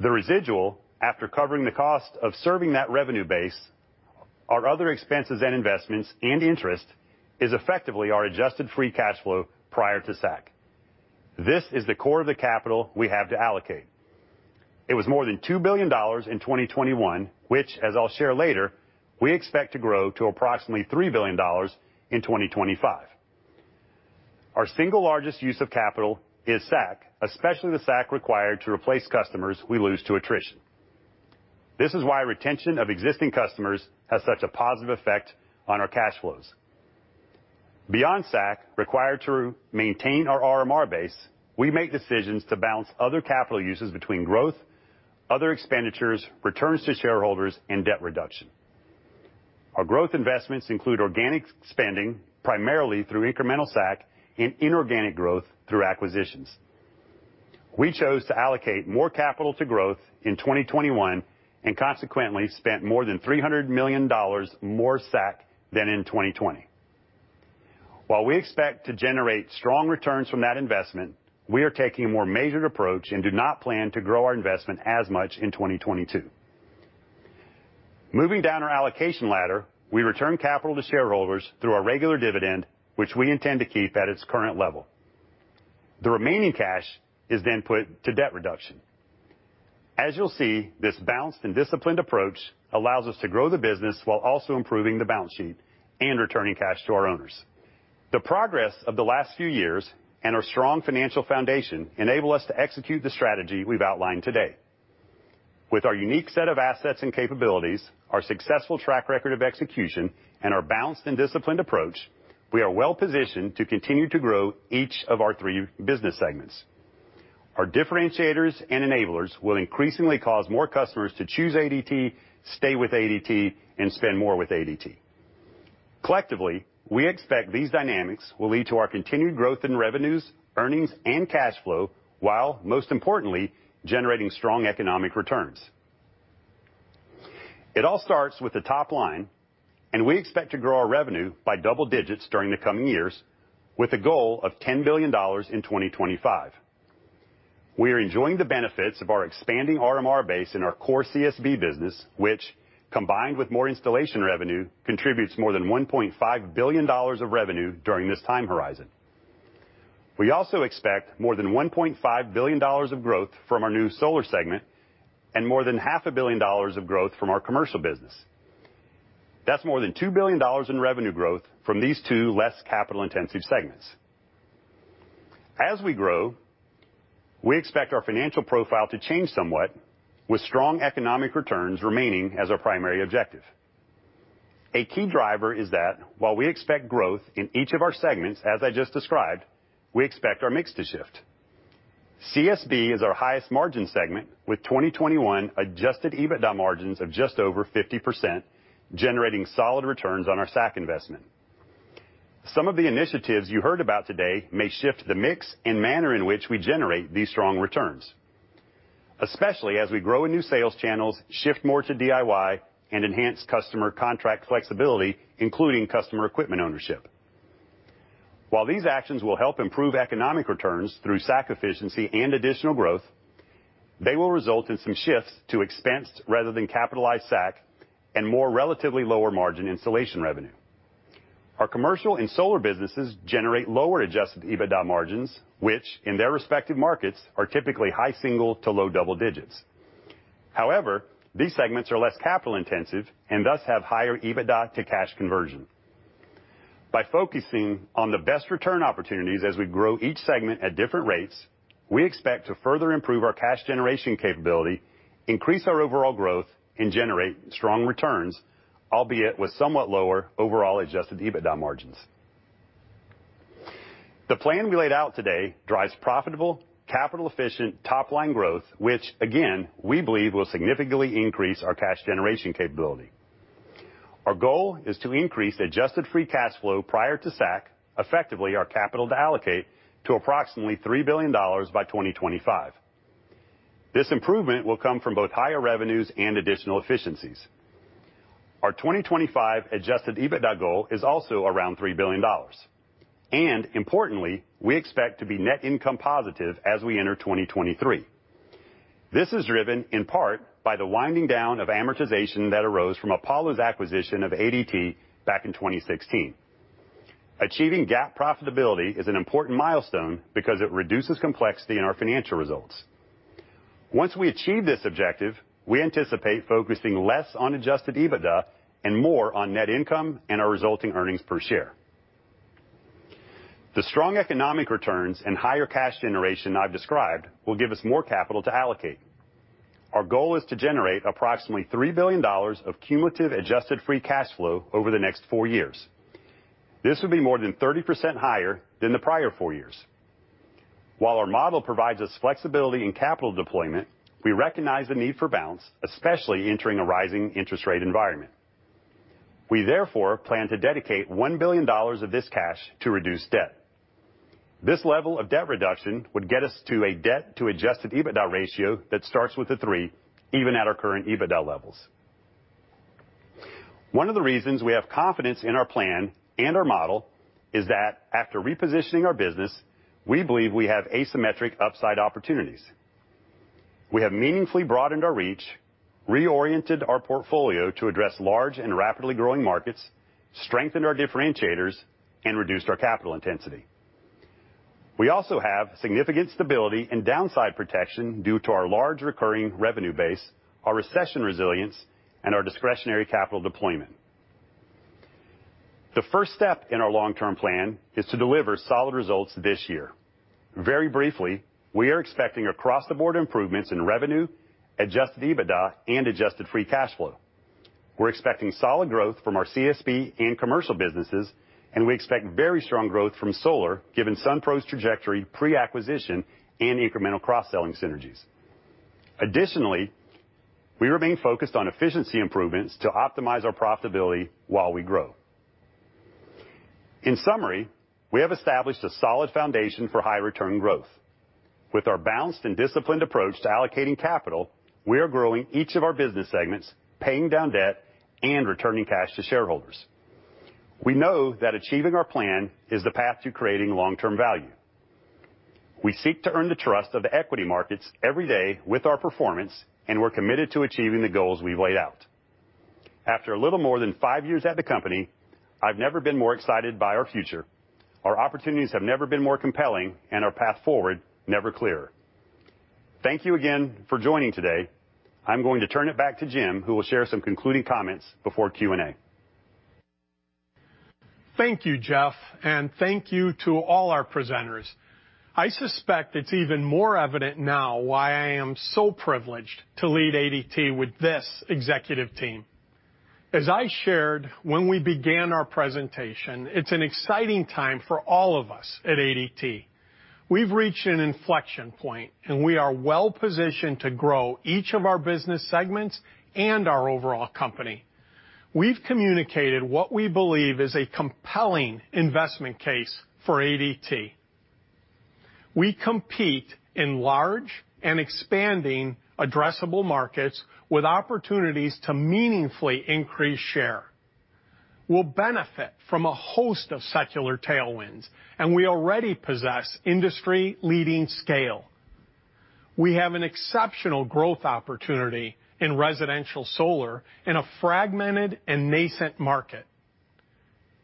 The residual after covering the cost of serving that revenue base, our other expenses and investments and interest, is effectively our adjusted free cash flow prior to SAC. This is the core of the capital we have to allocate. It was more than $2 billion in 2021, which, as I'll share later, we expect to grow to approximately $3 billion in 2025. Our single largest use of capital is SAC, especially the SAC required to replace customers we lose to attrition. This is why retention of existing customers has such a positive effect on our cash flows. Beyond SAC required to maintain our RMR base, we make decisions to balance other capital uses between growth, other expenditures, returns to shareholders, and debt reduction. Our growth investments include organic spending, primarily through incremental SAC, and inorganic growth through acquisitions. We chose to allocate more capital to growth in 2021, and consequently spent more than $300 million more SAC than in 2020. While we expect to generate strong returns from that investment, we are taking a more measured approach and do not plan to grow our investment as much in 2022. Moving down our allocation ladder, we return capital to shareholders through our regular dividend, which we intend to keep at its current level. The remaining cash is then put to debt reduction. As you'll see, this balanced and disciplined approach allows us to grow the business while also improving the balance sheet and returning cash to our owners. The progress of the last few years and our strong financial foundation enable us to execute the strategy we've outlined today. With our unique set of assets and capabilities, our successful track record of execution, and our balanced and disciplined approach, we are well-positioned to continue to grow each of our three business segments. Our differentiators and enablers will increasingly cause more customers to choose ADT, stay with ADT, and spend more with ADT. Collectively, we expect these dynamics will lead to our continued growth in revenues, earnings, and cash flow, while most importantly, generating strong economic returns. It all starts with the top line, and we expect to grow our revenue by double digits during the coming years with a goal of $10 billion in 2025. We are enjoying the benefits of our expanding RMR base in our core CSB business, which, combined with more installation revenue, contributes more than $1.5 billion of revenue during this time horizon. We also expect more than $1.5 billion of growth from our new solar segment and more than $500 million of growth from our commercial business. That's more than $2 billion in revenue growth from these two less capital-intensive segments. As we grow, we expect our financial profile to change somewhat, with strong economic returns remaining as our primary objective. A key driver is that while we expect growth in each of our segments, as I just described, we expect our mix to shift. CSB is our highest margin segment, with 2021 adjusted EBITDA margins of just over 50%, generating solid returns on our SAC investment. Some of the initiatives you heard about today may shift the mix and manner in which we generate these strong returns, especially as we grow in new sales channels, shift more to DIY, and enhance customer contract flexibility, including customer equipment ownership. While these actions will help improve economic returns through SAC efficiency and additional growth, they will result in some shifts to expense rather than capitalized SAC and more relatively lower margin installation revenue. Our commercial and solar businesses generate lower adjusted EBITDA margins, which in their respective markets are typically high single to low double digits. However, these segments are less capital-intensive and thus have higher EBITDA to cash conversion. By focusing on the best return opportunities as we grow each segment at different rates, we expect to further improve our cash generation capability, increase our overall growth, and generate strong returns, albeit with somewhat lower overall adjusted EBITDA margins. The plan we laid out today drives profitable, capital-efficient top-line growth, which again, we believe will significantly increase our cash generation capability. Our goal is to increase adjusted free cash flow prior to SAC, effectively our capital to allocate, to approximately $3 billion by 2025. This improvement will come from both higher revenues and additional efficiencies. Our 2025 adjusted EBITDA goal is also around $3 billion. Importantly, we expect to be net income positive as we enter 2023. This is driven in part by the winding down of amortization that arose from Apollo's acquisition of ADT back in 2016. Achieving GAAP profitability is an important milestone because it reduces complexity in our financial results. Once we achieve this objective, we anticipate focusing less on adjusted EBITDA and more on net income and our resulting earnings per share. The strong economic returns and higher cash generation I've described will give us more capital to allocate. Our goal is to generate approximately $3 billion of cumulative adjusted free cash flow over the next four years. This will be more than 30% higher than the prior four years. While our model provides us flexibility in capital deployment, we recognize the need for balance, especially entering a rising interest rate environment. We therefore plan to dedicate $1 billion of this cash to reduce debt. This level of debt reduction would get us to a debt-to-adjusted EBITDA ratio that starts with a three, even at our current EBITDA levels. One of the reasons we have confidence in our plan and our model is that after repositioning our business, we believe we have asymmetric upside opportunities. We have meaningfully broadened our reach, reoriented our portfolio to address large and rapidly growing markets, strengthened our differentiators, and reduced our capital intensity. We also have significant stability and downside protection due to our large recurring revenue base, our recession resilience, and our discretionary capital deployment. The first step in our long-term plan is to deliver solid results this year. Very briefly, we are expecting across-the-board improvements in revenue, adjusted EBITDA, and adjusted free cash flow. We're expecting solid growth from our CSB and commercial businesses, and we expect very strong growth from solar, given Sunpro's trajectory pre-acquisition and incremental cross-selling synergies. Additionally, we remain focused on efficiency improvements to optimize our profitability while we grow. In summary, we have established a solid foundation for high return growth. With our balanced and disciplined approach to allocating capital, we are growing each of our business segments, paying down debt, and returning cash to shareholders. We know that achieving our plan is the path to creating long-term value. We seek to earn the trust of the equity markets every day with our performance, and we're committed to achieving the goals we've laid out. After a little more than five years at the company, I've never been more excited by our future. Our opportunities have never been more compelling and our path forward never clearer. Thank you again for joining today. I'm going to turn it back to Jim, who will share some concluding comments before Q&A. Thank you, Jeff, and thank you to all our presenters. I suspect it's even more evident now why I am so privileged to lead ADT with this executive team. As I shared when we began our presentation, it's an exciting time for all of us at ADT. We've reached an inflection point, and we are well-positioned to grow each of our business segments and our overall company. We've communicated what we believe is a compelling investment case for ADT. We compete in large and expanding addressable markets with opportunities to meaningfully increase share. We'll benefit from a host of secular tailwinds, and we already possess industry-leading scale. We have an exceptional growth opportunity in residential solar in a fragmented and nascent market.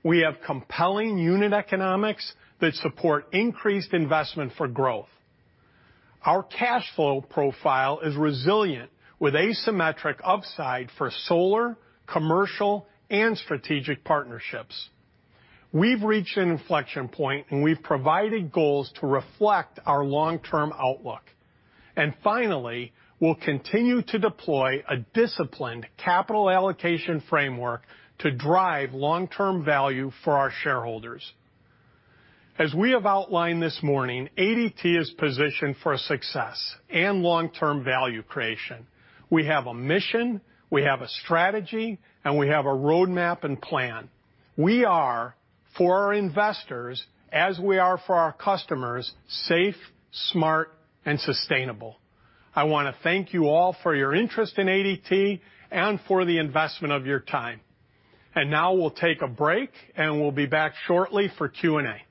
We have compelling unit economics that support increased investment for growth. Our cash flow profile is resilient, with asymmetric upside for solar, commercial, and strategic partnerships. We've reached an inflection point, and we've provided goals to reflect our long-term outlook. Finally, we'll continue to deploy a disciplined capital allocation framework to drive long-term value for our shareholders. As we have outlined this morning, ADT is positioned for success and long-term value creation. We have a mission, we have a strategy, and we have a roadmap and plan. We are, for our investors, as we are for our customers, safe, smart, and sustainable. I wanna thank you all for your interest in ADT and for the investment of your time. Now we'll take a break, and we'll be back shortly for Q&A.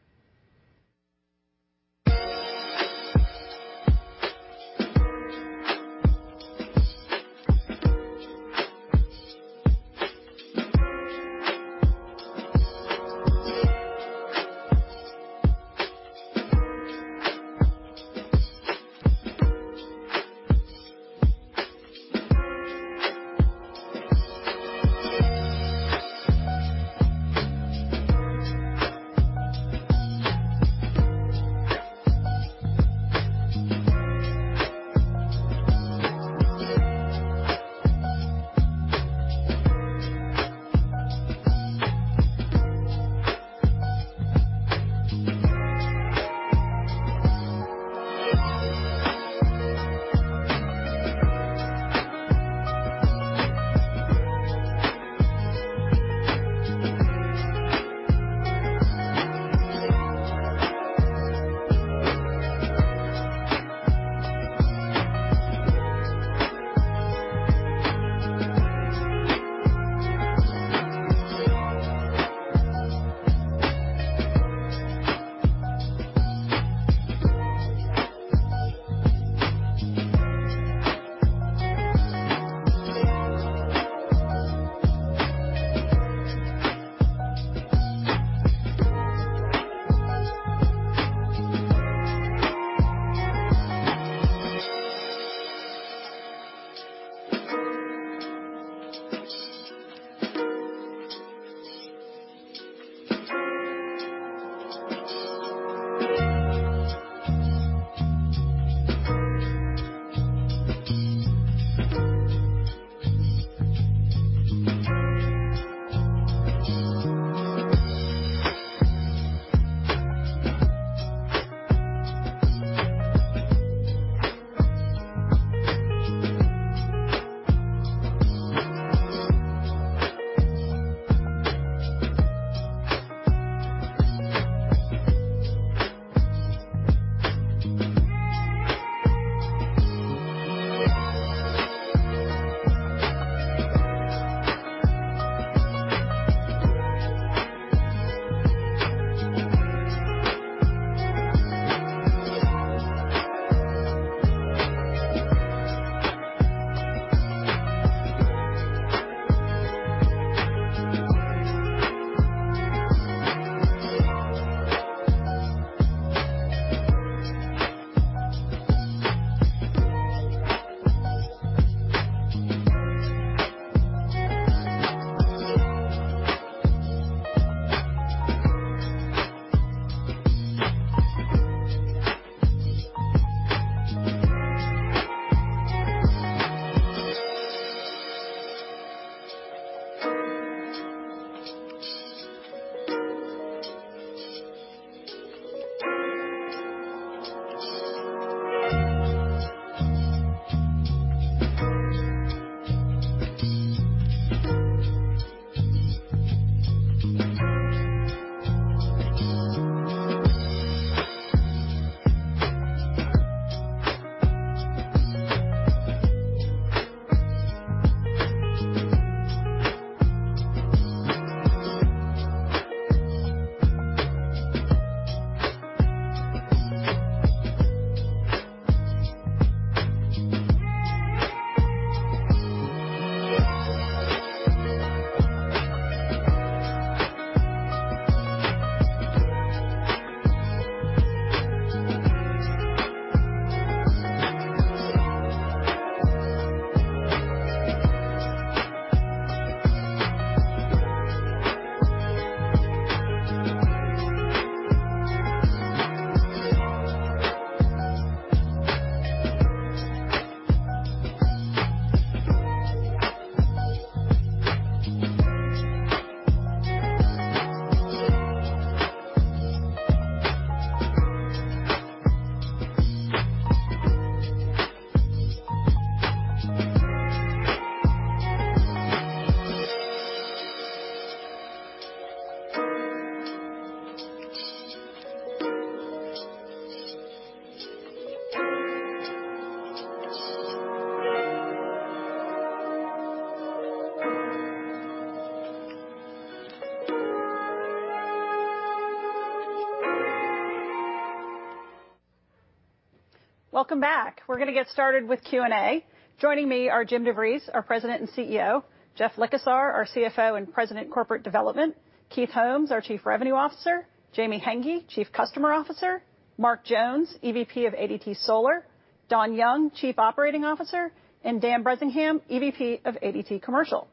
Welcome back. We're gonna get started with Q&A. Joining me are Jim DeVries, our President and CEO, Jeff Likosar, our CFO and President, Corporate Development, Keith Holmes, our Chief Revenue Officer, Jamie Haenggi, Chief Customer Officer, Marc Jones, EVP of ADT Solar, Don Young, Chief Operating Officer, and Daniel Bresingham, EVP of ADT Commercial.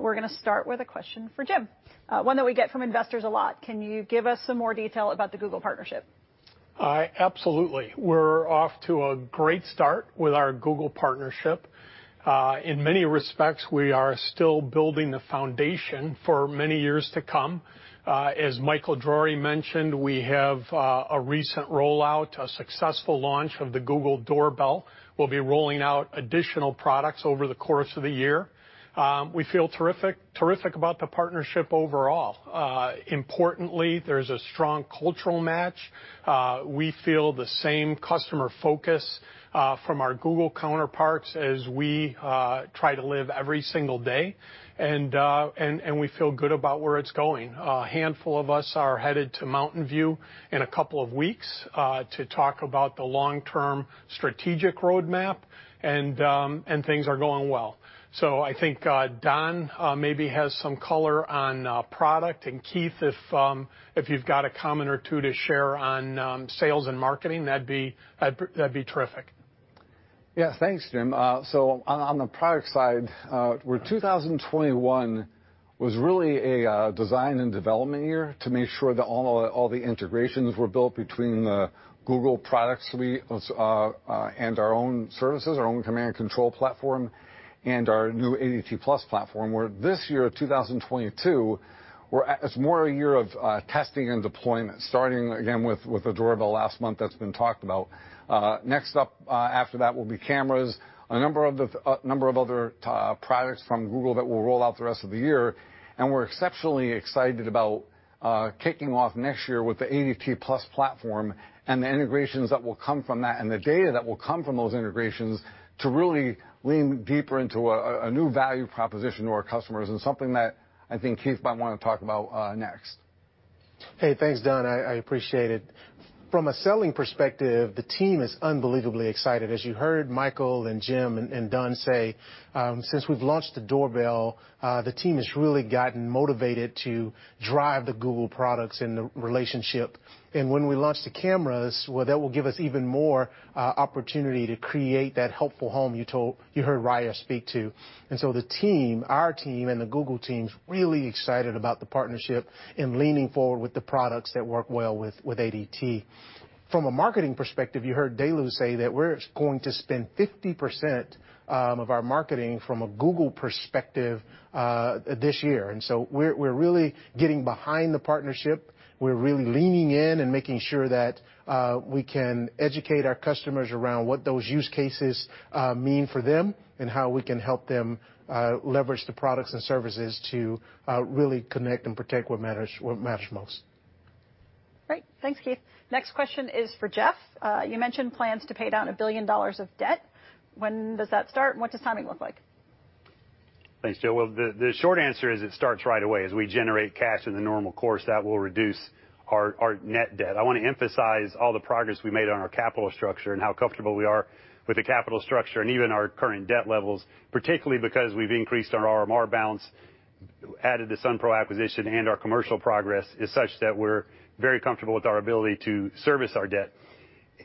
We're gonna start with a question for Jim, one that we get from investors a lot. Can you give us some more detail about the Google partnership? Absolutely. We're off to a great start with our Google partnership. In many respects, we are still building the foundation for many years to come. As Michael Drory mentioned, we have a recent rollout, a successful launch of the Google Doorbell. We'll be rolling out additional products over the course of the year. We feel terrific about the partnership overall. Importantly, there's a strong cultural match. We feel the same customer focus from our Google counterparts as we try to live every single day. We feel good about where it's going. A handful of us are headed to Mountain View in a couple of weeks to talk about the long-term strategic roadmap, and things are going well. I think Don maybe has some color on product, and Keith, if you've got a comment or two to share on sales and marketing, that'd be terrific. Yeah. Thanks, Jim. On the product side, where 2021 was really a design and development year to make sure that all the integrations were built between the Google products and our own services, our own command control platform and our new ADT+ platform, where this year, 2022, it's more a year of testing and deployment, starting again with the doorbell last month that's been talked about. Next up, after that will be cameras. A number of other products from Google that we'll roll out the rest of the year. We're exceptionally excited about kicking off next year with the ADT+ platform and the integrations that will come from that and the data that will come from those integrations to really lean deeper into a new value proposition to our customers and something that I think Keith might wanna talk about next. Hey, thanks, Don. I appreciate it. From a selling perspective, the team is unbelievably excited. As you heard Michael and Jim and Don say, since we've launched the doorbell, the team has really gotten motivated to drive the Google products and the relationship. When we launch the cameras, well, that will give us even more opportunity to create that helpful home you heard Raya speak to. The team, our team and the Google team's really excited about the partnership and leaning forward with the products that work well with ADT. From a marketing perspective, you heard DeLu say that we're going to spend 50% of our marketing from a Google perspective this year. We're really getting behind the partnership. We're really leaning in and making sure that we can educate our customers around what those use cases mean for them and how we can help them leverage the products and services to really connect and protect what matters, what matters most. Great. Thanks, Keith. Next question is for Jeff. You mentioned plans to pay down $1 billion of debt. When does that start? What does timing look like? Thanks, Jill. Well, the short answer is it starts right away. As we generate cash in the normal course, that will reduce our net debt. I wanna emphasize all the progress we made on our capital structure and how comfortable we are with the capital structure and even our current debt levels, particularly because we've increased our RMR balance. We added the Sunpro acquisition and our commercial progress is such that we're very comfortable with our ability to service our debt.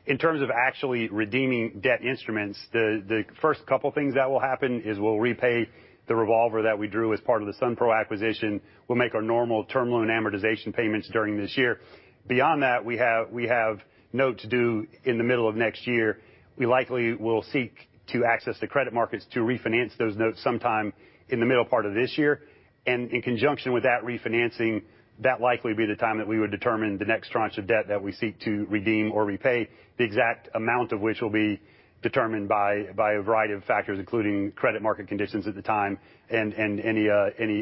In terms of actually redeeming debt instruments, the first couple things that will happen is we'll repay the revolver that we drew as part of the Sunpro acquisition. We'll make our normal term loan amortization payments during this year. Beyond that, we have notes due in the middle of next year. We likely will seek to access the credit markets to refinance those notes sometime in the middle part of this year. In conjunction with that refinancing, that likely will be the time that we would determine the next tranche of debt that we seek to redeem or repay, the exact amount of which will be determined by a variety of factors, including credit market conditions at the time and any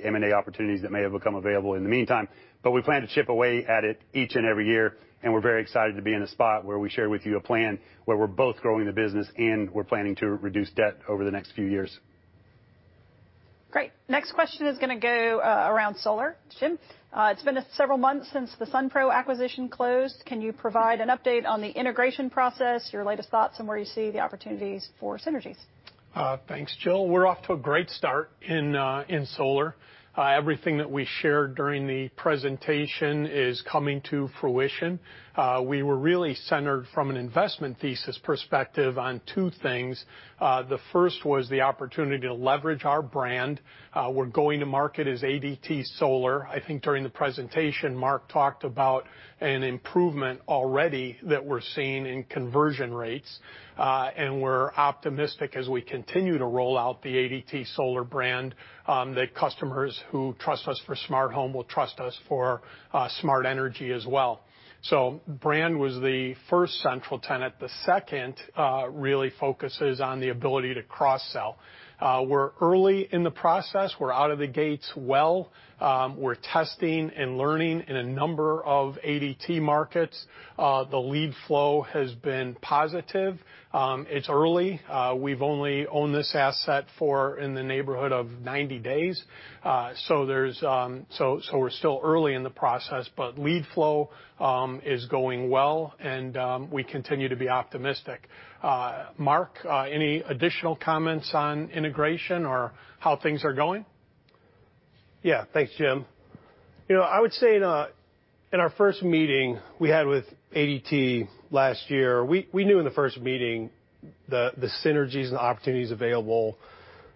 M&A opportunities that may have become available in the meantime. We plan to chip away at it each and every year, and we're very excited to be in a spot where we share with you a plan where we're both growing the business and we're planning to reduce debt over the next few years. Great. Next question is gonna go around solar. Jim, it's been several months since the Sunpro acquisition closed. Can you provide an update on the integration process, your latest thoughts, and where you see the opportunities for synergies? Thanks, Jill. We're off to a great start in solar. Everything that we shared during the presentation is coming to fruition. We were really centered from an investment thesis perspective on two things. The first was the opportunity to leverage our brand. We're going to market as ADT Solar. I think during the presentation, Marc talked about an improvement already that we're seeing in conversion rates. We're optimistic as we continue to roll out the ADT Solar brand, that customers who trust us for smart home will trust us for smart energy as well. Brand was the first central tenet. The second really focuses on the ability to cross-sell. We're early in the process. We're out of the gates well. We're testing and learning in a number of ADT markets. The lead flow has been positive. It's early. We've only owned this asset for in the neighborhood of 90 days. We're still early in the process, but lead flow is going well, and we continue to be optimistic. Marc, any additional comments on integration or how things are going? Yeah. Thanks, Jim. You know, I would say in our first meeting we had with ADT last year, we knew in the first meeting the synergies and opportunities available,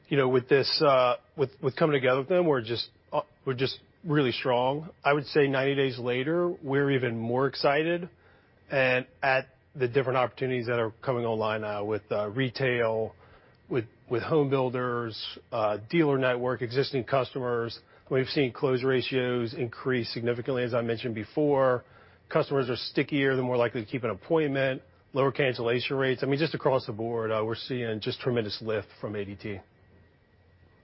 you know, with coming together with them were just really strong. I would say 90 days later, we're even more excited about the different opportunities that are coming online now with retail, with home builders, dealer network, existing customers. We've seen close ratios increase significantly, as I mentioned before. Customers are stickier. They're more likely to keep an appointment, lower cancellation rates. I mean, just across the board, we're seeing just tremendous lift from ADT.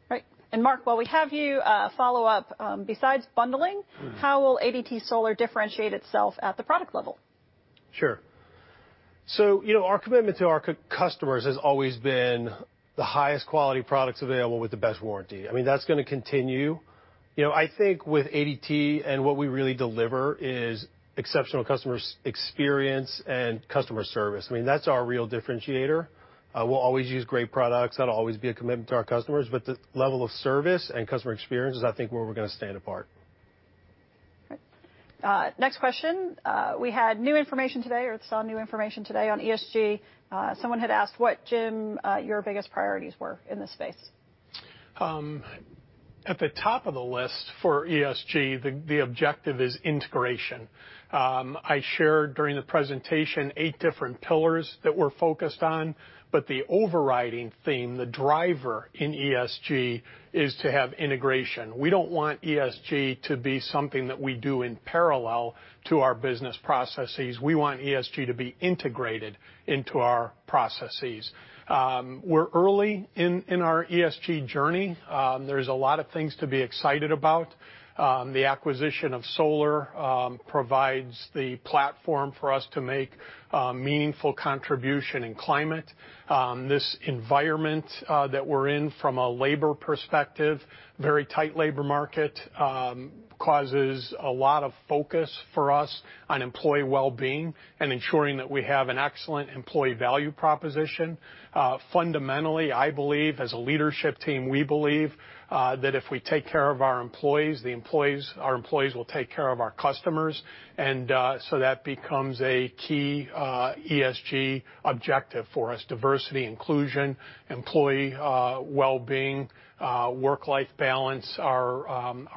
Right. Marc, while we have you, follow up, besides bundling. Mm-hmm. How will ADT Solar differentiate itself at the product level? Sure. You know, our commitment to our customers has always been the highest quality products available with the best warranty. I mean, that's gonna continue. You know, I think with ADT and what we really deliver is exceptional customer experience and customer service. I mean, that's our real differentiator. We'll always use great products. That'll always be a commitment to our customers, but the level of service and customer experience is, I think, where we're gonna stand apart. Right. Next question. We had new information today or some new information today on ESG. Someone had asked what, Jim, your biggest priorities were in this space. At the top of the list for ESG, the objective is integration. I shared during the presentation eight different pillars that we're focused on, but the overriding theme, the driver in ESG is to have integration. We don't want ESG to be something that we do in parallel to our business processes. We want ESG to be integrated into our processes. We're early in our ESG journey. There's a lot of things to be excited about. The acquisition of Solar provides the platform for us to make meaningful contribution in climate. This environment that we're in from a labor perspective, very tight labor market, causes a lot of focus for us on employee well-being and ensuring that we have an excellent employee value proposition. Fundamentally, I believe, as a leadership team, we believe that if we take care of our employees, our employees will take care of our customers. That becomes a key ESG objective for us. Diversity, inclusion, employee wellbeing, work-life balance are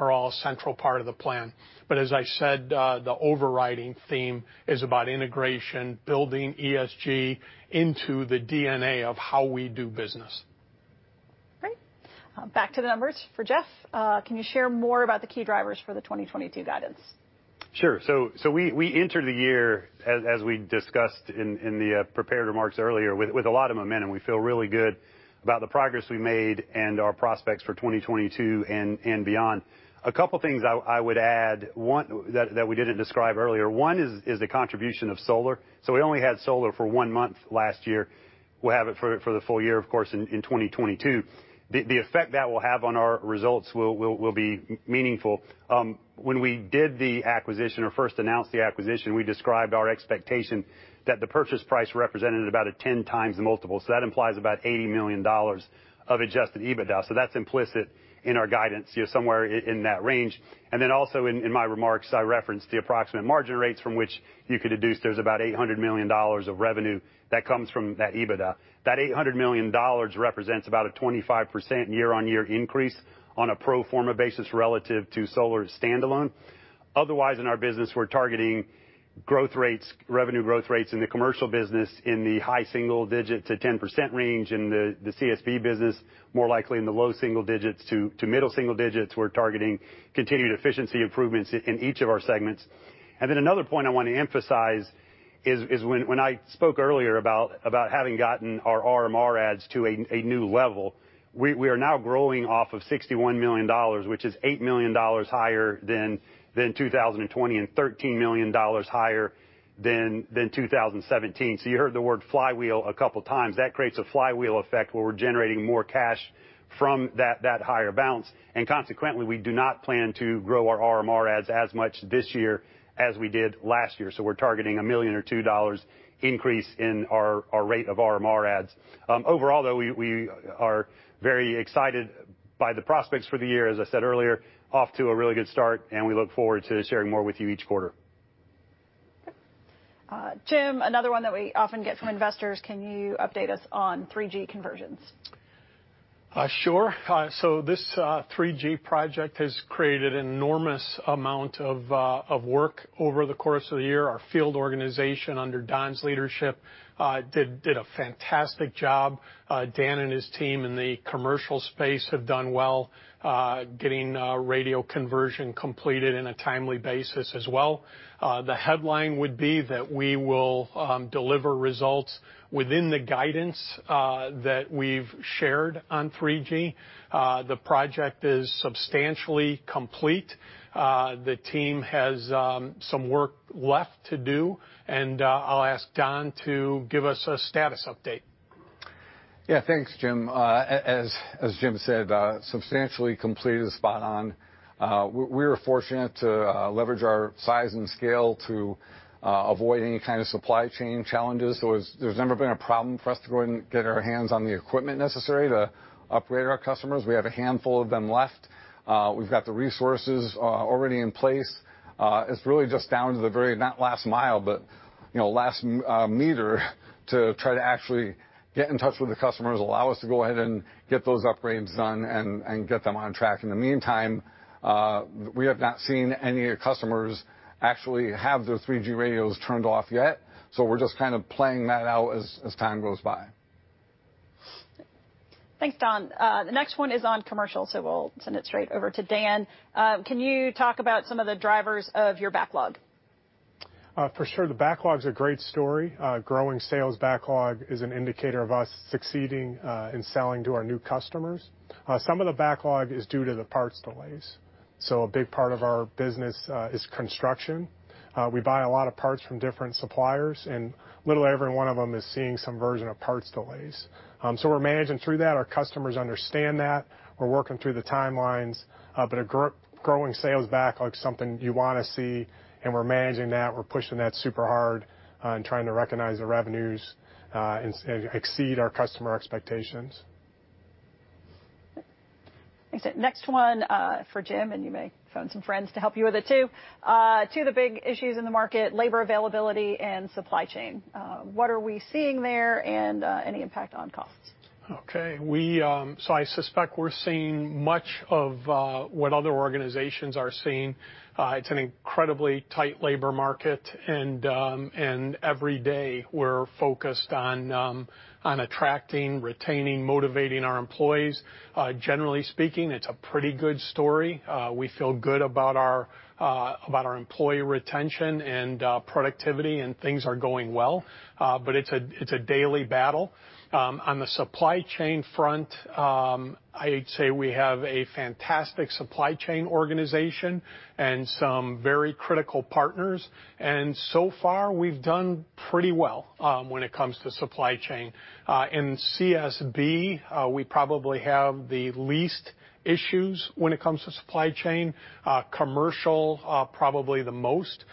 all a central part of the plan. As I said, the overriding theme is about integration, building ESG into the DNA of how we do business. Great. Back to the numbers for Jeff. Can you share more about the key drivers for the 2022 guidance? Sure. We entered the year as we discussed in the prepared remarks earlier with a lot of momentum. We feel really good about the progress we made and our prospects for 2022 and beyond. A couple things I would add, one, that we didn't describe earlier, one is the contribution of solar. We only had solar for one month last year. We'll have it for the full year, of course, in 2022. The effect that will have on our results will be meaningful. When we did the acquisition or first announced the acquisition, we described our expectation that the purchase price represented about a 10x multiple. That implies about $80 million of adjusted EBITDA. That's implicit in our guidance, you know, somewhere in that range. Also in my remarks, I referenced the approximate margin rates from which you could deduce there's about $800 million of revenue that comes from that EBITDA. That $800 million represents about a 25% year-on-year increase on a pro forma basis relative to solar standalone. Otherwise, in our business, we're targeting growth rates, revenue growth rates in the commercial business in the high single digits to 10% range. In the CSB business, more likely in the low single digits to middle single digits. We're targeting continued efficiency improvements in each of our segments. Another point I wanna emphasize is when I spoke earlier about having gotten our RMR adds to a new level, we are now growing off of $61 million, which is $8 million higher than 2020, and $13 million higher than 2017. You heard the word flywheel a couple times. That creates a flywheel effect where we're generating more cash from that higher balance, and consequently, we do not plan to grow our RMR adds as much this year as we did last year. We're targeting $1 million or $2 million increase in our rate of RMR adds. Overall, though, we are very excited by the prospects for the year. As I said earlier, off to a really good start, and we look forward to sharing more with you each quarter. Jim, another one that we often get from investors, can you update us on 3G conversions? Sure. This 3G project has created enormous amount of work over the course of the year. Our field organization under Don's leadership did a fantastic job. Dan and his team in the commercial space have done well getting radio conversion completed in a timely basis as well. The headline would be that we will deliver results within the guidance that we've shared on 3G. The project is substantially complete. The team has some work left to do, and I'll ask Don to give us a status update. Yeah. Thanks, Jim. As Jim said, substantially completed is spot on. We were fortunate to leverage our size and scale to avoid any kind of supply chain challenges. There's never been a problem for us to go and get our hands on the equipment necessary to upgrade our customers. We have a handful of them left. We've got the resources already in place. It's really just down to the very, not last mile, but, you know, last meter to try to actually get in touch with the customers, allow us to go ahead and get those upgrades done and get them on track. In the meantime, we have not seen any customers actually have those 3G radios turned off yet, so we're just kind of playing that out as time goes by. Thanks, Don. The next one is on commercial, so we'll send it straight over to Dan. Can you talk about some of the drivers of your backlog? For sure. The backlog's a great story. Growing sales backlog is an indicator of us succeeding in selling to our new customers. Some of the backlog is due to the parts delays. A big part of our business is construction. We buy a lot of parts from different suppliers, and literally every one of them is seeing some version of parts delays. We're managing through that. Our customers understand that. We're working through the timelines, but a growing sales backlog's something you wanna see, and we're managing that. We're pushing that super hard, and trying to recognize the revenues, and exceed our customer expectations. Thanks. Next one, for Jim, and you may phone some friends to help you with it too. Two of the big issues in the market, labor availability and supply chain. What are we seeing there and any impact on costs? I suspect we're seeing much of what other organizations are seeing. It's an incredibly tight labor market and every day, we're focused on attracting, retaining, motivating our employees. Generally speaking, it's a pretty good story. We feel good about our employee retention and productivity, and things are going well, but it's a daily battle. On the supply chain front, I'd say we have a fantastic supply chain organization and some very critical partners. So far, we've done pretty well when it comes to supply chain. In CSB, we probably have the least issues when it comes to supply chain. Commercial, probably the most.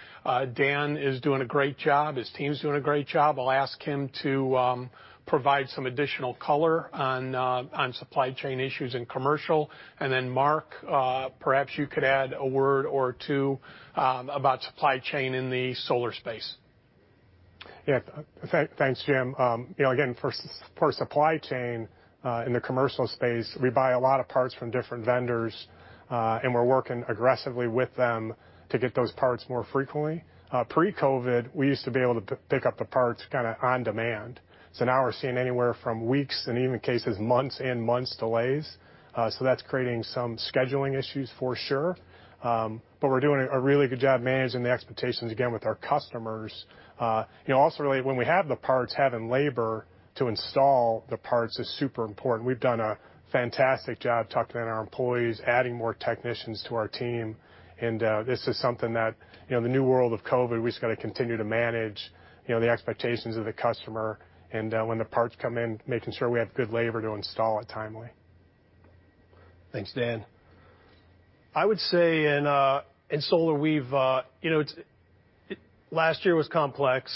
Dan is doing a great job. His team's doing a great job. I'll ask him to provide some additional color on supply chain issues in commercial. Mark, perhaps you could add a word or two about supply chain in the solar space. Yeah. Thanks, Jim. You know, again, for supply chain, in the commercial space, we buy a lot of parts from different vendors, and we're working aggressively with them to get those parts more frequently. Pre-COVID, we used to be able to pick up the parts kinda on demand. Now we're seeing anywhere from weeks and even cases months and months delays. That's creating some scheduling issues for sure. We're doing a really good job managing the expectations, again, with our customers. You know, also really when we have the parts, having labor. To install the parts is super important. We've done a fantastic job talking to our employees, adding more technicians to our team, and this is something that, you know, the new world of COVID, we just gotta continue to manage, you know, the expectations of the customer and, when the parts come in, making sure we have good labor to install it timely. Thanks, Dan. I would say in solar, we've you know, last year was complex.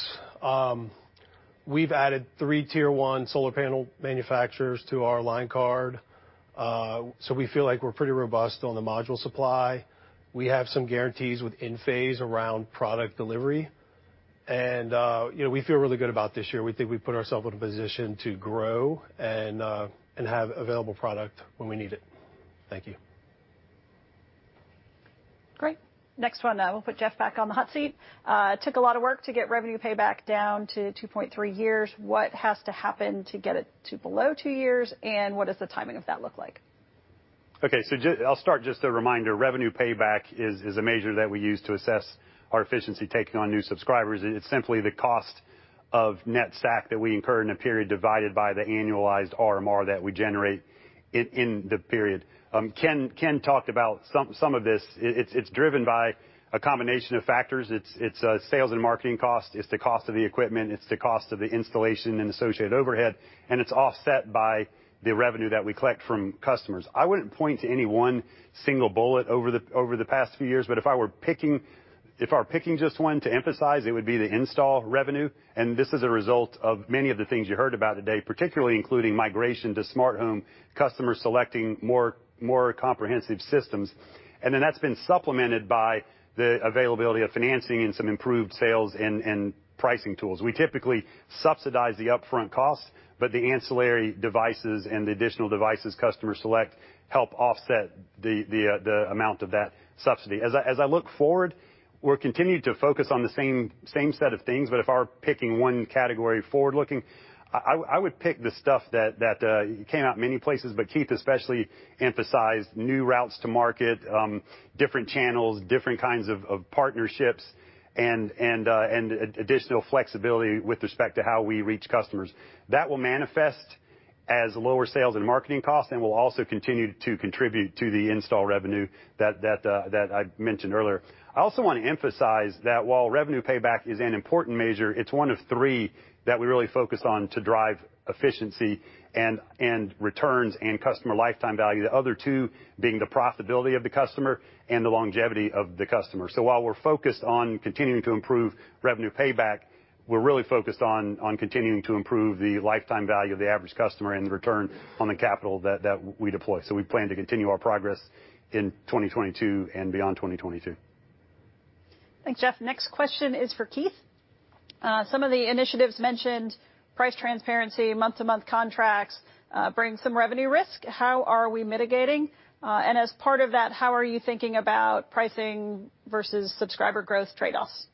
We've added three tier one solar panel manufacturers to our line card. We feel like we're pretty robust on the module supply. We have some guarantees with Enphase around product delivery. You know, we feel really good about this year. We think we've put ourselves in a position to grow and have available product when we need it. Thank you. Great. Next one, we'll put Jeff back on the hot seat. Took a lot of work to get revenue payback down to 2.3 years. What has to happen to get it to below two years, and what does the timing of that look like? I'll start just a reminder, revenue payback is a measure that we use to assess our efficiency taking on new subscribers. It's simply the cost of Net SAC that we incur in a period divided by the annualized RMR that we generate in the period. Ken talked about some of this. It's driven by a combination of factors. It's sales and marketing cost, it's the cost of the equipment, it's the cost of the installation and associated overhead, and it's offset by the revenue that we collect from customers. I wouldn't point to any one single bullet over the past few years, but if I were picking just one to emphasize, it would be the install revenue, and this is a result of many of the things you heard about today, particularly including migration to smart home, customers selecting more comprehensive systems. That's been supplemented by the availability of financing and some improved sales and pricing tools. We typically subsidize the upfront costs, but the ancillary devices and the additional devices customers select help offset the amount of that subsidy. As I look forward, we're continuing to focus on the same set of things, but if I were picking one category forward-looking, I would pick the stuff that came out many places, but Keith especially emphasized new routes to market, different channels, different kinds of partnerships and additional flexibility with respect to how we reach customers. That will manifest as lower sales and marketing costs, and will also continue to contribute to the install revenue that I mentioned earlier. I also want to emphasize that while revenue payback is an important measure, it's one of three that we really focus on to drive efficiency and returns and customer lifetime value, the other two being the profitability of the customer and the longevity of the customer. While we're focused on continuing to improve revenue payback, we're really focused on continuing to improve the lifetime value of the average customer and the return on the capital that we deploy. We plan to continue our progress in 2022 and beyond 2022. Thanks, Jeff. Next question is for Keith. Some of the initiatives mentioned, price transparency, month-to-month contracts, bring some revenue risk. How are we mitigating? As part of that, how are you thinking about pricing versus subscriber growth trade-offs?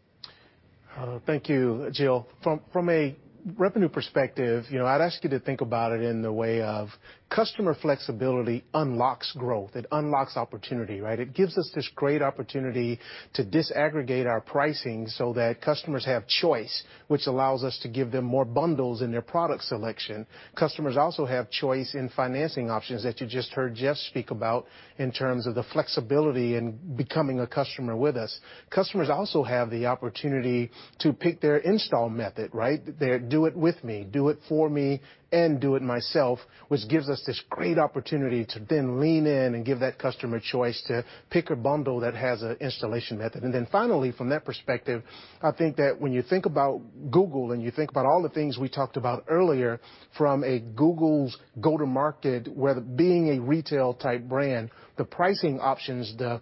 Thank you, Jill. From a revenue perspective, you know, I'd ask you to think about it in the way of customer flexibility unlocks growth. It unlocks opportunity, right? It gives us this great opportunity to disaggregate our pricing so that customers have choice, which allows us to give them more bundles in their product selection. Customers also have choice in financing options that you just heard Jeff speak about in terms of the flexibility in becoming a customer with us. Customers also have the opportunity to pick their install method, right? Their do it with me, do it for me, and do it myself, which gives us this great opportunity to then lean in and give that customer choice to pick a bundle that has an installation method. Then finally, from that perspective, I think that when you think about Google and you think about all the things we talked about earlier, from Google's go-to-market, where being a retail type brand, the pricing options, the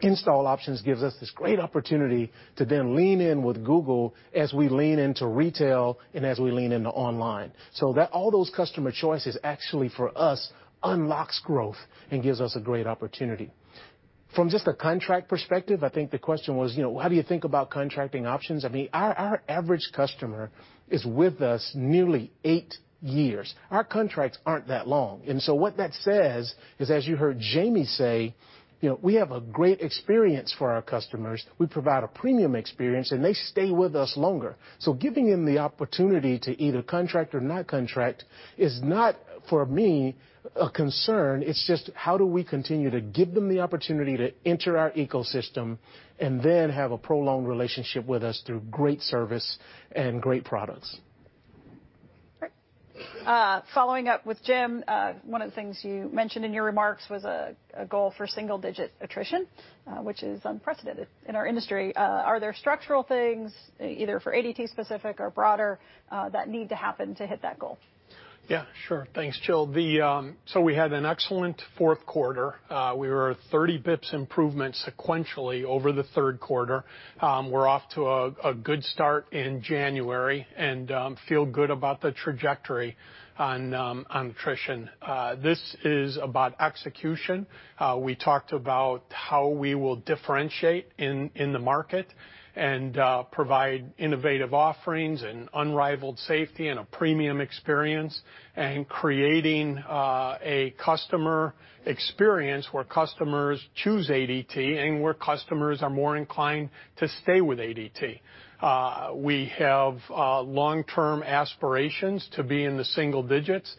install options gives us this great opportunity to then lean in with Google as we lean into retail and as we lean into online. That all those customer choices actually for us unlocks growth and gives us a great opportunity. From just a contract perspective, I think the question was, you know, how do you think about contracting options? I mean, our average customer is with us nearly eight years. Our contracts aren't that long. What that says is, as you heard Jamie say, you know, we have a great experience for our customers. We provide a premium experience, and they stay with us longer. Giving them the opportunity to either contract or not contract is not, for me, a concern. It's just how do we continue to give them the opportunity to enter our ecosystem and then have a prolonged relationship with us through great service and great products. Great. Following up with Jim, one of the things you mentioned in your remarks was a goal for single-digit attrition, which is unprecedented in our industry. Are there structural things, either for ADT specific or broader, that need to happen to hit that goal? Yeah. Sure. Thanks, Jill. We had an excellent fourth quarter. We were a 30 basis points improvement sequentially over the third quarter. We're off to a good start in January and feel good about the trajectory on attrition. This is about execution. We talked about how we will differentiate in the market and provide innovative offerings and unrivaled safety and a premium experience and creating a customer experience where customers choose ADT and where customers are more inclined to stay with ADT. We have long-term aspirations to be in the single digits.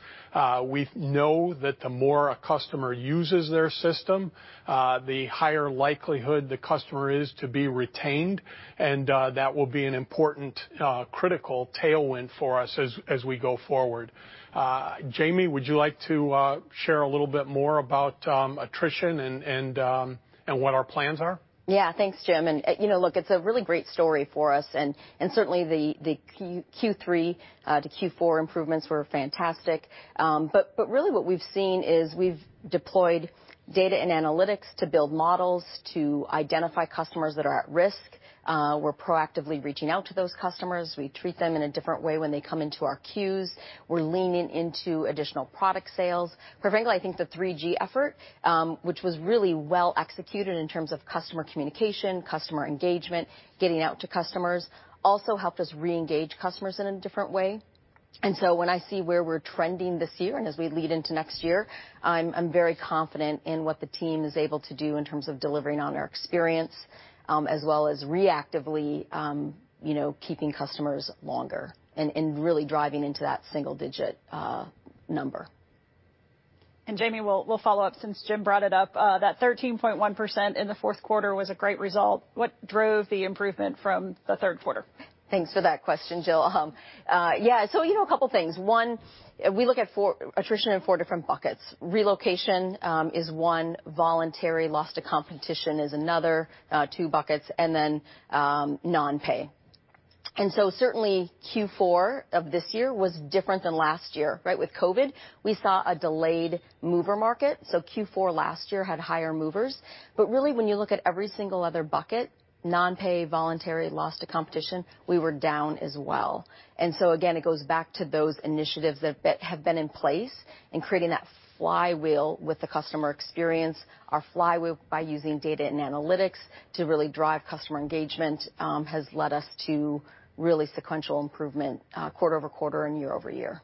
We know that the more a customer uses their system, the higher likelihood the customer is to be retained, and that will be an important critical tailwind for us as we go forward. Jamie, would you like to share a little bit more about attrition and what our plans are? Yeah. Thanks, Jim. You know, look, it's a really great story for us. Certainly the Q3 to Q4 improvements were fantastic. Really what we've seen is we've deployed data and analytics to build models, to identify customers that are at risk. We're proactively reaching out to those customers. We treat them in a different way when they come into our queues. We're leaning into additional product sales. Personally, I think the 3G effort, which was really well executed in terms of customer communication, customer engagement, getting out to customers, also helped us reengage customers in a different way. When I see where we're trending this year, and as we lead into next year, I'm very confident in what the team is able to do in terms of delivering on our experience, as well as reactively, you know, keeping customers longer and really driving into that single digit number. Jamie, we'll follow up since Jim brought it up. That 13.1% in the fourth quarter was a great result. What drove the improvement from the third quarter? Thanks for that question, Jill. Yeah, so you know, a couple things. One, we look at four attrition in four different buckets. Relocation is one. Voluntary loss to competition is another two buckets, and then non-pay. Certainly Q4 of this year was different than last year, right? With COVID, we saw a delayed mover market, so Q4 last year had higher movers. Really, when you look at every single other bucket, non-pay, voluntary, loss to competition, we were down as well. Again, it goes back to those initiatives that have been in place and creating that flywheel with the customer experience. Our flywheel by using data and analytics to really drive customer engagement has led us to really sequential improvement quarter-over-quarter and year-over-year.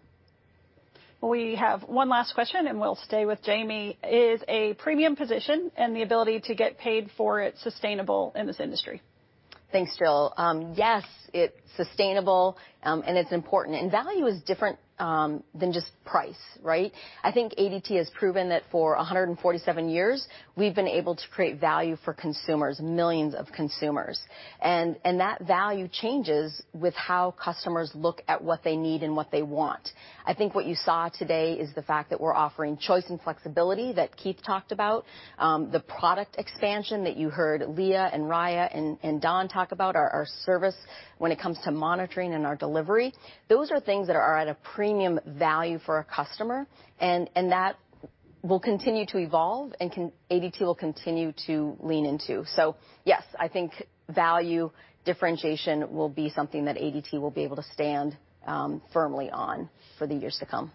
We have one last question, and we'll stay with Jamie. Is a premium position and the ability to get paid for it sustainable in this industry? Thanks, Jill. Yes, it's sustainable, and it's important. Value is different than just price, right? I think ADT has proven that for 147 years, we've been able to create value for consumers, millions of consumers. That value changes with how customers look at what they need and what they want. I think what you saw today is the fact that we're offering choice and flexibility that Keith talked about. The product expansion that you heard Leah and Raya and Don talk about, our service when it comes to monitoring and our delivery. Those are things that are at a premium value for our customer, and that will continue to evolve. ADT will continue to lean into. Yes, I think value differentiation will be something that ADT will be able to stand firmly on for the years to come.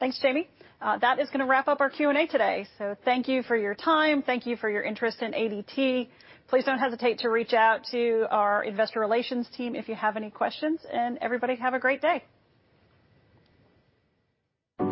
Thanks, Jamie. That is gonna wrap up our Q&A today. Thank you for your time. Thank you for your interest in ADT. Please don't hesitate to reach out to our investor relations team if you have any questions. Everybody, have a great day.